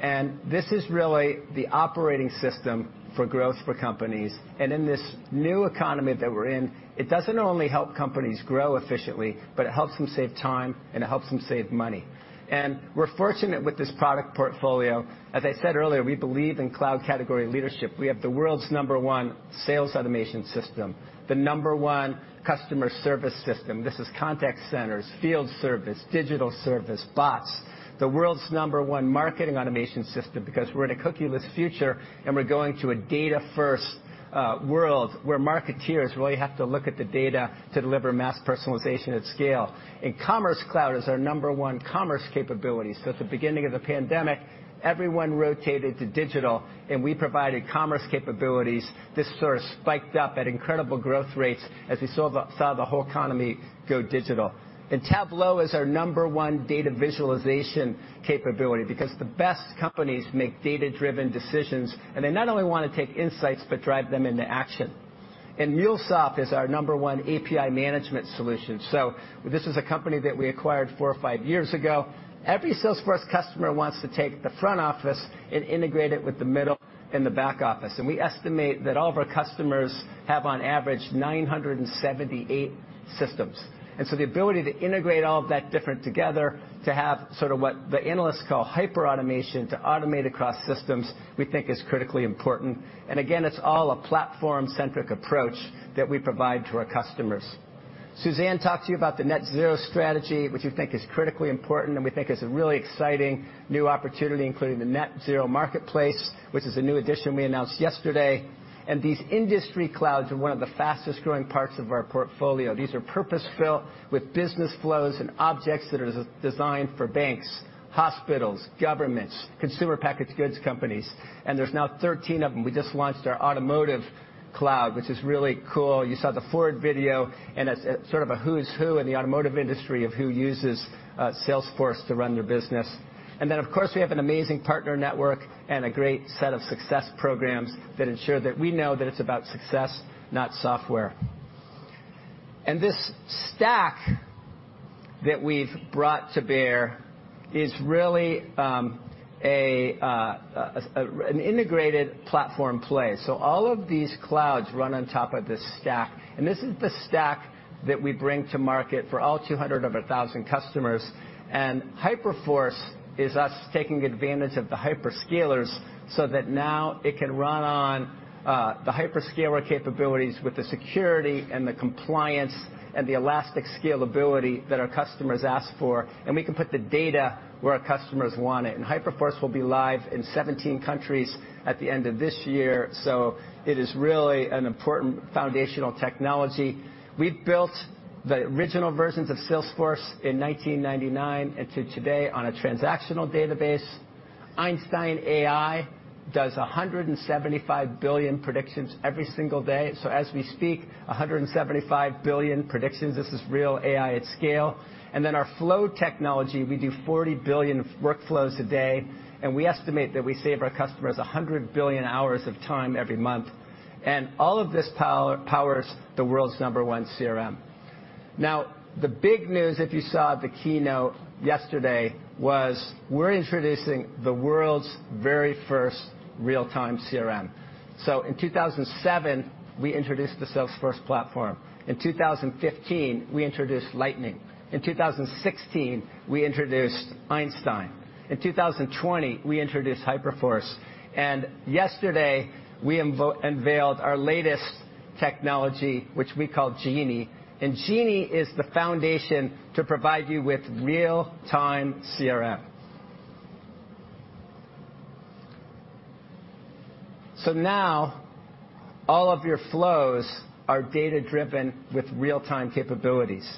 and this is really the operating system for growth for companies. In this new economy that we're in, it doesn't only help companies grow efficiently, but it helps them save time, and it helps them save money. We're fortunate with this product portfolio. As I said earlier, we believe in cloud category leadership. We have the world's number one sales automation system, the number one customer service system. This is contact centers, field service, digital service, bots. The world's number one marketing automation system because we're in a cookieless future, and we're going to a data-first, world where marketers really have to look at the data to deliver mass personalization at scale. Commerce Cloud is our number one commerce capability. At the beginning of the pandemic, everyone rotated to digital, and we provided commerce capabilities. This sort of spiked up at incredible growth rates as we saw the whole economy go digital. Tableau is our number one data visualization capability because the best companies make data-driven decisions, and they not only wanna take insights but drive them into action. MuleSoft is our number one API management solution, so this is a company that we acquired four or five years ago. Every Salesforce customer wants to take the front office and integrate it with the middle and the back office, and we estimate that all of our customers have on average 978 systems. The ability to integrate all of that data together to have sort of what the analysts call hyperautomation, to automate across systems, we think is critically important. Again, it's all a platform-centric approach that we provide to our customers. Suzanne talked to you about the Net Zero strategy, which we think is critically important, and we think is a really exciting new opportunity, including the Net Zero Marketplace, which is a new addition we announced yesterday. These industry clouds are one of the fastest-growing parts of our portfolio. These are purpose-built with business flows and objects that are designed for banks, hospitals, governments, consumer packaged goods companies, and there's now 13 of them. We just launched our Automotive Cloud, which is really cool. You saw the Ford video, and it's sort of a who's who in the automotive industry of who uses Salesforce to run their business. Of course, we have an amazing partner network and a great set of success programs that ensure that we know that it's about success, not software. This stack that we've brought to bear is really an integrated platform play. All of these clouds run on top of this stack, and this is the stack that we bring to market for all 200,000 customers. Hyperforce is us taking advantage of the hyperscalers so that now it can run on, the hyperscaler capabilities with the security and the compliance and the elastic scalability that our customers ask for, and we can put the data where our customers want it. Hyperforce will be live in 17 countries at the end of this year. It is really an important foundational technology. We've built the original versions of Salesforce in 1999 and to today on a transactional database. Einstein AI does 175 billion predictions every single day. As we speak, 175 billion predictions. This is real AI at scale. Then our Flow technology, we do 40 billion workflows a day, and we estimate that we save our customers 100 billion hours of time every month. All of this powers the world's number one CRM. Now, the big news, if you saw the keynote yesterday, was we're introducing the world's very first real-time CRM. In 2007, we introduced the Salesforce platform. In 2015, we introduced Lightning. In 2016, we introduced Einstein. In 2020, we introduced Hyperforce. Yesterday, we unveiled our latest technology, which we call Genie. Genie is the foundation to provide you with real-time CRM. Now all of your flows are data-driven with real-time capabilities.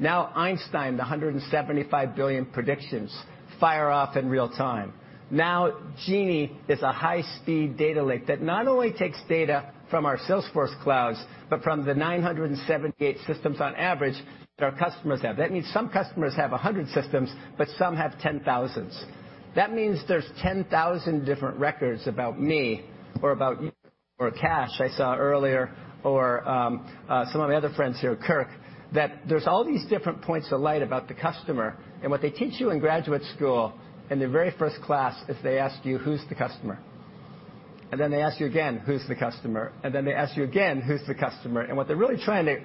Now, Einstein, the 175 billion predictions fire off in real time. Now, Genie is a high-speed data lake that not only takes data from our Salesforce clouds, but from the 978 systems on average that our customers have. That means some customers have 100 systems, but some have 10,000. That means there's 10,000 different records about me or about you or Kash, I saw earlier, or some of my other friends here, Kirk, that there's all these different points of light about the customer. What they teach you in graduate school in the very first class is they ask you, "Who's the customer?" Then they ask you again, "Who's the customer?" Then they ask you again, "Who's the customer?" What they're really trying to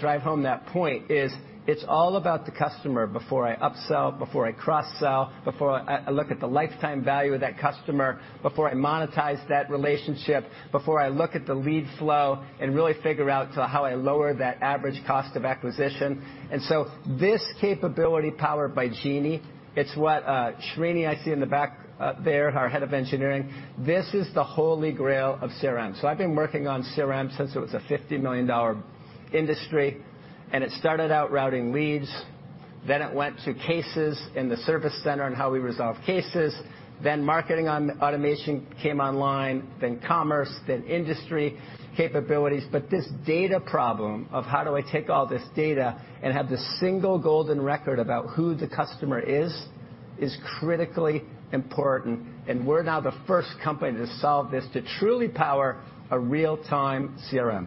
drive home that point is it's all about the customer before I upsell, before I cross-sell, before I look at the lifetime value of that customer, before I monetize that relationship, before I look at the lead flow and really figure out how I lower that average cost of acquisition. This capability powered by Genie, it's what, Srini, I see in the back, there, our head of engineering, this is the holy grail of CRM. I've been working on CRM since it was a $50 million industry, and it started out routing leads, then it went to cases in the service center and how we resolve cases, then marketing automation came online, then commerce, then industry capabilities. This data problem of how do I take all this data and have the single golden record about who the customer is critically important, and we're now the first company to solve this to truly power a real-time CRM.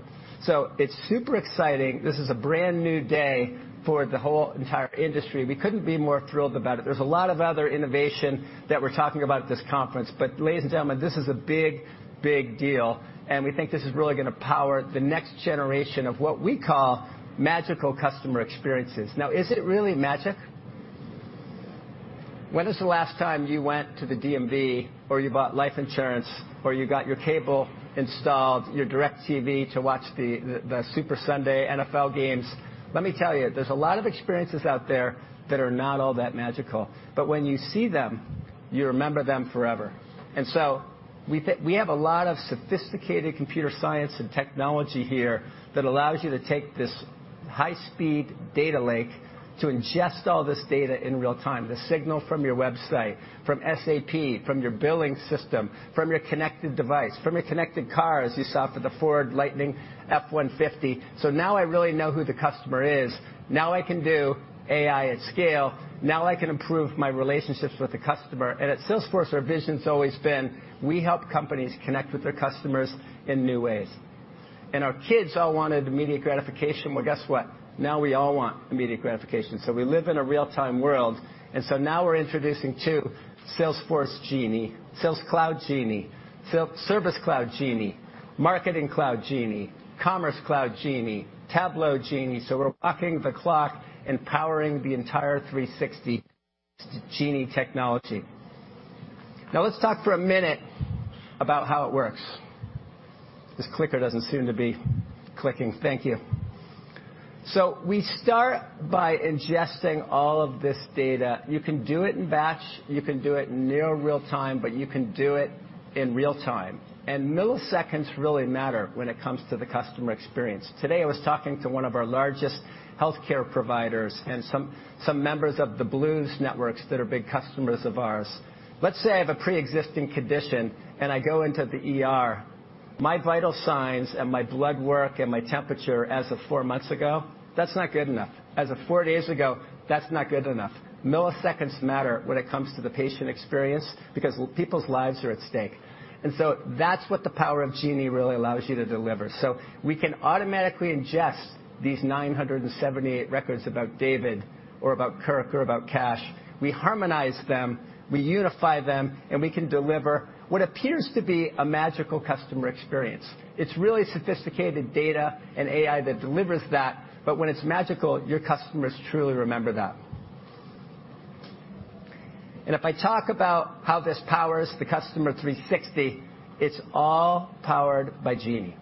It's super exciting. This is a brand-new day for the whole entire industry. We couldn't be more thrilled about it. There's a lot of other innovation that we're talking about at this conference, but ladies and gentlemen, this is a big, big deal, and we think this is really gonna power the next generation of what we call magical customer experiences. Now, is it really magic? When is the last time you went to the DMV, or you bought life insurance, or you got your cable installed, your DIRECTV to watch the Super Sunday NFL games? Let me tell you, there's a lot of experiences out there that are not all that magical. When you see them, you remember them forever. We have a lot of sophisticated computer science and technology here that allows you to take this high-speed data lake to ingest all this data in real time, the signal from your website, from SAP, from your billing system, from your connected device, from your connected car, as you saw for the Ford F-150 Lightning. Now I really know who the customer is. I can do AI at scale. I can improve my relationships with the customer. At Salesforce, our vision's always been we help companies connect with their customers in new ways. Our kids all wanted immediate gratification. Well, guess what. Now we all want immediate gratification. We live in a real-time world. Now we're introducing too, Salesforce Genie, Sales Cloud Genie, Service Cloud Genie, Marketing Cloud Genie, Commerce Cloud Genie, Tableau Genie. We're walking the talk and powering the entire 360 Genie technology. Now, let's talk for a minute about how it works. This clicker doesn't seem to be clicking. Thank you. We start by ingesting all of this data. You can do it in batch, you can do it near real time, but you can do it in real time. Milliseconds really matter when it comes to the customer experience. Today, I was talking to one of our largest healthcare providers and some members of the Blues networks that are big customers of ours. Let's say I have a preexisting condition, and I go into the ER. My vital signs and my blood work and my temperature as of four months ago, that's not good enough. As of four days ago, that's not good enough. Milliseconds matter when it comes to the patient experience because people's lives are at stake. That's what the power of Genie really allows you to deliver. We can automatically ingest these 978 records about David or about Kirk or about Kash. We harmonize them, we unify them, and we can deliver what appears to be a magical customer experience. It's really sophisticated data and AI that delivers that, but when it's magical, your customers truly remember that. If I talk about how this powers the Customer 360, it's all powered by Genie.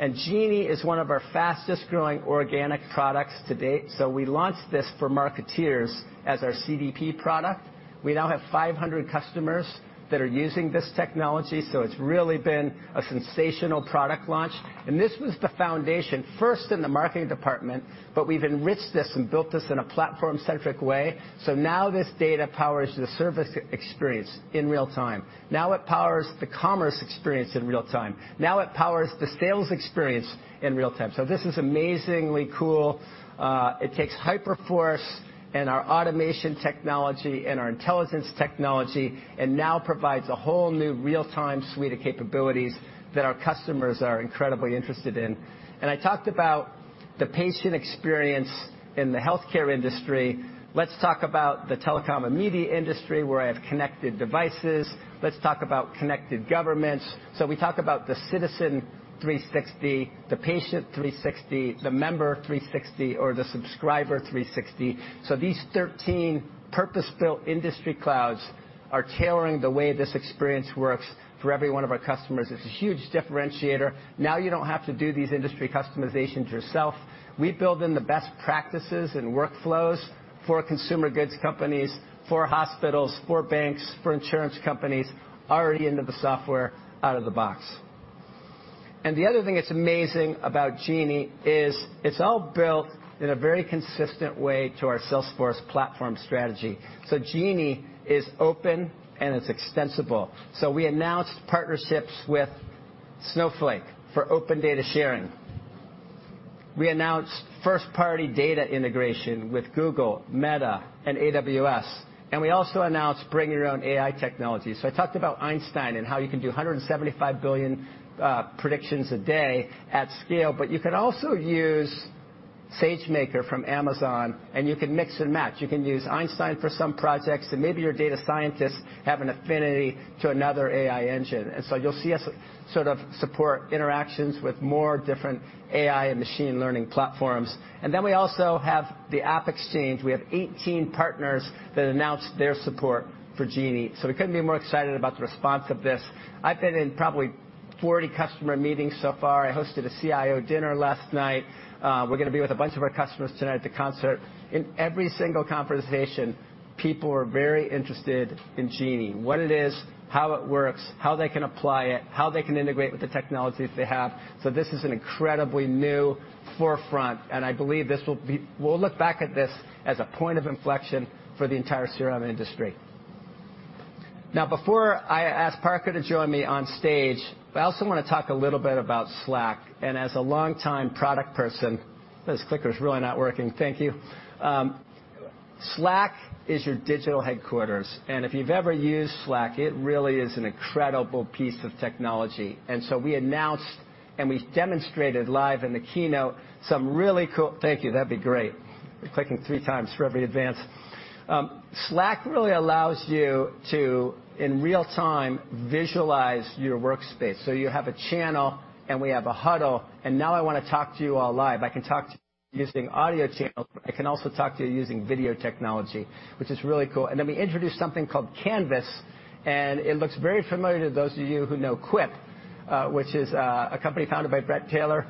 Genie is one of our fastest-growing organic products to date. We launched this for marketeers as our CDP product. We now have 500 customers that are using this technology, so it's really been a sensational product launch. This was the foundation, first in the marketing department, but we've enriched this and built this in a platform-centric way, so now this data powers the service experience in real-time. Now it powers the commerce experience in real time. Now it powers the sales experience in real time. This is amazingly cool. It takes Hyperforce and our automation technology and our intelligence technology and now provides a whole new real-time suite of capabilities that our customers are incredibly interested in. I talked about the patient experience in the healthcare industry. Let's talk about the telecom and media industry, where I have connected devices. Let's talk about connected governments. We talk about the Citizen 360, the Patient 360, the Member 360, or the Subscriber 360. These 13 purpose-built industry clouds are tailoring the way this experience works for every one of our customers. It's a huge differentiator. Now you don't have to do these industry customizations yourself. We build in the best practices and workflows for consumer goods companies, for hospitals, for banks, for insurance companies already into the software out of the box. The other thing that's amazing about Genie is it's all built in a very consistent way to our Salesforce platform strategy. Genie is open and it's extensible. We announced partnerships with Snowflake for open data sharing. We announced first-party data integration with Google, Meta, and AWS, and we also announced bring your own AI technology. I talked about Einstein and how you can do 175 billion predictions a day at scale, but you can also use SageMaker from Amazon, and you can mix and match. You can use Einstein for some projects, and maybe your data scientists have an affinity to another AI engine. You'll see us sort of support interactions with more different AI and machine learning platforms. We also have the AppExchange. We have 18 partners that announced their support for Genie. We couldn't be more excited about the response of this. I've been in probably 40 customer meetings so far. I hosted a CIO dinner last night. We're gonna be with a bunch of our customers tonight at the concert. In every single conversation, people are very interested in Genie, what it is, how it works, how they can apply it, how they can integrate with the technologies they have. This is an incredibly new forefront, and I believe this will be. We'll look back at this as a point of inflection for the entire CRM industry. Now, before I ask Parker to join me on stage, I also wanna talk a little bit about Slack. As a longtime product person. This clicker's really not working. Thank you. You're welcome. Slack is your digital headquarters, and if you've ever used Slack, it really is an incredible piece of technology. We announced, and we demonstrated live in the keynote some really cool. Thank you. That'd be great. You're clicking three times for every advance. Slack really allows you to, in real time, visualize your workspace. You have a channel, and we have a huddle, and now I wanna talk to you all live. I can talk to you using audio channels. I can also talk to you using video technology, which is really cool. We introduced something called Canvas, and it looks very familiar to those of you who know Quip, which is a company founded by Bret Taylor.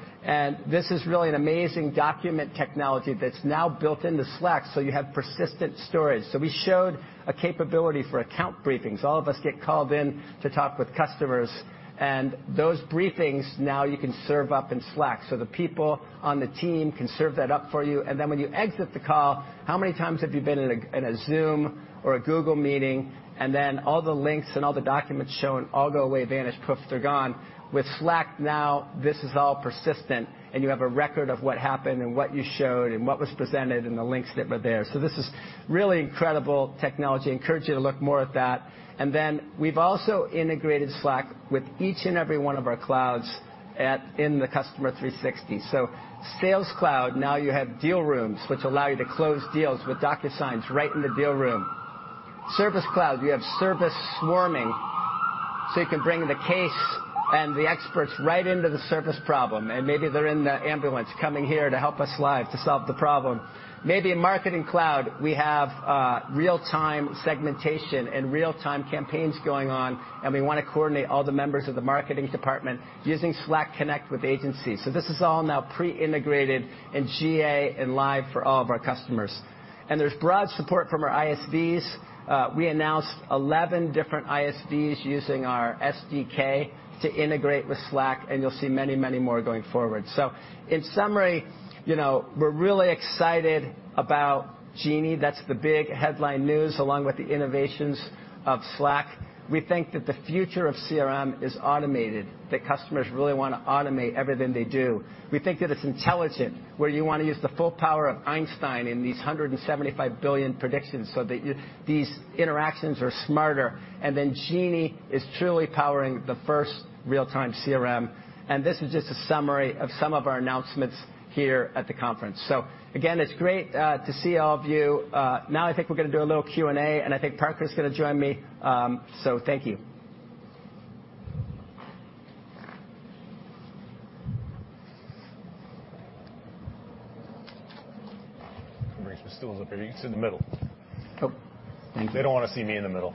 This is really an amazing document technology that's now built into Slack, so you have persistent storage. We showed a capability for account briefings. All of us get called in to talk with customers, and those briefings, now you can serve up in Slack. The people on the team can serve that up for you. When you exit the call, how many times have you been in a Zoom or a Google meeting, and then all the links and all the documents shown all go away, vanish, poof, they're gone? With Slack now, this is all persistent, and you have a record of what happened and what you showed and what was presented and the links that were there. This is really incredible technology. Encourage you to look more at that. We've also integrated Slack with each and every one of our clouds in the Customer 360. Sales Cloud, now you have deal rooms which allow you to close deals with DocuSign right in the deal room. Service Cloud, we have service swarming, so you can bring the case and the experts right into the service problem, and maybe they're in the ambulance coming here to help us live to solve the problem. Maybe in Marketing Cloud, we have real-time segmentation and real-time campaigns going on, and we wanna coordinate all the members of the marketing department using Slack Connect with agencies. This is all now pre-integrated in GA and live for all of our customers. There's broad support from our ISVs. We announced 11 different ISVs using our SDK to integrate with Slack, and you'll see many, many more going forward. In summary, you know, we're really excited about Genie. That's the big headline news, along with the innovations of Slack. We think that the future of CRM is automated, that customers really wanna automate everything they do. We think that it's intelligent, where you wanna use the full power of Einstein in these 175 billion predictions so that these interactions are smarter. Genie is truly powering the first real-time CRM, and this is just a summary of some of our announcements here at the conference. Again, it's great to see all of you. Now I think we're gonna do a little Q&A, and I think Parker's gonna join me. Thank you. Bring some stools up here. You can sit in the middle. Oh, thank you. They don't wanna see me in the middle.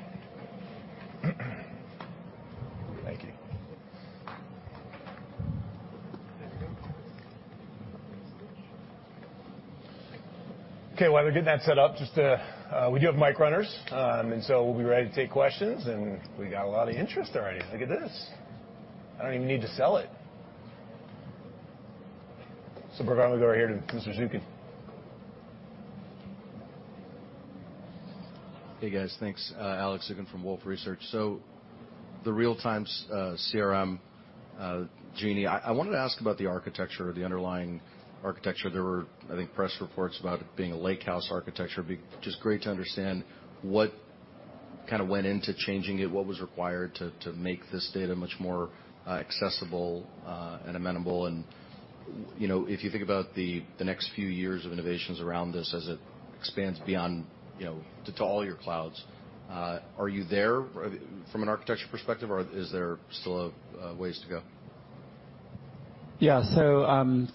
Thank you. Okay, while they're getting that set up, just we do have mic runners. We'll be ready to take questions, and we got a lot of interest already. Look at this. I don't even need to sell it. We're gonna go right here to Mr. Zukin. Hey, guys. Thanks. Alex Zukin from Wolfe Research. So the real-time CRM Genie, I wanted to ask about the architecture, the underlying architecture. There were, I think, press reports about it being a lake house architecture. It'd be just great to understand what kinda went into changing it, what was required to make this data much more accessible and amenable. You know, if you think about the next few years of innovations around this as it expands beyond to all your clouds, are you there from an architecture perspective, or is there still a ways to go? Yeah.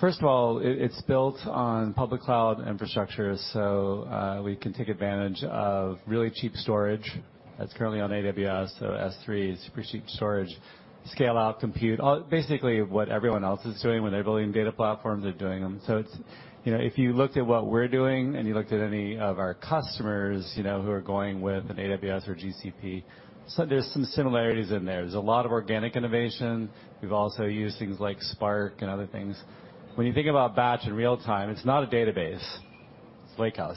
First of all, it's built on public cloud infrastructure, so we can take advantage of really cheap storage that's currently on AWS, so S3's super cheap storage, scale out, compute, all. Basically what everyone else is doing when they're building data platforms, they're doing them. It's, you know, if you looked at what we're doing and you looked at any of our customers, you know, who are going with an AWS or GCP, so there's some similarities in there. There's a lot of organic innovation. We've also used things like Spark and other things. When you think about batch and real-time, it's not a database. It's a lake house.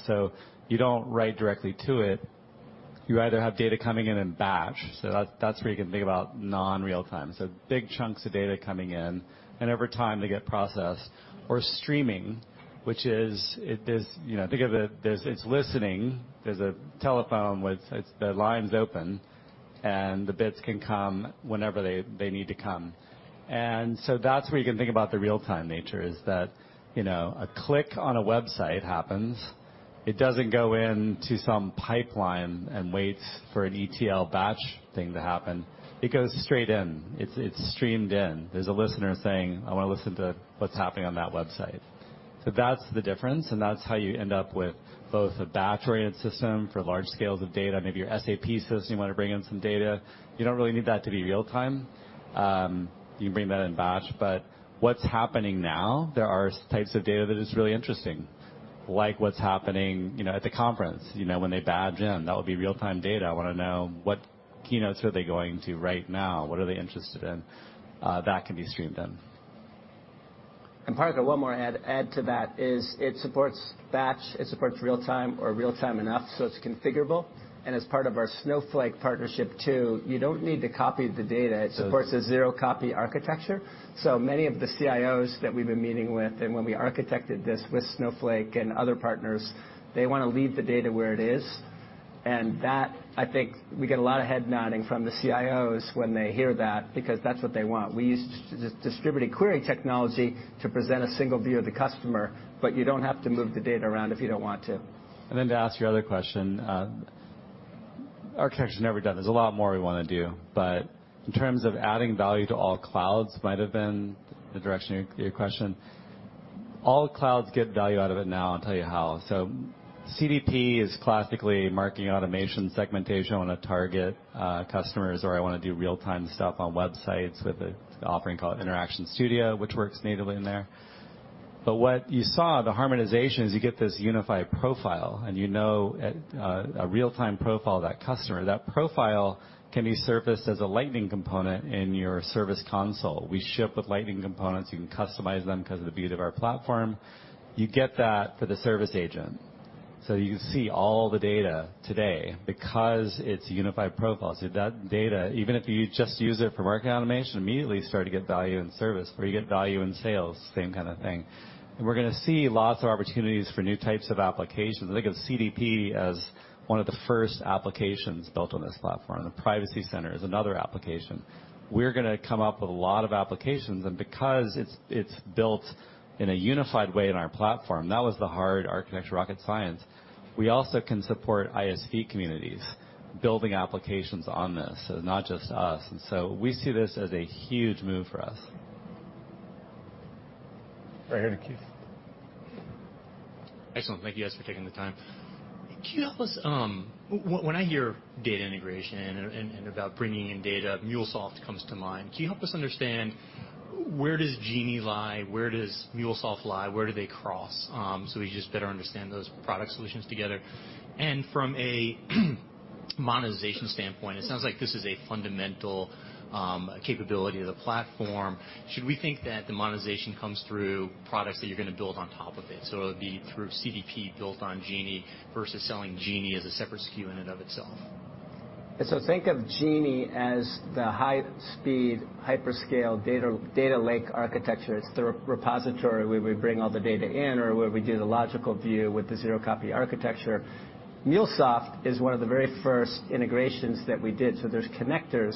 You don't write directly to it. You either have data coming in in batch, so that's where you can think about non-real-time, so big chunks of data coming in, and over time they get processed or streaming, which is, you know, think of it's listening. There's a telephone with the line's open, and the bits can come whenever they need to come. That's where you can think about the real-time nature is that, you know, a click on a website happens. It doesn't go into some pipeline and waits for an ETL batch thing to happen. It goes straight in. It's streamed in. There's a listener saying, "I wanna listen to what's happening on that website." That's the difference, and that's how you end up with both a batch-oriented system for large scales of data, maybe your SAP system, you wanna bring in some data. You don't really need that to be real-time. You can bring that in batch. What's happening now, there are types of data that is really interesting, like what's happening, you know, at the conference, you know, when they badge in. That would be real-time data. I wanna know what keynotes are they going to right now. What are they interested in? That can be streamed in. Parker, one more add to that is it supports batch. It supports real time or real time enough, so it's configurable. As part of our Snowflake partnership too, you don't need to copy the data. Yes. It supports a zero copy architecture. Many of the CIOs that we've been meeting with, and when we architected this with Snowflake and other partners, they wanna leave the data where it is. That, I think, we get a lot of head nodding from the CIOs when they hear that because that's what they want. We use distributed query technology to present a single view of the customer, but you don't have to move the data around if you don't want to. To ask your other question, architecture's never done. There's a lot more we wanna do, but in terms of adding value to all clouds might have been the direction of your question. All clouds get value out of it now. I'll tell you how. CDP is classically marketing automation segmentation on targeted customers, or I wanna do real-time stuff on websites with an offering called Interaction Studio, which works natively in there. What you saw, the harmonization, is you get this unified profile, and you know, a real-time profile of that customer. That profile can be surfaced as a Lightning component in your service console. We ship with Lightning components. You can customize them 'cause of the beauty of our platform. You get that for the service agent. You see all the data today because it's a unified profile. That data, even if you just use it for marketing automation, immediately start to get value in service, or you get value in sales, same kinda thing. We're gonna see lots of opportunities for new types of applications. Think of CDP as one of the first applications built on this platform. The Privacy Center is another application. We're gonna come up with a lot of applications, and because it's built in a unified way in our platform, that was the hard architecture rocket science. We also can support ISV communities building applications on this, so not just us. We see this as a huge move for us. Right here to Keith. Excellent. Thank you guys for taking the time. Can you help us, when I hear data integration and about bringing in data, MuleSoft comes to mind. Can you help us understand where does Genie lie? Where does MuleSoft lie? Where do they cross? We just better understand those product solutions together. From a monetization standpoint, it sounds like this is a fundamental capability of the platform. Should we think that the monetization comes through products that you're gonna build on top of it? It would be through CDP built on Genie versus selling Genie as a separate SKU in and of itself. Think of Genie as the high-speed, hyperscale data lake architecture. It's the repository where we bring all the data in or where we do the logical view with the zero-copy architecture. MuleSoft is one of the very first integrations that we did, so there's connectors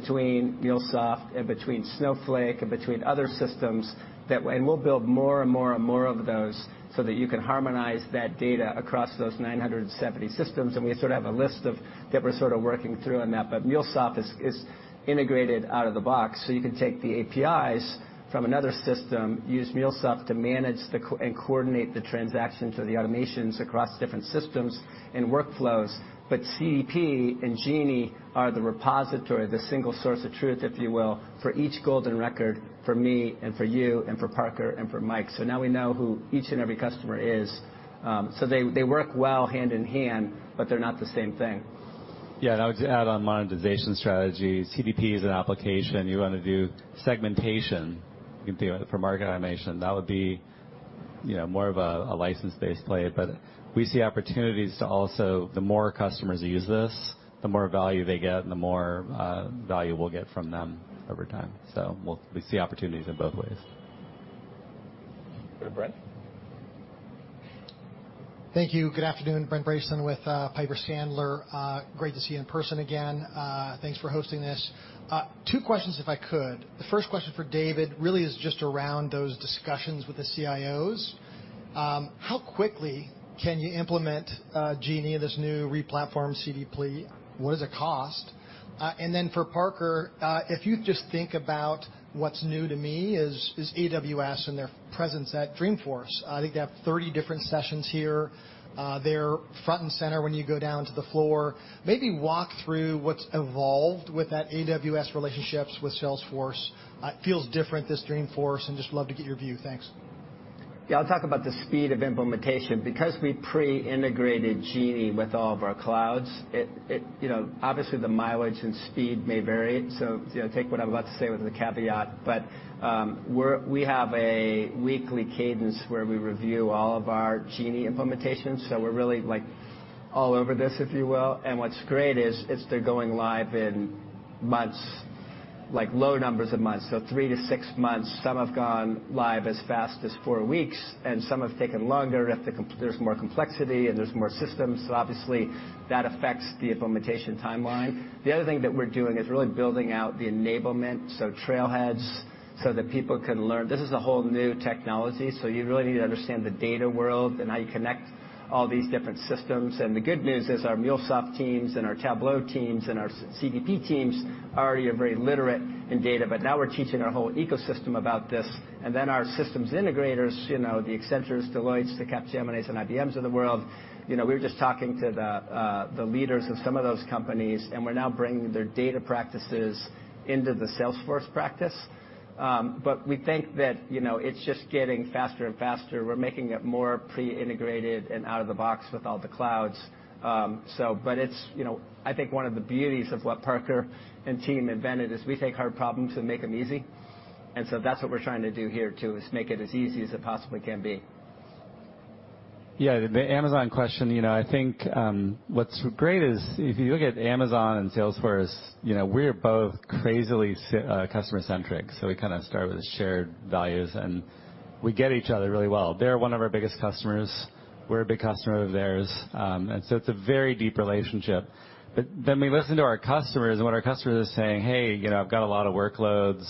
between MuleSoft and between Snowflake and between other systems that we'll build more and more and more of those so that you can harmonize that data across those 970 systems, and we sort of have a list of that we're sorta working through on that. But MuleSoft is integrated out of the box, so you can take the APIs from another system, use MuleSoft to manage and coordinate the transactions or the automations across different systems and workflows. CDP and Genie are the repository, the single source of truth, if you will, for each golden record for me and for you and for Parker and for Mike. Now we know who each and every customer is. They work well hand in hand, but they're not the same thing. Yeah, I would just add on monetization strategy. CDP is an application. You wanna do segmentation for marketing automation, that would be, you know, more of a license-based play. We see opportunities to also, the more customers use this, the more value they get, and the more value we'll get from them over time. We see opportunities in both ways. Go to Bret. Thank you. Good afternoon. Brent Bracelin with Piper Sandler. Great to see you in person again. Thanks for hosting this. Two questions if I could. The first question for David really is just around those discussions with the CIOs. How quickly can you implement Genie, this new replatform CDP? What does it cost? And then for Parker, if you just think about what's new to me is AWS and their presence at Dreamforce. I think they have 30 different sessions here. They're front and center when you go down to the floor. Maybe walk through what's evolved with that AWS relationships with Salesforce. It feels different, this Dreamforce, and just love to get your view. Thanks. Yeah, I'll talk about the speed of implementation. Because we pre-integrated Genie with all of our clouds, it you know, obviously the mileage and speed may vary, so, you know, take what I'm about to say with a caveat. We have a weekly cadence where we review all of our Genie implementations, so we're really, like, all over this, if you will. What's great is they're going live in months, like, low numbers of months, so 3-6 months. Some have gone live as fast as 4 weeks, and some have taken longer. If there's more complexity and there's more systems, so obviously that affects the implementation timeline. The other thing that we're doing is really building out the enablement, so Trailhead so that people can learn. This is a whole new technology, so you really need to understand the data world and how you connect all these different systems. The good news is, our MuleSoft teams and our Tableau teams and our CDP teams already are very literate in data, but now we're teaching our whole ecosystem about this. Then our systems integrators, you know, the Accenture, Deloitte, the Capgemini and IBM of the world, you know, we were just talking to the leaders of some of those companies, and we're now bringing their data practices into the Salesforce practice. We think that, you know, it's just getting faster and faster. We're making it more pre-integrated and out of the box with all the clouds. It's, you know. I think one of the beauties of what Parker and team invented is we take hard problems and make them easy. That's what we're trying to do here too, is make it as easy as it possibly can be. Yeah, the Amazon question, you know, I think what's great is if you look at Amazon and Salesforce, you know, we're both crazily customer-centric, so we kinda start with shared values, and we get each other really well. They're one of our biggest customers, we're a big customer of theirs, and so it's a very deep relationship. We listen to our customers, and what our customers are saying, "Hey, you know, I've got a lot of workloads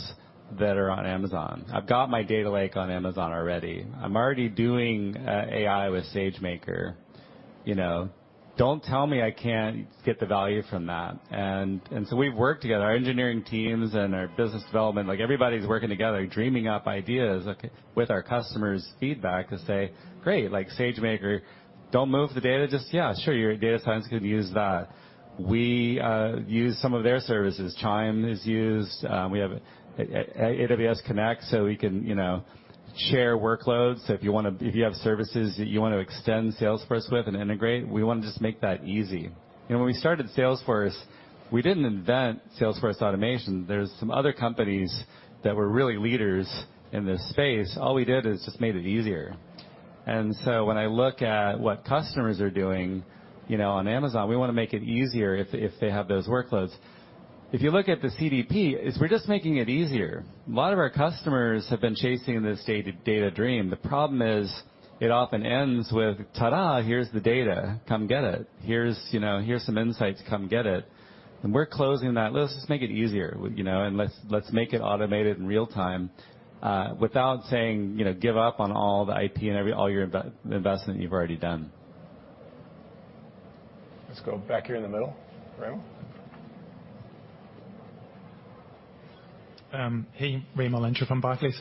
that are on Amazon. I've got my data lake on Amazon already. I'm already doing AI with SageMaker. You know, don't tell me I can't get the value from that." We've worked together, our engineering teams and our business development, like, everybody's working together, dreaming up ideas, like, with our customers' feedback to say, "Great, like SageMaker, don't move the data. Just, yeah, sure, your data science can use that." We use some of their services. Amazon Chime is used. We have Amazon Connect, so we can, you know, share workloads. If you have services that you wanna extend Salesforce with and integrate, we wanna just make that easy. You know, when we started Salesforce, we didn't invent Salesforce automation. There's some other companies that were really leaders in this space. All we did is just made it easier. When I look at what customers are doing, you know, on Amazon, we wanna make it easier if they have those workloads. If you look at the CDP, we're just making it easier. A lot of our customers have been chasing this data dream. The problem is, it often ends with, "Ta-da, here's the data. Come get it. Here's, you know, here's some insights. Come get it. We're closing that. Let's just make it easier, you know, and let's make it automated in real time, without saying, you know, give up on all the IT and all your investment you've already done. Let's go back here in the middle. Raimo. Hey. Raimo Lenschow from Barclays.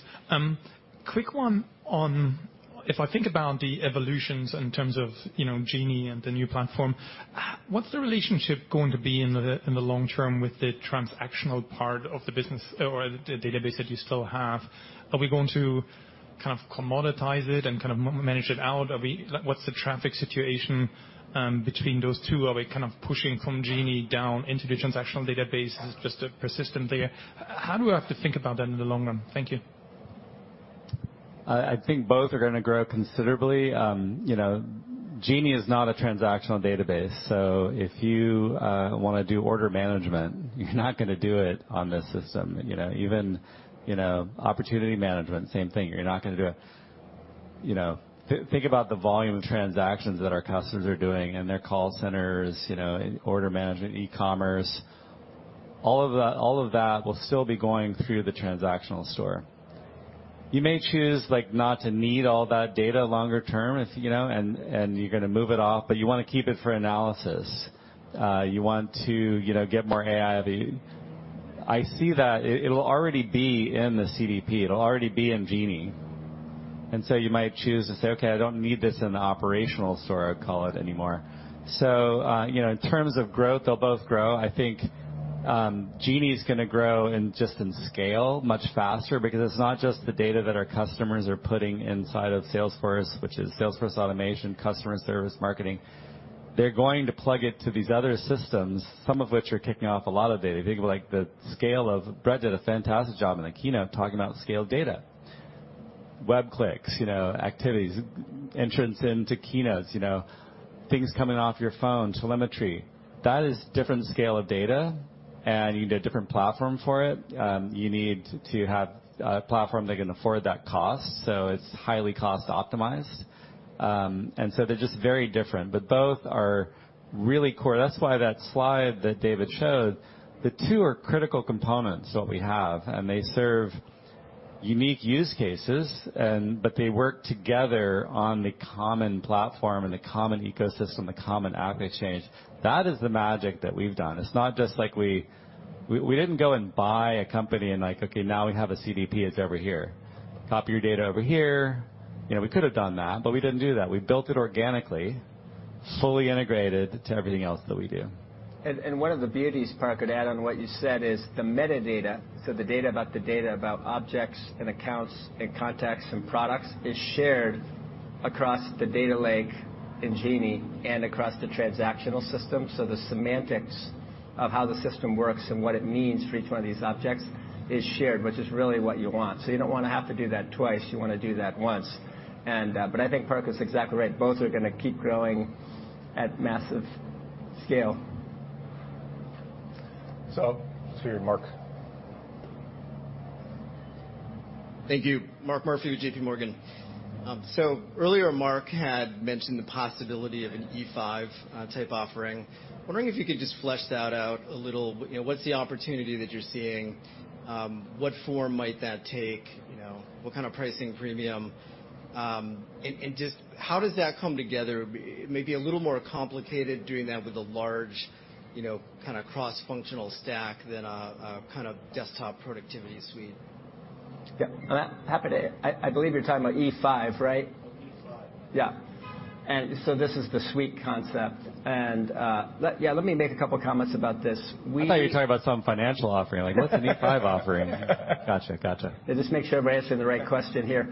Quick one on if I think about the evolutions in terms of, you know, Genie and the new platform, what's the relationship going to be in the long term with the transactional part of the business or the database that you still have? Are we going to kind of commoditize it and kind of manage it out? Like, what's the traffic situation between those two? Are we kind of pushing from Genie down into the transactional database as just a persistent layer? How do I have to think about that in the long run? Thank you. I think both are gonna grow considerably. You know, Genie is not a transactional database, so if you wanna do order management, you're not gonna do it on this system. You know, even, you know, opportunity management, same thing. You're not gonna do it. You know, think about the volume of transactions that our customers are doing in their call centers, you know, in order management, e-commerce. All of that will still be going through the transactional store. You may choose, like, not to need all that data longer term if, you know, and you're gonna move it off, but you wanna keep it for analysis. You want to, you know, get more AI out of it. I see that it'll already be in the CDP. It'll already be in Genie. You might choose to say, "Okay, I don't need this in the operational store," I would call it, anymore. You know, in terms of growth, they'll both grow. I think, Genie is going to grow in just in scale much faster because it's not just the data that our customers are putting inside of Salesforce, which is Salesforce automation, customer service, marketing. They're going to plug it to these other systems, some of which are kicking off a lot of data. If you think about like the scale of Bret did a fantastic job in the keynote talking about scaled data, web clicks, you know, activities, entrance into keynotes, you know, things coming off your phone, telemetry. That is different scale of data, and you need a different platform for it. You need to have a platform that can afford that cost, so it's highly cost optimized. They're just very different, but both are really core. That's why that slide that David showed, the two are critical components, what we have, and they serve unique use cases, but they work together on the common platform and the common ecosystem, the common AppExchange. That is the magic that we've done. It's not just like we didn't go and buy a company and like, okay, now we have a CDP, it's over here. Copy your data over here. You know, we could have done that, but we didn't do that. We built it organically, fully integrated to everything else that we do. One of the beauties, Parker, to add on what you said, is the metadata, so the data about the data about objects and accounts and contacts and products, is shared across the data lake in Genie and across the transactional system. The semantics of how the system works and what it means for each one of these objects is shared, which is really what you want. You don't want to have to do that twice. You want to do that once. I think Parker is exactly right. Both are gonna keep growing at massive scale. Let's hear Mark. Thank you. Mark Murphy with JPMorgan. Earlier, Marc had mentioned the possibility of an E5 type offering. Wondering if you could just flesh that out a little. You know, what's the opportunity that you're seeing? What form might that take? You know, what kind of pricing premium? And just how does that come together? Maybe a little more complicated doing that with a large, you know, kind of cross-functional stack than a kind of desktop productivity suite. Yeah. I'm happy to. I believe you're talking about E5, right? E5. Yeah. This is the suite concept. Yeah, let me make a couple comments about this. I thought you were talking about some financial offering, like what's an E5 offering? Gotcha. Just make sure I'm answering the right question here.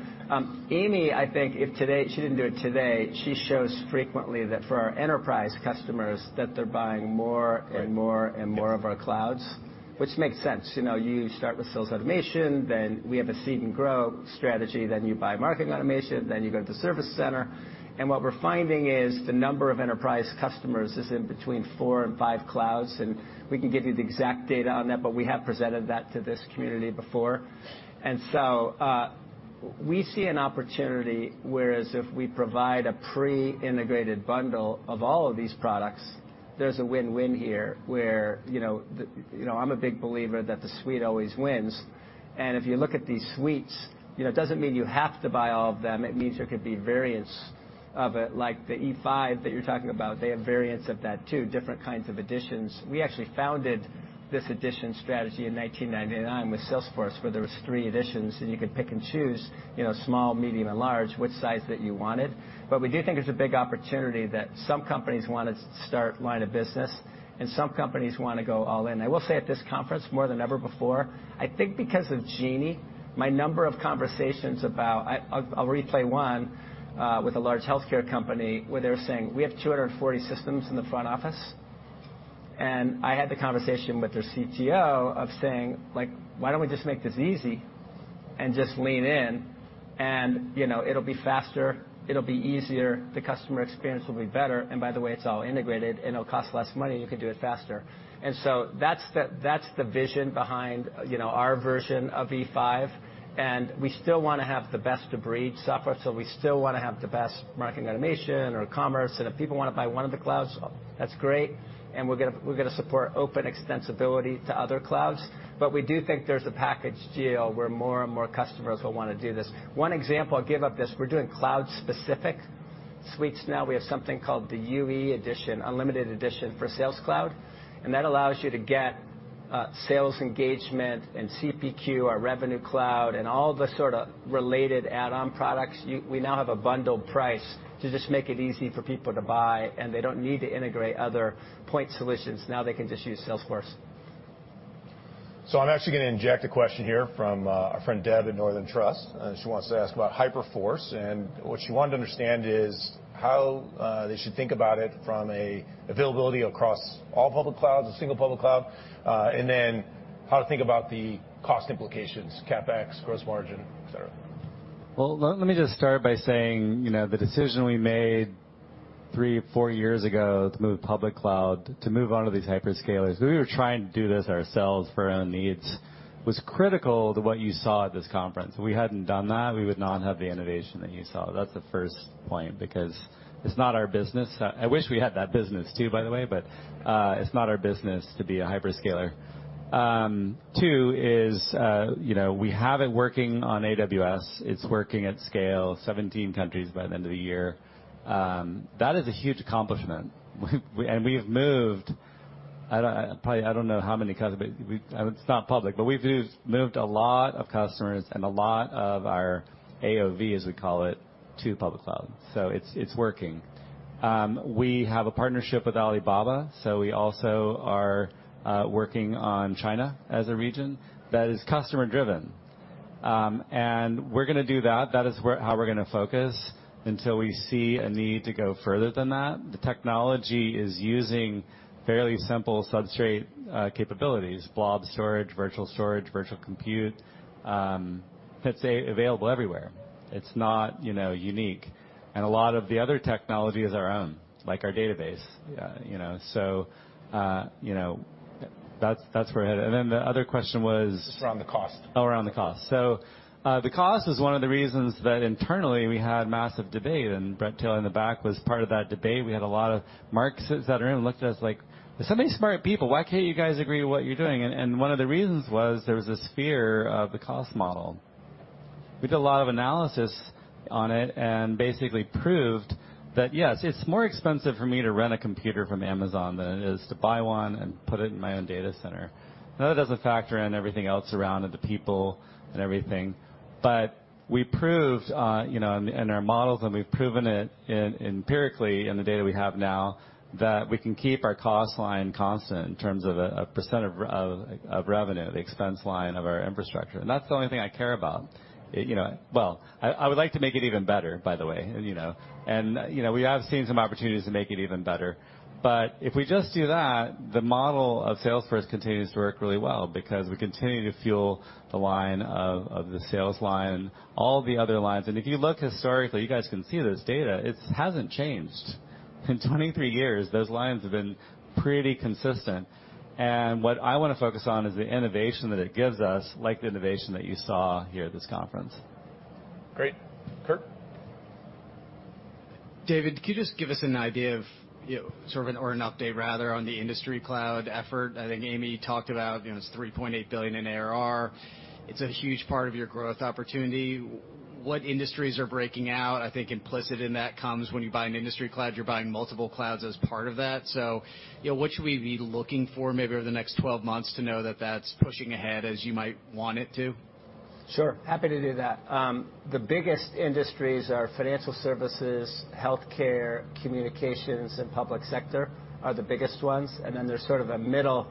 Amy, I think if today, she didn't do it today, she shows frequently that for our enterprise customers, that they're buying more and more and more of our clouds, which makes sense. You know, you start with sales automation, then we have a seed and grow strategy, then you buy marketing automation, then you go to service center. What we're finding is the number of enterprise customers is in between four and five clouds, and we can give you the exact data on that, but we have presented that to this community before. We see an opportunity, whereas if we provide a pre-integrated bundle of all of these products, there's a win-win here, where, you know, the, you know, I'm a big believer that the suite always wins. If you look at these suites, you know, it doesn't mean you have to buy all of them. It means there could be variants of it, like the E5 that you're talking about, they have variants of that, too, different kinds of editions. We actually founded this edition strategy in 1999 with Salesforce, where there was three editions, and you could pick and choose, you know, small, medium, and large, which size that you wanted. But we do think there's a big opportunity that some companies wanna start line of business and some companies wanna go all in. I will say at this conference, more than ever before, I think because of Genie, my number of conversations about. I'll relay one with a large healthcare company, where they were saying, "We have 240 systems in the front office." I had the conversation with their CTO saying, like, "Why don't we just make this easy and just lean in? You know, it'll be faster, it'll be easier, the customer experience will be better. By the way, it's all integrated, and it'll cost less money, and you can do it faster." That's the vision behind our version of E5, and we still wanna have the best of breed software, so we still wanna have the best marketing automation or commerce. If people wanna buy one of the clouds, that's great, and we're gonna support open extensibility to other clouds. We do think there's a package deal where more and more customers will wanna do this. One example, I'll give you this, we're doing cloud-specific suites now. We have something called the UE edition, unlimited edition for Sales Cloud, and that allows you to get sales engagement and CPQ, our Revenue Cloud, and all the sorta related add-on products. We now have a bundled price to just make it easy for people to buy, and they don't need to integrate other point solutions. Now they can just use Salesforce. I'm actually gonna inject a question here from our friend Deb at Northern Trust, and she wants to ask about Hyperforce. What she wanted to understand is how they should think about it from an availability across all public clouds, a single public cloud, and then how to think about the cost implications, CapEx, gross margin, etc. Let me just start by saying, you know, the decision we made three to four years ago to move public cloud, to move onto these hyperscalers, we were trying to do this ourselves for our own needs, was critical to what you saw at this conference. If we hadn't done that, we would not have the innovation that you saw. That's the first point, because it's not our business. I wish we had that business too, by the way, but it's not our business to be a hyperscaler. Two is, you know, we have it working on AWS. It's working at scale, 17 countries by the end of the year. That is a huge accomplishment. We and we've moved, I don't. Probably, I don't know how many customers, but we've moved a lot of customers and a lot of our ACV, as we call it, to public cloud. It's working. We have a partnership with Alibaba, so we also are working on China as a region. That is customer-driven. We're gonna do that. That is where how we're gonna focus until we see a need to go further than that. The technology is using fairly simple substrate capabilities, blob storage, virtual storage, virtual compute, that's available everywhere. It's not, you know, unique. A lot of the other technology is our own, like our database. You know, so, you know, that's where we're headed. Then the other question was? Just around the cost. Oh, around the cost. The cost is one of the reasons that internally we had massive debate, and Bret Taylor in the back was part of that debate. We had a lot of people that are in, looked at us like, "There's so many smart people. Why can't you guys agree what you're doing?" One of the reasons was there was this fear of the cost model. We did a lot of analysis on it and basically proved that, yes, it's more expensive for me to rent a computer from Amazon than it is to buy one and put it in my own data center. Now, that doesn't factor in everything else around it, the people and everything. We proved, you know, in our models, and we've proven it empirically in the data we have now, that we can keep our cost line constant in terms of a percent of revenue, the expense line of our infrastructure. That's the only thing I care about. You know, well, I would like to make it even better, by the way, you know. We have seen some opportunities to make it even better. If we just do that, the model of Salesforce continues to work really well because we continue to fuel the line of the sales line, all the other lines. If you look historically, you guys can see this data. It hasn't changed. In 23 years, those lines have been pretty consistent. What I wanna focus on is the innovation that it gives us, like the innovation that you saw here at this conference. Great. Kirk? David, could you just give us an idea of, you know, an update rather on the industry cloud effort? I think Amy talked about, you know, it's $3.8 billion in ARR. It's a huge part of your growth opportunity. What industries are breaking out? I think implicit in that comes when you buy an industry cloud, you're buying multiple clouds as part of that. You know, what should we be looking for maybe over the next 12 months to know that that's pushing ahead as you might want it to? Sure. Happy to do that. The biggest industries are financial services, healthcare, communications, and public sector are the biggest ones, and then there's sort of a middle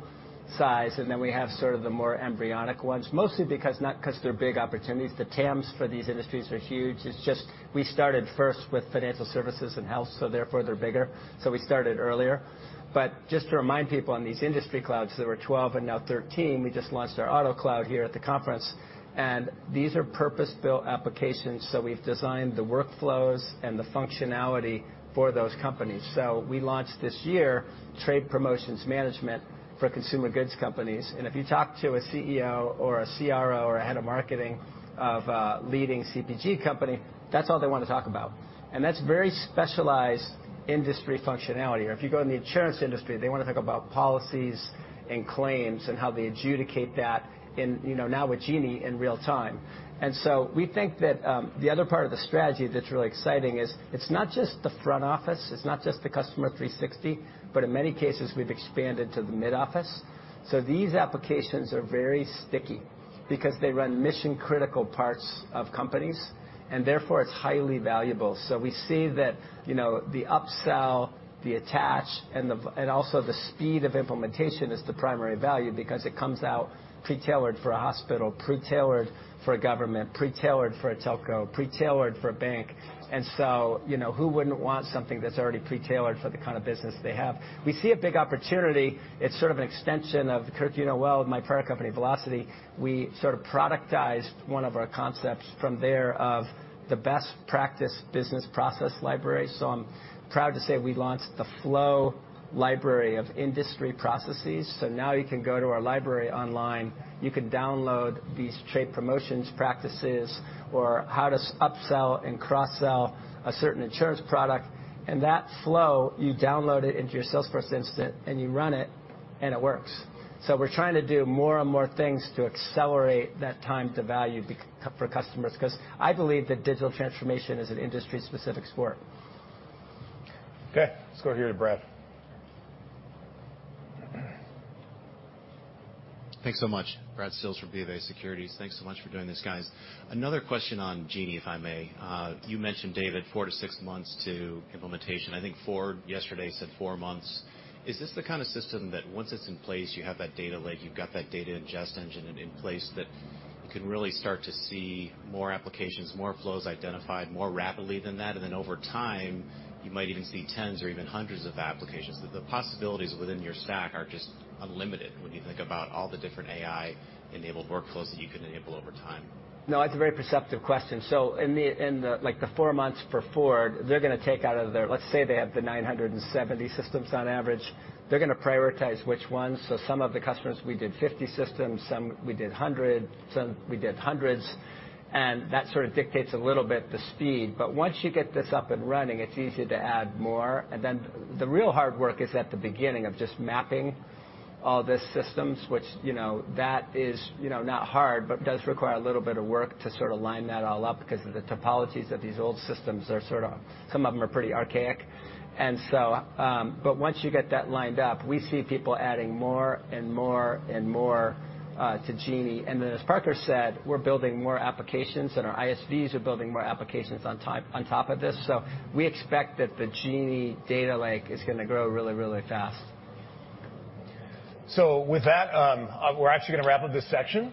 size, and then we have sort of the more embryonic ones, mostly because, not 'cause they're big opportunities. The TAMs for these industries are huge. It's just we started first with financial services and health, so therefore they're bigger, so we started earlier. Just to remind people on these industry clouds, there were 12 and now 13. We just launched our Auto Cloud here at the conference, and these are purpose-built applications. We've designed the workflows and the functionality for those companies. We launched this year trade promotions management for consumer goods companies. If you talk to a CEO or a CRO or a head of marketing of a leading CPG company, that's all they want to talk about. That's very specialized industry functionality. If you go in the insurance industry, they wanna talk about policies and claims and how they adjudicate that in now with Genie in real time. We think that the other part of the strategy that's really exciting is it's not just the front office, it's not just the Customer 360, but in many cases, we've expanded to the mid-office. These applications are very sticky because they run mission-critical parts of companies, and therefore it's highly valuable. We see that, you know, the upsell, the attach, and also the speed of implementation is the primary value because it comes out pre-tailored for a hospital, pre-tailored for a government, pre-tailored for a telco, pre-tailored for a bank. You know, who wouldn't want something that's already pre-tailored for the kind of business they have? We see a big opportunity. It's sort of an extension of, Kirk, you know well, my prior company, Vlocity, we sort of productized one of our concepts from there of the best practice business process library. I'm proud to say we launched the Flow library of industry processes. Now you can go to our library online, you can download these trade promotions practices or how to upsell and cross-sell a certain insurance product. That flow, you download it into your Salesforce instance, and you run it, and it works. We're trying to do more and more things to accelerate that time to value for customers 'cause I believe that digital transformation is an industry specific sport. Okay. Let's go here to Brad. Thanks so much. Brad Sills from BofA Securities. Thanks so much for doing this, guys. Another question on Genie, if I may. You mentioned, David, four to six months to implementation. I think Ford yesterday said four months. Is this the kind of system that once it's in place, you have that data lake, you've got that data ingest engine in place that you can really start to see more applications, more flows identified more rapidly than that, and then over time, you might even see tens or even hundreds of applications, that the possibilities within your stack are just unlimited when you think about all the different AI-enabled workflows that you can enable over time? No, that's a very perceptive question. In the like, the four months for Ford, they're gonna take out of their, let's say, they have the 970 systems on average. They're gonna prioritize which ones. Some of the customers, we did 50 systems, some we did 100, some we did hundreds. That sort of dictates a little bit the speed. Once you get this up and running, it's easy to add more. The real hard work is at the beginning of just mapping all the systems, which, you know, that is, you know, not hard, but does require a little bit of work to sort of line that all up because of the topologies of these old systems are sort of, some of them are pretty archaic. Once you get that lined up, we see people adding more and more and more to Genie. As Parker said, we're building more applications and our ISVs are building more applications on top, on top of this. We expect that the Genie data lake is gonna grow really, really fast. With that, we're actually gonna wrap up this section.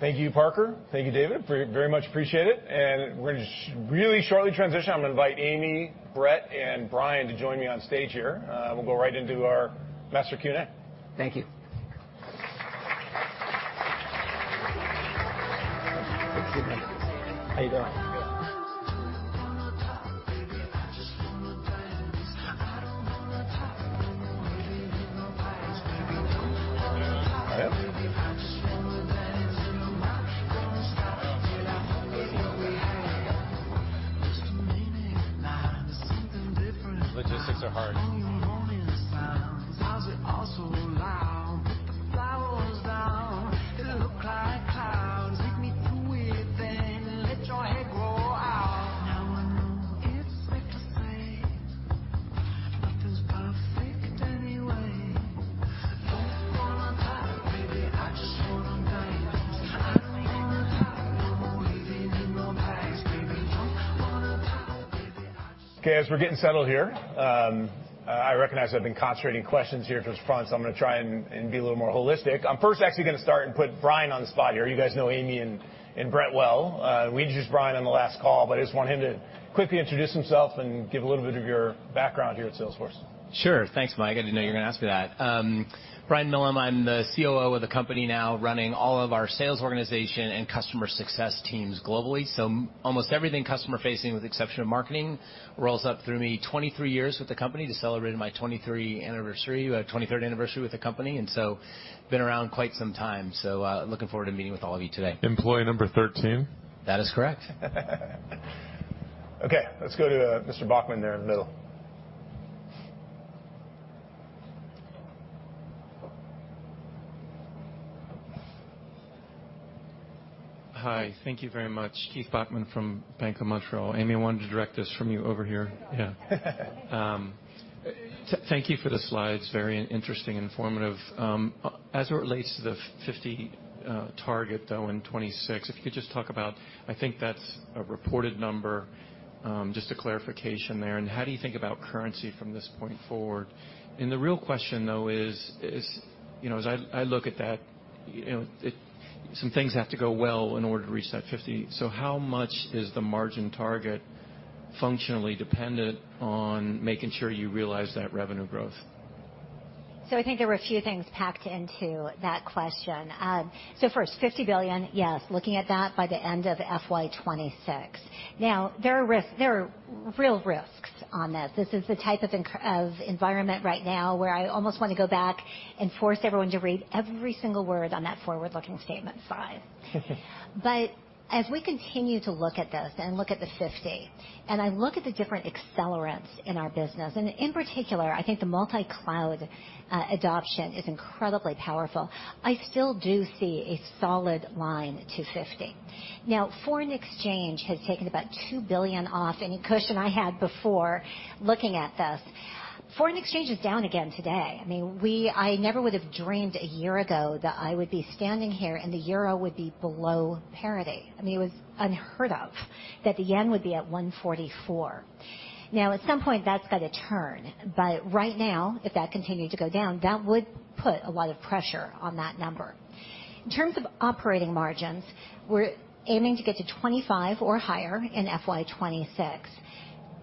Thank you, Parker. Thank you, David. Very, very much appreciate it. We're gonna just really shortly transition. I'm gonna invite Amy, Brett, and Brian to join me on stage here. We'll go right into our master Q&A. Okay. As we're getting settled here, I recognize I've been concentrating questions here at the front, so I'm gonna try and be a little more holistic. I'm first actually gonna start and put Brian on the spot here. You guys know Amy and Brett well. We introduced Brian on the last call, but I just want him to quickly introduce himself and give a little bit of your background here at Salesforce. Sure. Thanks, Mike. I didn't know you were gonna ask me that. Brian Millham. I'm the COO of the company now, running all of our sales organization and customer success teams globally. Almost everything customer-facing, with the exception of marketing, rolls up through me. 23 years with the company. Just celebrated my 23rd anniversary with the company, and so been around quite some time. Looking forward to meeting with all of you today. Employee number 13? That is correct. Okay, let's go to Mr. Bachman there in the middle. Hi. Thank you very much. Keith Bachman from Bank of Montreal. Amy, I wanted to direct this from you over here. Yeah. Thank you for the slides. Very interesting, informative. As it relates to the $50 target, though, and 2026, if you could just talk about. I think that's a reported number, just a clarification there, and how do you think about currency from this point forward? The real question, though, is, you know, as I look at that, you know, some things have to go well in order to reach that $50. How much is the margin target functionally dependent on making sure you realize that revenue growth? I think there were a few things packed into that question. First, $50 billion, yes, looking at that by the end of FY 2026. Now, there are risks. There are real risks on this. This is the type of environment right now where I almost wanna go back and force everyone to read every single word on that forward-looking statement slide. As we continue to look at this and look at the 50, and I look at the different accelerants in our business, and in particular, I think the multi-cloud adoption is incredibly powerful, I still do see a solid line to 50. Now, foreign exchange has taken about $2 billion off any cushion I had before looking at this. Foreign exchange is down again today. I mean, we. I never would have dreamed a year ago that I would be standing here and the euro would be below parity. I mean, it was unheard of that the yen would be at 144. Now, at some point, that's gotta turn, but right now, if that continued to go down, that would put a lot of pressure on that number. In terms of operating margins, we're aiming to get to 25% or higher in FY 2026.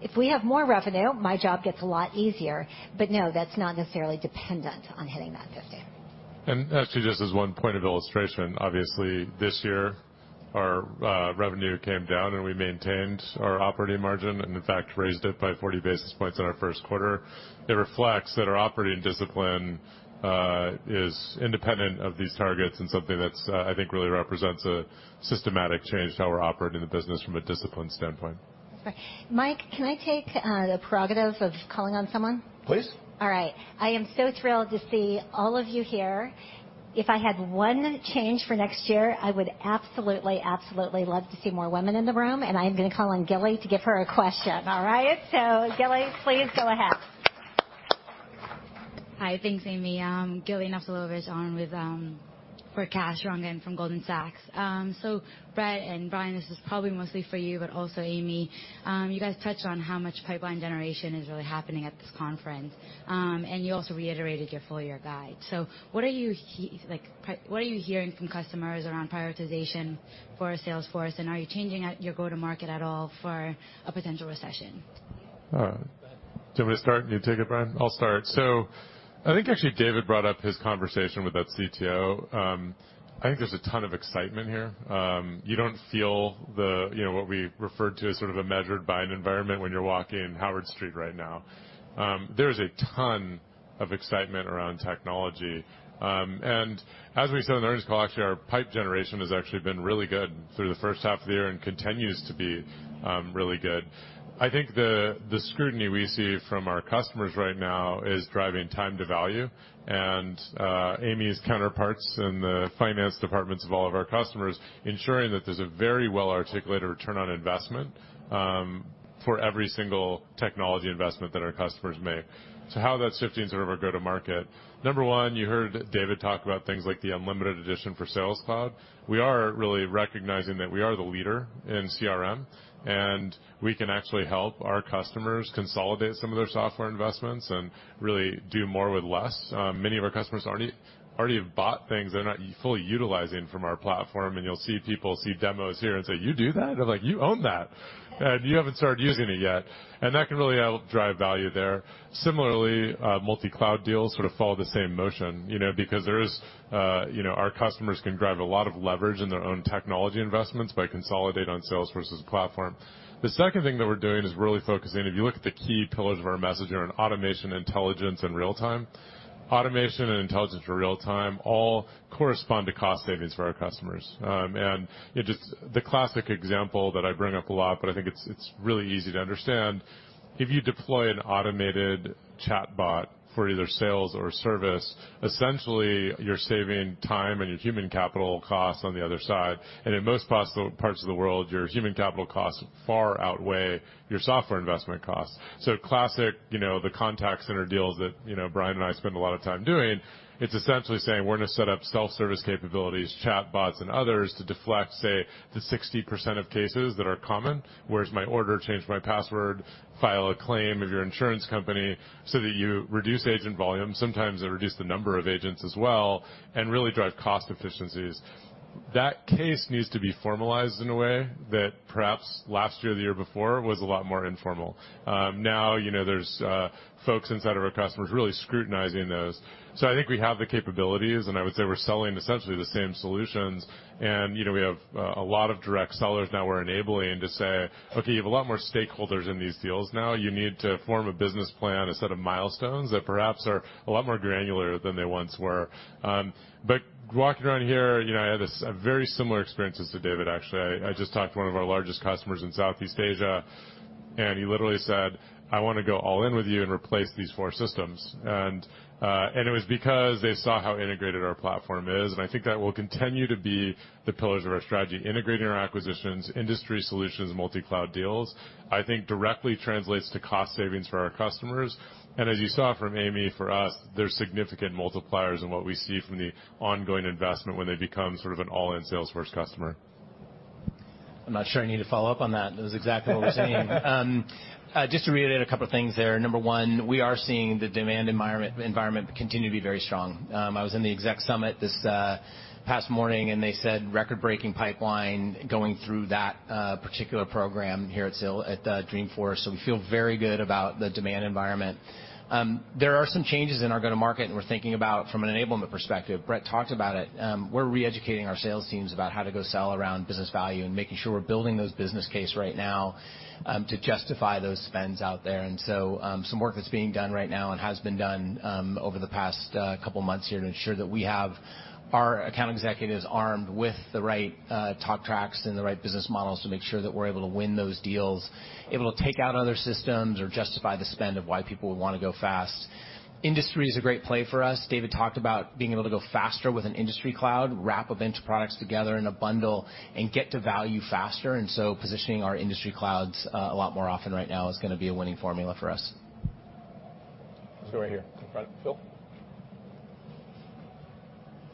If we have more revenue, my job gets a lot easier, but no, that's not necessarily dependent on hitting that $50. Actually, just as one point of illustration, obviously this year our revenue came down and we maintained our operating margin and in fact raised it by 40 basis points in our first quarter. It reflects that our operating discipline is independent of these targets and something that's I think really represents a systematic change to how we're operating the business from a discipline standpoint. Mike, can I take the prerogative of calling on someone? Please. All right. I am so thrilled to see all of you here. If I had one change for next year, I would absolutely love to see more women in the room, and I'm gonna call on Gili to give her a question. All right. Gili, please go ahead. Hi. Thanks, Amy. Gili Naftalovich on with for Kash Rangan from Goldman Sachs. Bret and Brian, this is probably mostly for you, but also Amy. You guys touched on how much pipeline generation is really happening at this conference. You also reiterated your full year guide. What are you hearing from customers around prioritization for Salesforce, and are you changing out your go-to-market at all for a potential recession? Do you want me to start? You take it, Brian? I'll start. I think actually David brought up his conversation with that CTO. I think there's a ton of excitement here. You don't feel the, you know, what we refer to as sort of a measured buying environment when you're walking Howard Street right now. There's a ton of excitement around technology. As we said on the earnings call, actually, our pipe generation has actually been really good through the first half of the year and continues to be really good. I think the scrutiny we see from our customers right now is driving time to value, and Amy's counterparts in the finance departments of all of our customers ensuring that there's a very well-articulated return on investment for every single technology investment that our customers make. How that's shifting sort of our go-to-market. Number one, you heard David talk about things like the unlimited edition for Sales Cloud. We are really recognizing that we are the leader in CRM, and we can actually help our customers consolidate some of their software investments and really do more with less. Many of our customers already have bought things they're not fully utilizing from our platform, and you'll see people see demos here and say, "You do that?" They're like, "You own that, and you haven't started using it yet." That can really help drive value there. Similarly, multi-cloud deals sort of follow the same motion, you know, because there is, you know, our customers can drive a lot of leverage in their own technology investments by consolidating on Salesforce's platform. The second thing that we're doing is really focusing. If you look at the key pillars of our message, they are on automation, intelligence, and real-time. Automation and intelligence for real-time all correspond to cost savings for our customers. You know, just the classic example that I bring up a lot, but I think it's really easy to understand. If you deploy an automated chatbot for either sales or service, essentially you're saving time and your human capital costs on the other side. In most parts of the world, your human capital costs far outweigh your software investment costs. Classic, you know, the contact center deals that, you know, Brian and I spend a lot of time doing. It's essentially saying, "We're gonna set up self-service capabilities, chatbots and others, to deflect, say, the 60% of cases that are common. Where's my order? Change my password, file a claim of your insurance company so that you reduce agent volume, sometimes reduce the number of agents as well, and really drive cost efficiencies. That case needs to be formalized in a way that perhaps last year or the year before was a lot more informal. Now, you know, there's folks inside of our customers really scrutinizing those. I think we have the capabilities, and I would say we're selling essentially the same solutions. You know, we have a lot of direct sellers now we're enabling to say, "Okay, you have a lot more stakeholders in these deals now. You need to form a business plan, a set of milestones that perhaps are a lot more granular than they once were." Walking around here, you know, I had a very similar experience as to David Schmaier, actually. I just talked to one of our largest customers in Southeast Asia, and he literally said, "I wanna go all in with you and replace these four systems." It was because they saw how integrated our platform is, and I think that will continue to be the pillars of our strategy. Integrating our acquisitions, industry solutions, multi-cloud deals, I think directly translates to cost savings for our customers. As you saw from Amy, for us, there's significant multipliers in what we see from the ongoing investment when they become sort of an all-in Salesforce customer. I'm not sure I need to follow up on that. That was exactly what we're seeing. Just to reiterate a couple of things there. Number one, we are seeing the demand environment continue to be very strong. I was in the exec summit this past morning, and they said record-breaking pipeline going through that particular program here at Dreamforce. So we feel very good about the demand environment. There are some changes in our go-to-market, and we're thinking about from an enablement perspective. Brett talked about it. We're re-educating our sales teams about how to go sell around business value and making sure we're building those business case right now to justify those spends out there. Some work that's being done right now and has been done over the past couple months here to ensure that we have our account executives armed with the right talk tracks and the right business models to make sure that we're able to win those deals, able to take out other systems or justify the spend of why people would wanna go fast. Industry is a great play for us. David talked about being able to go faster with an industry cloud, wrap a bunch of products together in a bundle, and get to value faster. Positioning our industry clouds a lot more often right now is gonna be a winning formula for us. Let's go right here. In front. Phil?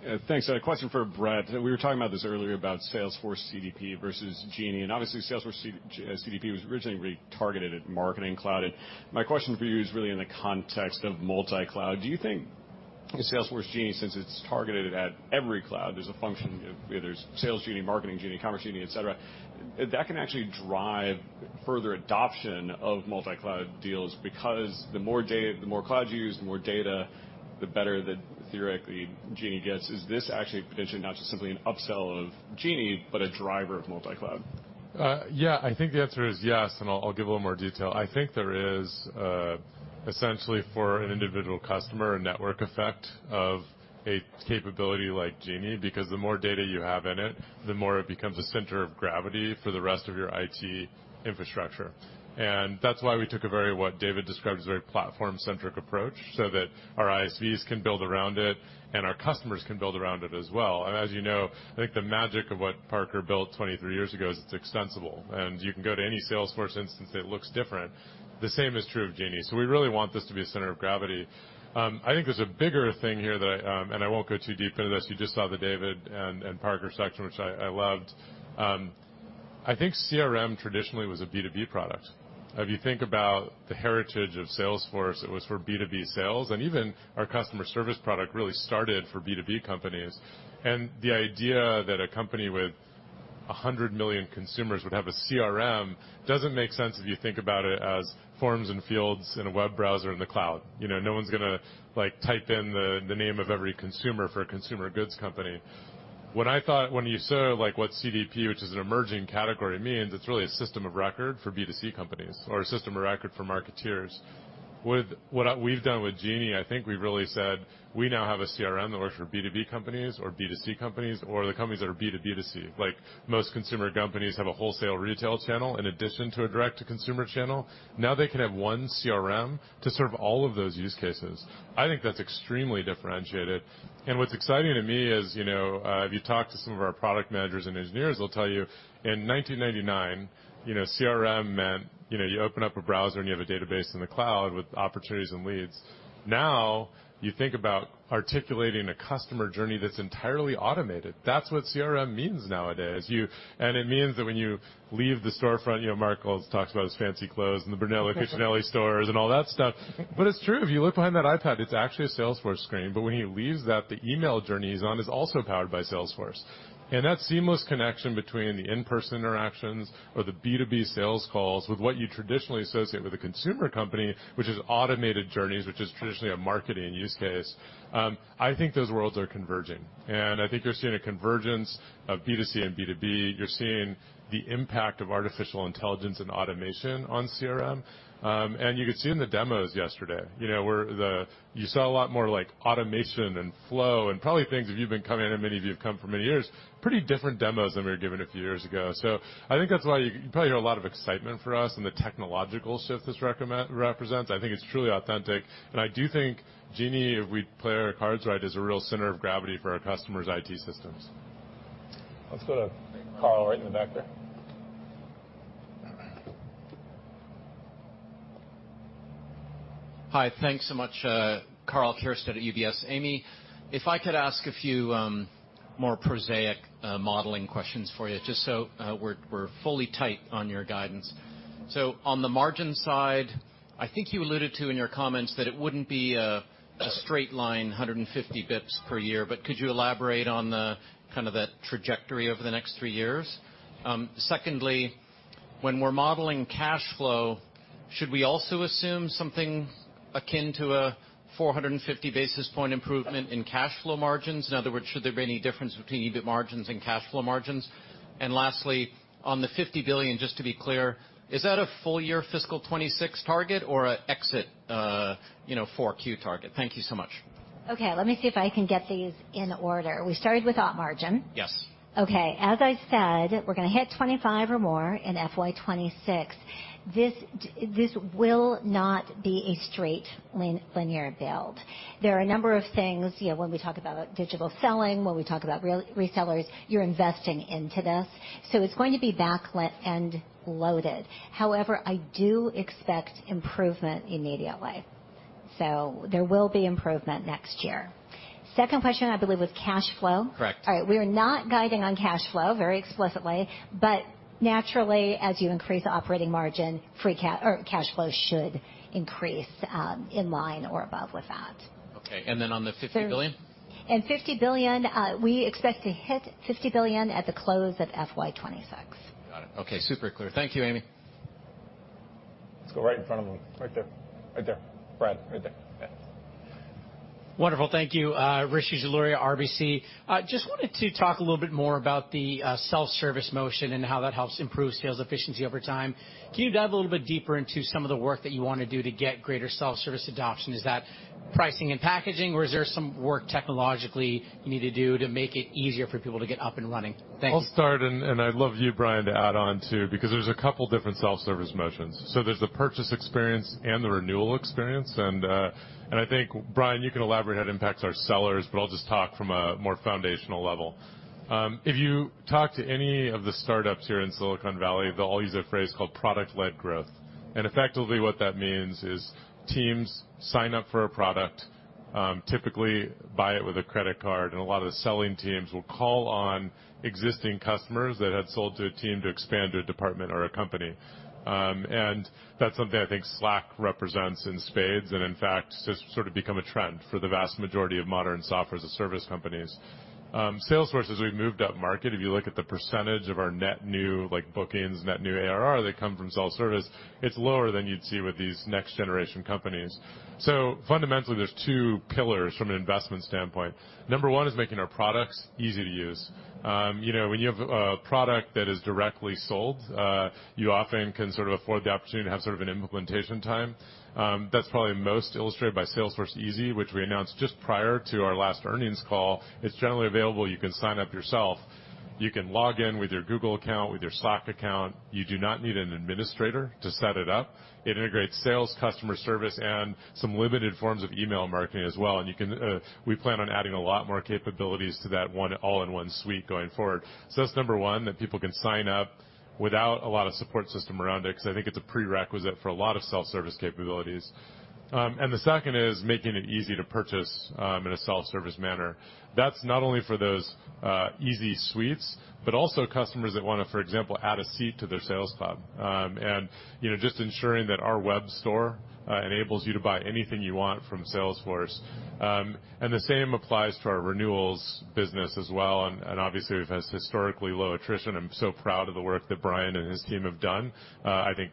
Yeah, thanks. A question for Bret. We were talking about this earlier about Salesforce CDP versus Genie, and obviously Salesforce CDP was originally really targeted at Marketing Cloud. My question for you is really in the context of multi-cloud. Do you think with Salesforce Genie, since it's targeted at every cloud, there's a function of, you know, there's sales genie, marketing genie, commerce genie, et cetera, that can actually drive further adoption of multi-cloud deals? Because the more cloud you use, the more data, the better that theoretically Genie gets. Is this actually potentially not just simply an upsell of Genie but a driver of multi-cloud? Yeah. I think the answer is yes, and I'll give a little more detail. I think there is essentially for an individual customer, a network effect of a capability like Genie, because the more data you have in it, the more it becomes a center of gravity for the rest of your IT infrastructure. That's why we took a very, what David described, as a very platform-centric approach, so that our ISVs can build around it and our customers can build around it as well. As you know, I think the magic of what Parker built 23 years ago is it's extensible, and you can go to any Salesforce instance that looks different. The same is true of Genie, so we really want this to be a center of gravity. I think there's a bigger thing here that I won't go too deep into this. You just saw the David and Parker section, which I loved. I think CRM traditionally was a B2B product. If you think about the heritage of Salesforce, it was for B2B sales, and even our customer service product really started for B2B companies. The idea that a company with 100 million consumers would have a CRM doesn't make sense if you think about it as forms and fields in a web browser in the cloud. You know, no one's gonna like type in the name of every consumer for a consumer goods company. When you said like what CDP, which is an emerging category, means it's really a system of record for B2C companies or a system of record for marketeers. With what we've done with Genie, I think we really said we now have a CRM that works for B2B companies or B2C companies or the companies that are B2B2C. Like most consumer companies have a wholesale retail channel in addition to a direct-to-consumer channel. Now they can have one CRM to serve all of those use cases. I think that's extremely differentiated. What's exciting to me is, you know, if you talk to some of our product managers and engineers, they'll tell you in 1999, you know, CRM meant, you know, you open up a browser and you have a database in the cloud with opportunities and leads. Now you think about articulating a customer journey that's entirely automated. That's what CRM means nowadays. It means that when you leave the storefront, you know, Marc talks about his fancy clothes and the Brunello Cucinelli stores and all that stuff. It's true. If you look behind that iPad, it's actually a Salesforce screen. When he leaves that, the email journey he's on is also powered by Salesforce. That seamless connection between the in-person interactions or the B2B sales calls with what you traditionally associate with a consumer company, which is automated journeys, which is traditionally a marketing use case, I think those worlds are converging. I think you're seeing a convergence of B2C and B2B. You're seeing the impact of artificial intelligence and automation on CRM. You could see in the demos yesterday, you know, you saw a lot more like automation and Flow and probably things, if you've been coming, and many of you have come for many years, pretty different demos than we were given a few years ago. I think that's why you probably hear a lot of excitement for us and the technological shift this represents. I think it's truly authentic, and I do think Genie, if we play our cards right, is a real center of gravity for our customers' IT systems. Let's go to Karl right in the back there. Hi. Thanks so much. Karl Keirstead at UBS. Amy, if I could ask a few more prosaic modeling questions for you, just so we're fully tight on your guidance. On the margin side, I think you alluded to in your comments that it wouldn't be a straight line, 150 basis points per year, but could you elaborate on the kind of that trajectory over the next three years? Secondly, when we're modeling cash flow, should we also assume something akin to a 450 basis point improvement in cash flow margins? In other words, should there be any difference between EBIT margins and cash flow margins? Lastly, on the $50 billion, just to be clear, is that a full year fiscal 2026 target or an exit Q4 target? Thank you so much. Okay, let me see if I can get these in order. We started with op margin. Yes. Okay. As I said, we're gonna hit 25% or more in FY 2026. This will not be a straight linear build. There are a number of things, you know, when we talk about digital selling, when we talk about resellers, you're investing into this, so it's going to be back-loaded. However, I do expect improvement immediately, so there will be improvement next year. Second question, I believe, was cash flow. All right. We are not guiding on cash flow very explicitly, but naturally, as you increase operating margin, or cash flow should increase in line or above with that. Okay. On the $50 billion? We expect to hit $50 billion at the close of FY 2026. Got it. Okay. Super clear. Thank you, Amy. Let's go right in front of him, right there. Right there. Brad, right there. Yeah. Wonderful. Thank you. Rishi Jaluria, RBC. Just wanted to talk a little bit more about the self-service motion and how that helps improve sales efficiency over time. Can you dive a little bit deeper into some of the work that you wanna do to get greater self-service adoption? Is that pricing and packaging or is there some work technologically you need to do to make it easier for people to get up and running? Thank you. I'll start, and I'd love you, Brian, to add on too, because there's a couple different self-service motions. There's the purchase experience and the renewal experience. I think, Brian, you can elaborate how it impacts our sellers, but I'll just talk from a more foundational level. If you talk to any of the startups here in Silicon Valley, they'll all use a phrase called product-led growth. Effectively, what that means is teams sign up for a product, typically buy it with a credit card, and a lot of the selling teams will call on existing customers that had sold to a team to expand a department or a company. That's something I think Slack represents in spades, and in fact, has sort of become a trend for the vast majority of modern software as a service companies. Salesforce, as we've moved up market, if you look at the percentage of our net new like bookings, net new ARR that come from self-service, it's lower than you'd see with these next generation companies. Fundamentally, there's two pillars from an investment standpoint. Number one is making our products easy to use. You know, when you have a product that is directly sold, you often can sort of afford the opportunity to have sort of an implementation time. That's probably most illustrated by Salesforce Easy, which we announced just prior to our last earnings call. It's generally available. You can sign up yourself. You can log in with your Google account, with your Slack account. You do not need an administrator to set it up. It integrates sales, customer service, and some limited forms of email marketing as well. We plan on adding a lot more capabilities to that one all-in-one suite going forward. That's number one, that people can sign up without a lot of support system around it, because I think it's a prerequisite for a lot of self-service capabilities. The second is making it easy to purchase in a self-service manner. That's not only for those easy suites, but also customers that wanna, for example, add a seat to their sales hub. You know, just ensuring that our web store enables you to buy anything you want from Salesforce. The same applies to our renewals business as well, and obviously, we've had historically low attrition. I'm so proud of the work that Brian and his team have done. I think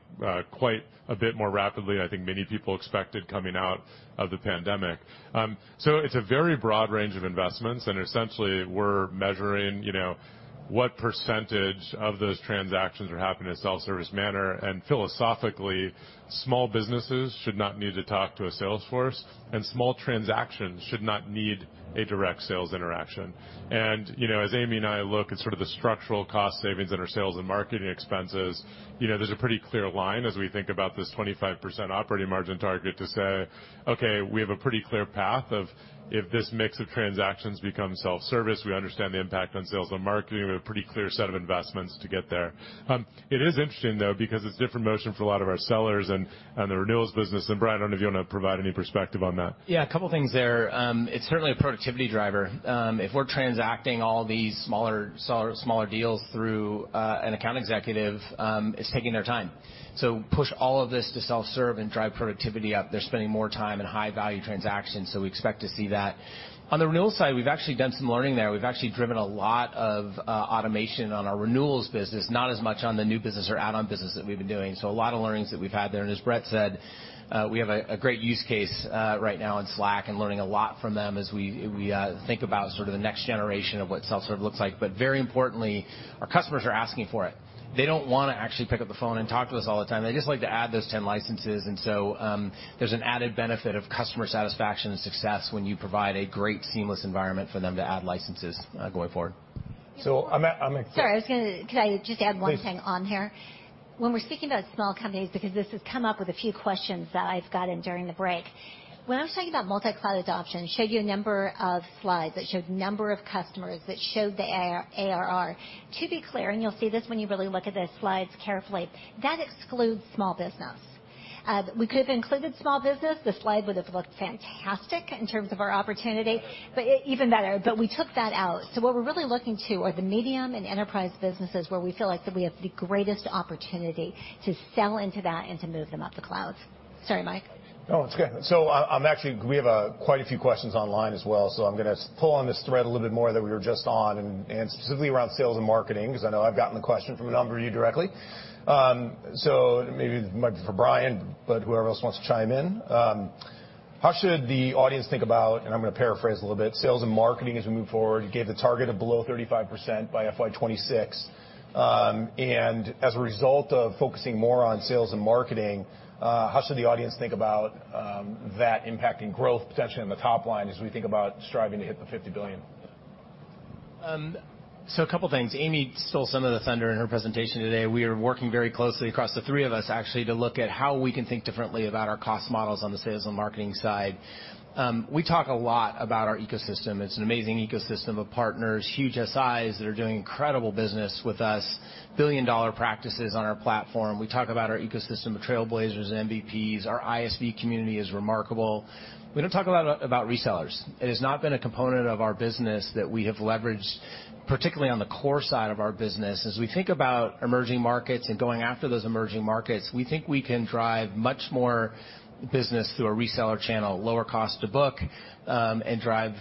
quite a bit more rapidly I think many people expected coming out of the pandemic. It's a very broad range of investments, and essentially, we're measuring, you know, what percentage of those transactions are happening in a self-service manner. Philosophically, small businesses should not need to talk to a sales force, and small transactions should not need a direct sales interaction. You know, as Amy and I look at sort of the structural cost savings in our sales and marketing expenses, you know, there's a pretty clear line as we think about this 25% operating margin target to say, "Okay, we have a pretty clear path of if this mix of transactions become self-service, we understand the impact on sales and marketing. We have a pretty clear set of investments to get there." It is interesting, though, because it's different motion for a lot of our sellers and the renewals business. Brian, I don't know if you wanna provide any perspective on that. Yeah, a couple things there. It's certainly a productivity driver. If we're transacting all these smaller deals through an account executive, it's taking their time. Push all of this to self-serve and drive productivity up, they're spending more time in high-value transactions, so we expect to see that. On the renewals side, we've actually done some learning there. We've actually driven a lot of automation on our renewals business, not as much on the new business or add-on business that we've been doing. A lot of learnings that we've had there. As Bret said, we have a great use case right now in Slack and learning a lot from them as we think about sort of the next generation of what self-serve looks like. Very importantly, our customers are asking for it. They don't wanna actually pick up the phone and talk to us all the time. They just like to add those 10 licenses. There's an added benefit of customer satisfaction and success when you provide a great seamless environment for them to add licenses, going forward. I'm ex. Could I just add one thing on here? Please. When we're speaking about small companies, because this has come up with a few questions that I've gotten during the break. When I was talking about multi-cloud adoption, showed you a number of slides that showed number of customers that showed the ARR. To be clear, and you'll see this when you really look at the slides carefully, that excludes small business. We could have included small business. The slide would have looked fantastic in terms of our opportunity, but even better. But we took that out. What we're really looking to are the medium and enterprise businesses where we feel like that we have the greatest opportunity to sell into that and to move them up the clouds. Sorry, Mike. No, it's okay. We have quite a few questions online as well, so I'm gonna pull on this thread a little bit more that we were just on and specifically around sales and marketing, 'cause I know I've gotten the question from a number of you directly. So maybe might be for Brian, but whoever else wants to chime in. How should the audience think about, and I'm gonna paraphrase a little bit, sales and marketing as we move forward? You gave the target of below 35% by FY 26. And as a result of focusing more on sales and marketing, how should the audience think about that impacting growth potentially on the top line as we think about striving to hit the $50 billion? A couple things. Amy stole some of the thunder in her presentation today. We are working very closely across the three of us, actually, to look at how we can think differently about our cost models on the sales and marketing side. We talk a lot about our ecosystem. It's an amazing ecosystem of partners, huge SIs that are doing incredible business with us, billion-dollar practices on our platform. We talk about our ecosystem of trailblazers and MVPs. Our ISV community is remarkable. We don't talk a lot about resellers. It has not been a component of our business that we have leveraged, particularly on the core side of our business. As we think about emerging markets and going after those emerging markets, we think we can drive much more business through a reseller channel, lower cost to book, and drive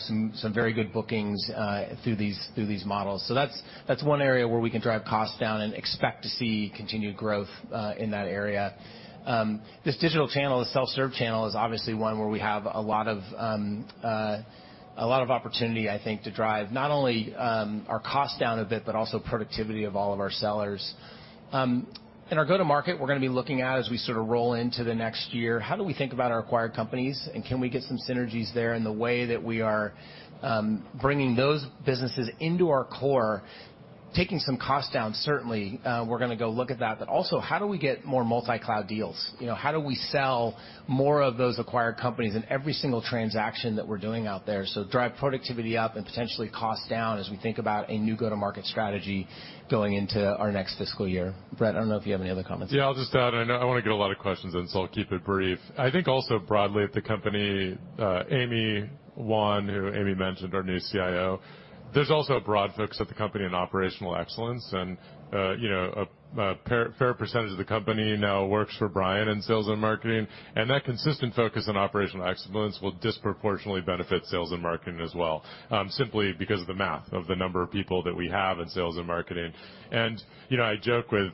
some very good bookings through these models. That's one area where we can drive costs down and expect to see continued growth in that area. This digital channel, the self-serve channel, is obviously one where we have a lot of opportunity, I think, to drive not only our cost down a bit, but also productivity of all of our sellers. In our go-to-market, we're gonna be looking at, as we sort of roll into the next year, how do we think about our acquired companies, and can we get some synergies there in the way that we are, bringing those businesses into our core, taking some costs down, certainly. We're gonna go look at that. Also, how do we get more multi-cloud deals? You know, how do we sell more of those acquired companies in every single transaction that we're doing out there? Drive productivity up and potentially cost down as we think about a new go-to-market strategy going into our next fiscal year. Bret, I don't know if you have any other comments. Yeah, I'll just add, I know I wanna get a lot of questions in, so I'll keep it brief. I think also broadly at the company, Juan Perez, who Amy mentioned, our new CIO, there's also a broad focus at the company on operational excellence and, you know, a fair percentage of the company now works for Brian in sales and marketing, and that consistent focus on operational excellence will disproportionately benefit sales and marketing as well, simply because of the math of the number of people that we have in sales and marketing. You know, I joke with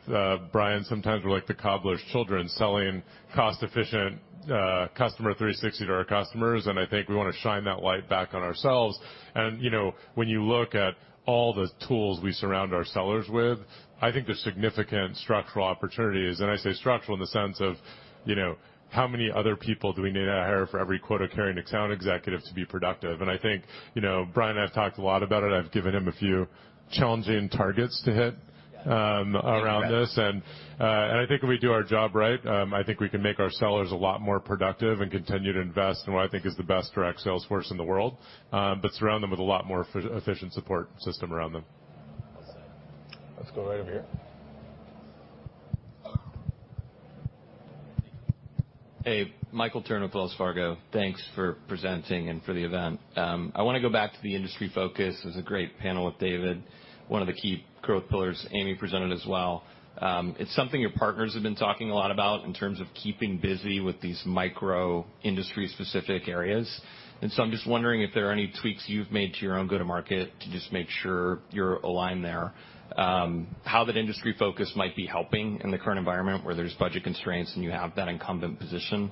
Brian, sometimes we're like the cobbler's children selling cost-efficient Customer 360 to our customers, and I think we wanna shine that light back on ourselves. You know, when you look at all the tools we surround our sellers with, I think there's significant structural opportunities, and I say structural in the sense of, you know, how many other people do we need to hire for every quota-carrying account executive to be productive? I think, you know, Brian and I have talked a lot about it. I've given him a few challenging targets to hit around this. I think if we do our job right, I think we can make our sellers a lot more productive and continue to invest in what I think is the best direct sales force in the world, but surround them with a lot more efficient support system around them. Well said. Let's go right over here. Hey, Michael Turrin with Wells Fargo. Thanks for presenting and for the event. I wanna go back to the industry focus. It was a great panel with David, one of the key growth pillars Amy presented as well. It's something your partners have been talking a lot about in terms of keeping busy with these micro industry-specific areas. I'm just wondering if there are any tweaks you've made to your own go-to-market to just make sure you're aligned there, how that industry focus might be helping in the current environment where there's budget constraints and you have that incumbent position,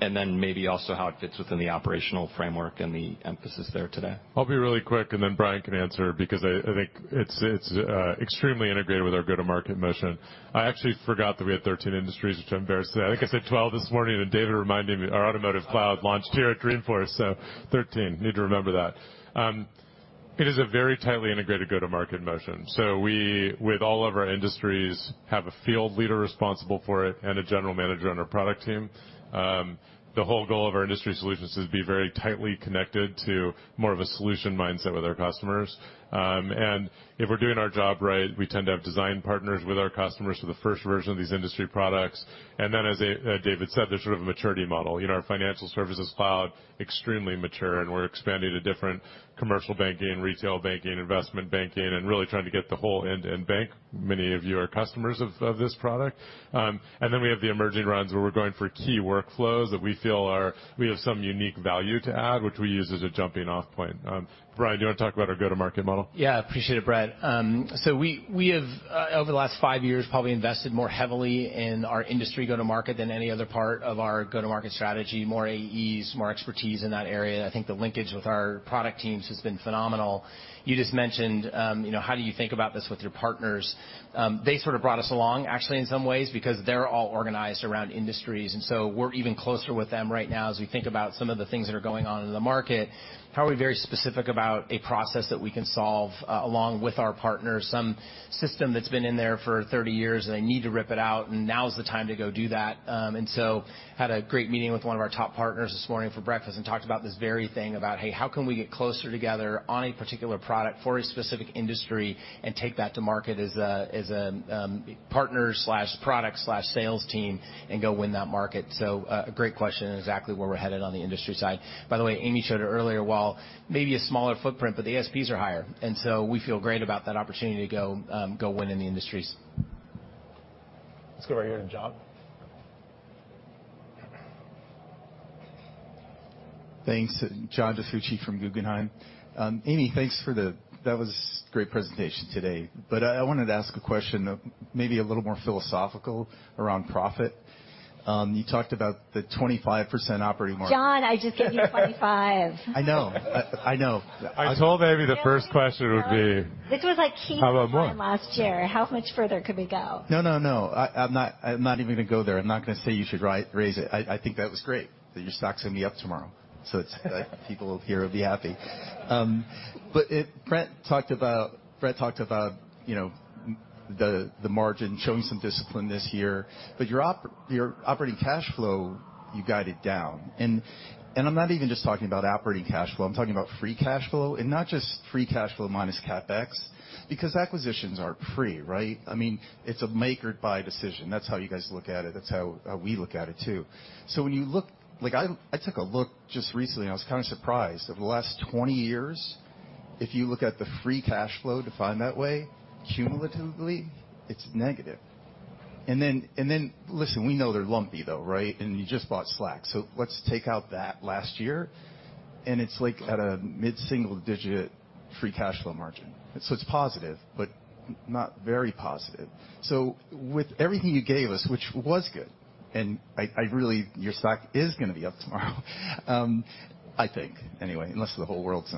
and then maybe also how it fits within the operational framework and the emphasis there today. I'll be really quick, and then Brian can answer because I think it's extremely integrated with our go-to-market motion. I actually forgot that we had 13 industries, which I'm embarrassed today. I think I said 12 this morning, and David reminded me our Automotive Cloud launched here at Dreamforce, so 13. Need to remember that. It is a very tightly integrated go-to-market motion. We, with all of our industries, have a field leader responsible for it and a general manager on our product team. The whole goal of our industry solutions is to be very tightly connected to more of a solution mindset with our customers. If we're doing our job right, we tend to have design partners with our customers for the first version of these industry products. Then as David said, there's sort of a maturity model. You know, our Financial Services Cloud, extremely mature, and we're expanding to different commercial banking, retail banking, investment banking, and really trying to get the whole end-to-end bank. Many of you are customers of this product. We have the emerging rounds where we're going for key workflows that we feel we have some unique value to add, which we use as a jumping-off point. Brian, do you wanna talk about our go-to-market model? Yeah, appreciate it, Bret. So we have over the last five years, probably invested more heavily in our industry go-to-market than any other part of our go-to-market strategy, more AEs, more expertise in that area. I think the linkage with our product teams has been phenomenal. You just mentioned, you know, how do you think about this with your partners? They sort of brought us along actually in some ways because they're all organized around industries, and so we're even closer with them right now as we think about some of the things that are going on in the market. How are we very specific about a process that we can solve along with our partners? Some system that's been in there for 30 years, and they need to rip it out, and now is the time to go do that. Had a great meeting with one of our top partners this morning for breakfast and talked about this very thing about, hey, how can we get closer together on a particular product for a specific industry and take that to market as a partner/product/sales team and go win that market? A great question and exactly where we're headed on the industry side. By the way, Amy showed it earlier, while maybe a smaller footprint, but the ASPs are higher. We feel great about that opportunity to go win in the industries. Let's go right here to John. Thanks. John DiFucci from Guggenheim. Amy, thanks for that great presentation today, but I wanted to ask a question, maybe a little more philosophical around profit. You talked about the 25% operating margin. John, I just gave you 25. I know. I know. I told Amy the first question would be. This was like key. How about more? For him last year. How much further could we go? No. I'm not even gonna go there. I'm not gonna say you should raise it. I think that was great, that your stock's gonna be up tomorrow. So it's, like, people here will be happy. But Brent talked about, you know, the margin showing some discipline this year. Your operating cash flow, you guided down. I'm not even just talking about operating cash flow. I'm talking about free cash flow, and not just free cash flow minus CapEx, because acquisitions are free, right? I mean, it's a make or buy decision. That's how you guys look at it, that's how we look at it, too. So when you look. Like, I took a look just recently and I was kind of surprised that the last 20 years, if you look at the free cash flow defined that way, cumulatively it's negative. Listen, we know they're lumpy though, right? You just bought Slack. Let's take out that last year, and it's like at a mid-single digit free cash flow margin. It's positive, but not very positive. With everything you gave us, which was good, and really, your stock is gonna be up tomorrow, I think, anyway, unless the whole world's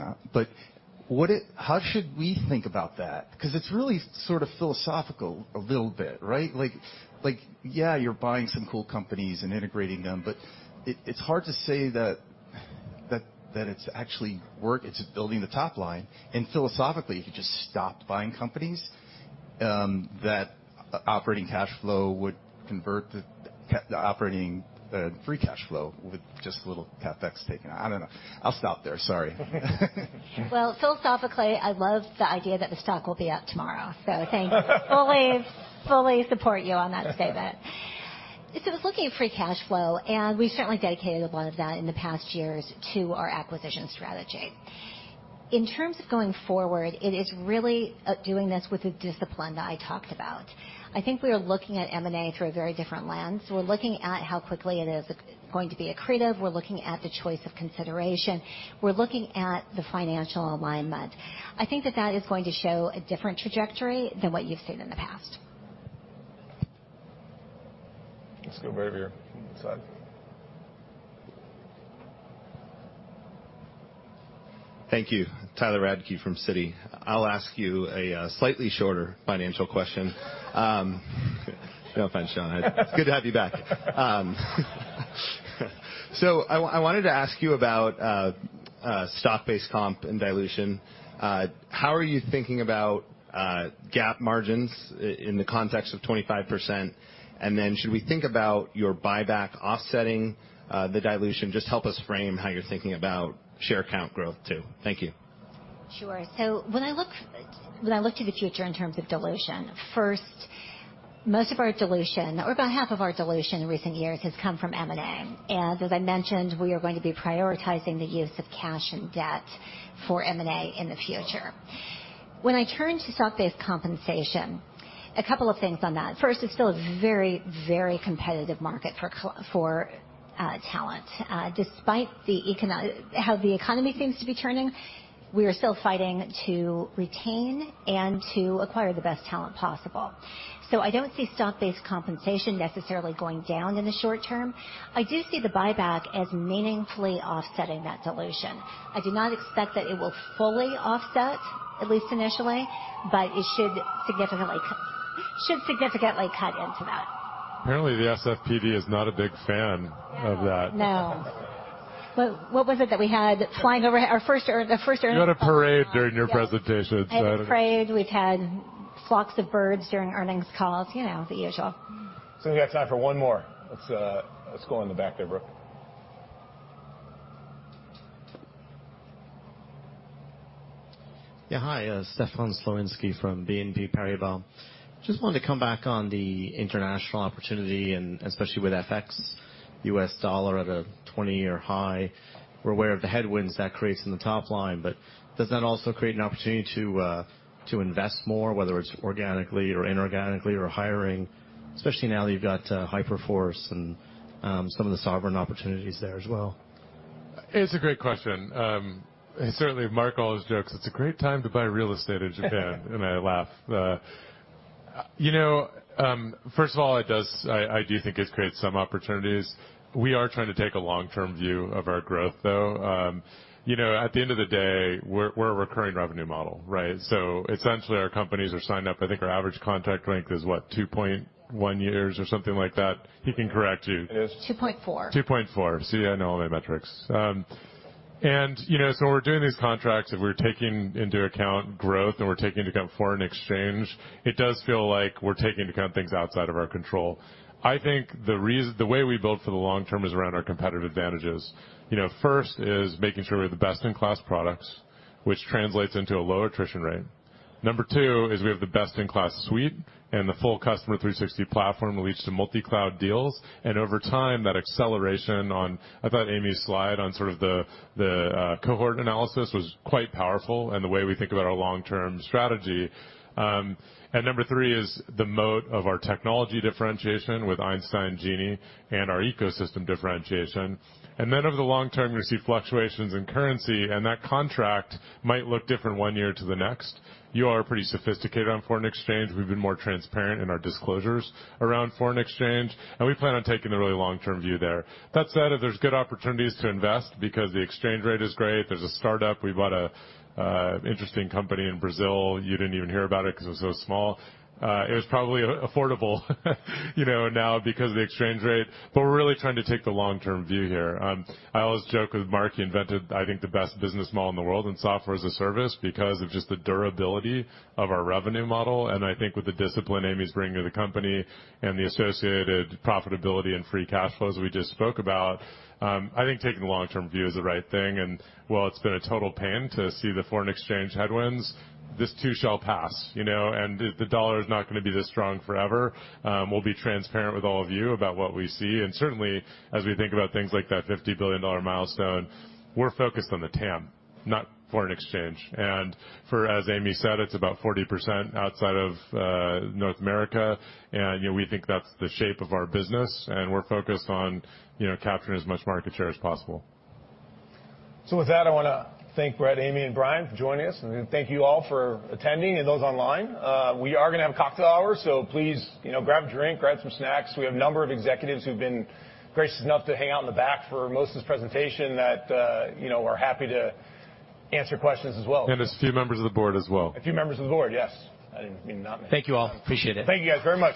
not. How should we think about that? 'Cause it's really sort of philosophical a little bit, right? Like, yeah, you're buying some cool companies and integrating them, but it's hard to say that it's actually working. It's building the top line. Philosophically, if you just stopped buying companies, that operating cash flow would convert the operating free cash flow with just a little CapEx taken out. I don't know. I'll stop there. Sorry. Well, philosophically, I love the idea that the stock will be up tomorrow. Thank you. Fully support you on that statement. I was looking at free cash flow, and we've certainly dedicated a lot of that in the past years to our acquisition strategy. In terms of going forward, it is really doing this with the discipline that I talked about. I think we are looking at M&A through a very different lens. We're looking at how quickly it is going to be accretive. We're looking at the choice of consideration. We're looking at the financial alignment. I think that is going to show a different trajectory than what you've seen in the past. Let's go right over here on this side. Thank you. Tyler Radke from Citi. I'll ask you a slightly shorter financial question. No offense, Sean. It's good to have you back. I wanted to ask you about stock-based comp and dilution. How are you thinking about GAAP margins in the context of 25%? And then should we think about your buyback offsetting the dilution? Just help us frame how you're thinking about share count growth, too. Thank you. Sure. When I look to the future in terms of dilution, first, most of our dilution or about half of our dilution in recent years has come from M&A. As I mentioned, we are going to be prioritizing the use of cash and debt for M&A in the future. When I turn to stock-based compensation, a couple of things on that. First, it's still a very, very competitive market for talent. Despite how the economy seems to be turning, we are still fighting to retain and to acquire the best talent possible. I don't see stock-based compensation necessarily going down in the short term. I do see the buyback as meaningfully offsetting that dilution. I do not expect that it will fully offset, at least initially, but it should significantly cut into that. Apparently, the SFPD is not a big fan of that. No. What was it that we had flying over our first year, the first earnings? You had a parade during your presentation. I had the parade. We've had flocks of birds during earnings calls. You know, the usual. We got time for one more. Let's go in the back there, Brooke. Yeah, hi. Stefan Slowinski from BNP Paribas. Just wanted to come back on the international opportunity, and especially with FX US dollar at a 20-year high. We're aware of the headwinds that creates in the top line, but does that also create an opportunity to invest more, whether it's organically or inorganically or hiring, especially now that you've got Hyperforce and some of the sovereign opportunities there as well? It's a great question. Certainly Marc always jokes, "It's a great time to buy real estate in Japan," and I laugh. You know, first of all, I do think it creates some opportunities. We are trying to take a long-term view of our growth, though. You know, at the end of the day, we're a recurring revenue model, right? So essentially, our companies are signed up. I think our average contract length is, what? 2.1 years or something like that. He can correct you. It is. 2.4. 2.4. See, I know all the metrics. You know, we're doing these contracts, and we're taking into account growth, and we're taking into account foreign exchange. It does feel like we're taking into account things outside of our control. I think the reason, the way we build for the long term is around our competitive advantages. You know, first is making sure we have the best-in-class products, which translates into a low attrition rate. Number two is we have the best-in-class suite, and the full Customer 360 platform leads to multi-cloud deals. Over time, that acceleration on I thought Amy's slide on sort of cohort analysis was quite powerful and the way we think about our long-term strategy. Number three is the moat of our technology differentiation with Einstein Genie and our ecosystem differentiation. Over the long term, you'll see fluctuations in currency, and that contract might look different one year to the next. You are pretty sophisticated on foreign exchange. We've been more transparent in our disclosures around foreign exchange, and we plan on taking a really long-term view there. That said, if there's good opportunities to invest because the exchange rate is great, there's a startup. We bought an interesting company in Brazil. You didn't even hear about it 'cause it was so small. It was probably affordable, you know, now because of the exchange rate. But we're really trying to take the long-term view here. I always joke with Marc, he invented, I think, the best business model in the world in software as a service because of just the durability of our revenue model. I think with the discipline Amy's bringing to the company and the associated profitability and free cash flows we just spoke about, I think taking the long-term view is the right thing. While it's been a total pain to see the foreign exchange headwinds, this too shall pass, you know? The dollar is not gonna be this strong forever. We'll be transparent with all of you about what we see. Certainly, as we think about things like that $50 billion milestone, we're focused on the TAM, not foreign exchange. As Amy said, it's about 40% outside of North America. You know, we think that's the shape of our business, and we're focused on, you know, capturing as much market share as possible. With that, I wanna thank Bret, Amy, and Brian for joining us, and thank you all for attending and those online. We are gonna have cocktail hour, so please, you know, grab a drink, grab some snacks. We have a number of executives who've been gracious enough to hang out in the back for most of this presentation that, you know, are happy to answer questions as well. There's a few members of the board as well. A few members of the board, yes. I didn't mean to not mention. Thank you all. Appreciate it. Thank you guys very much.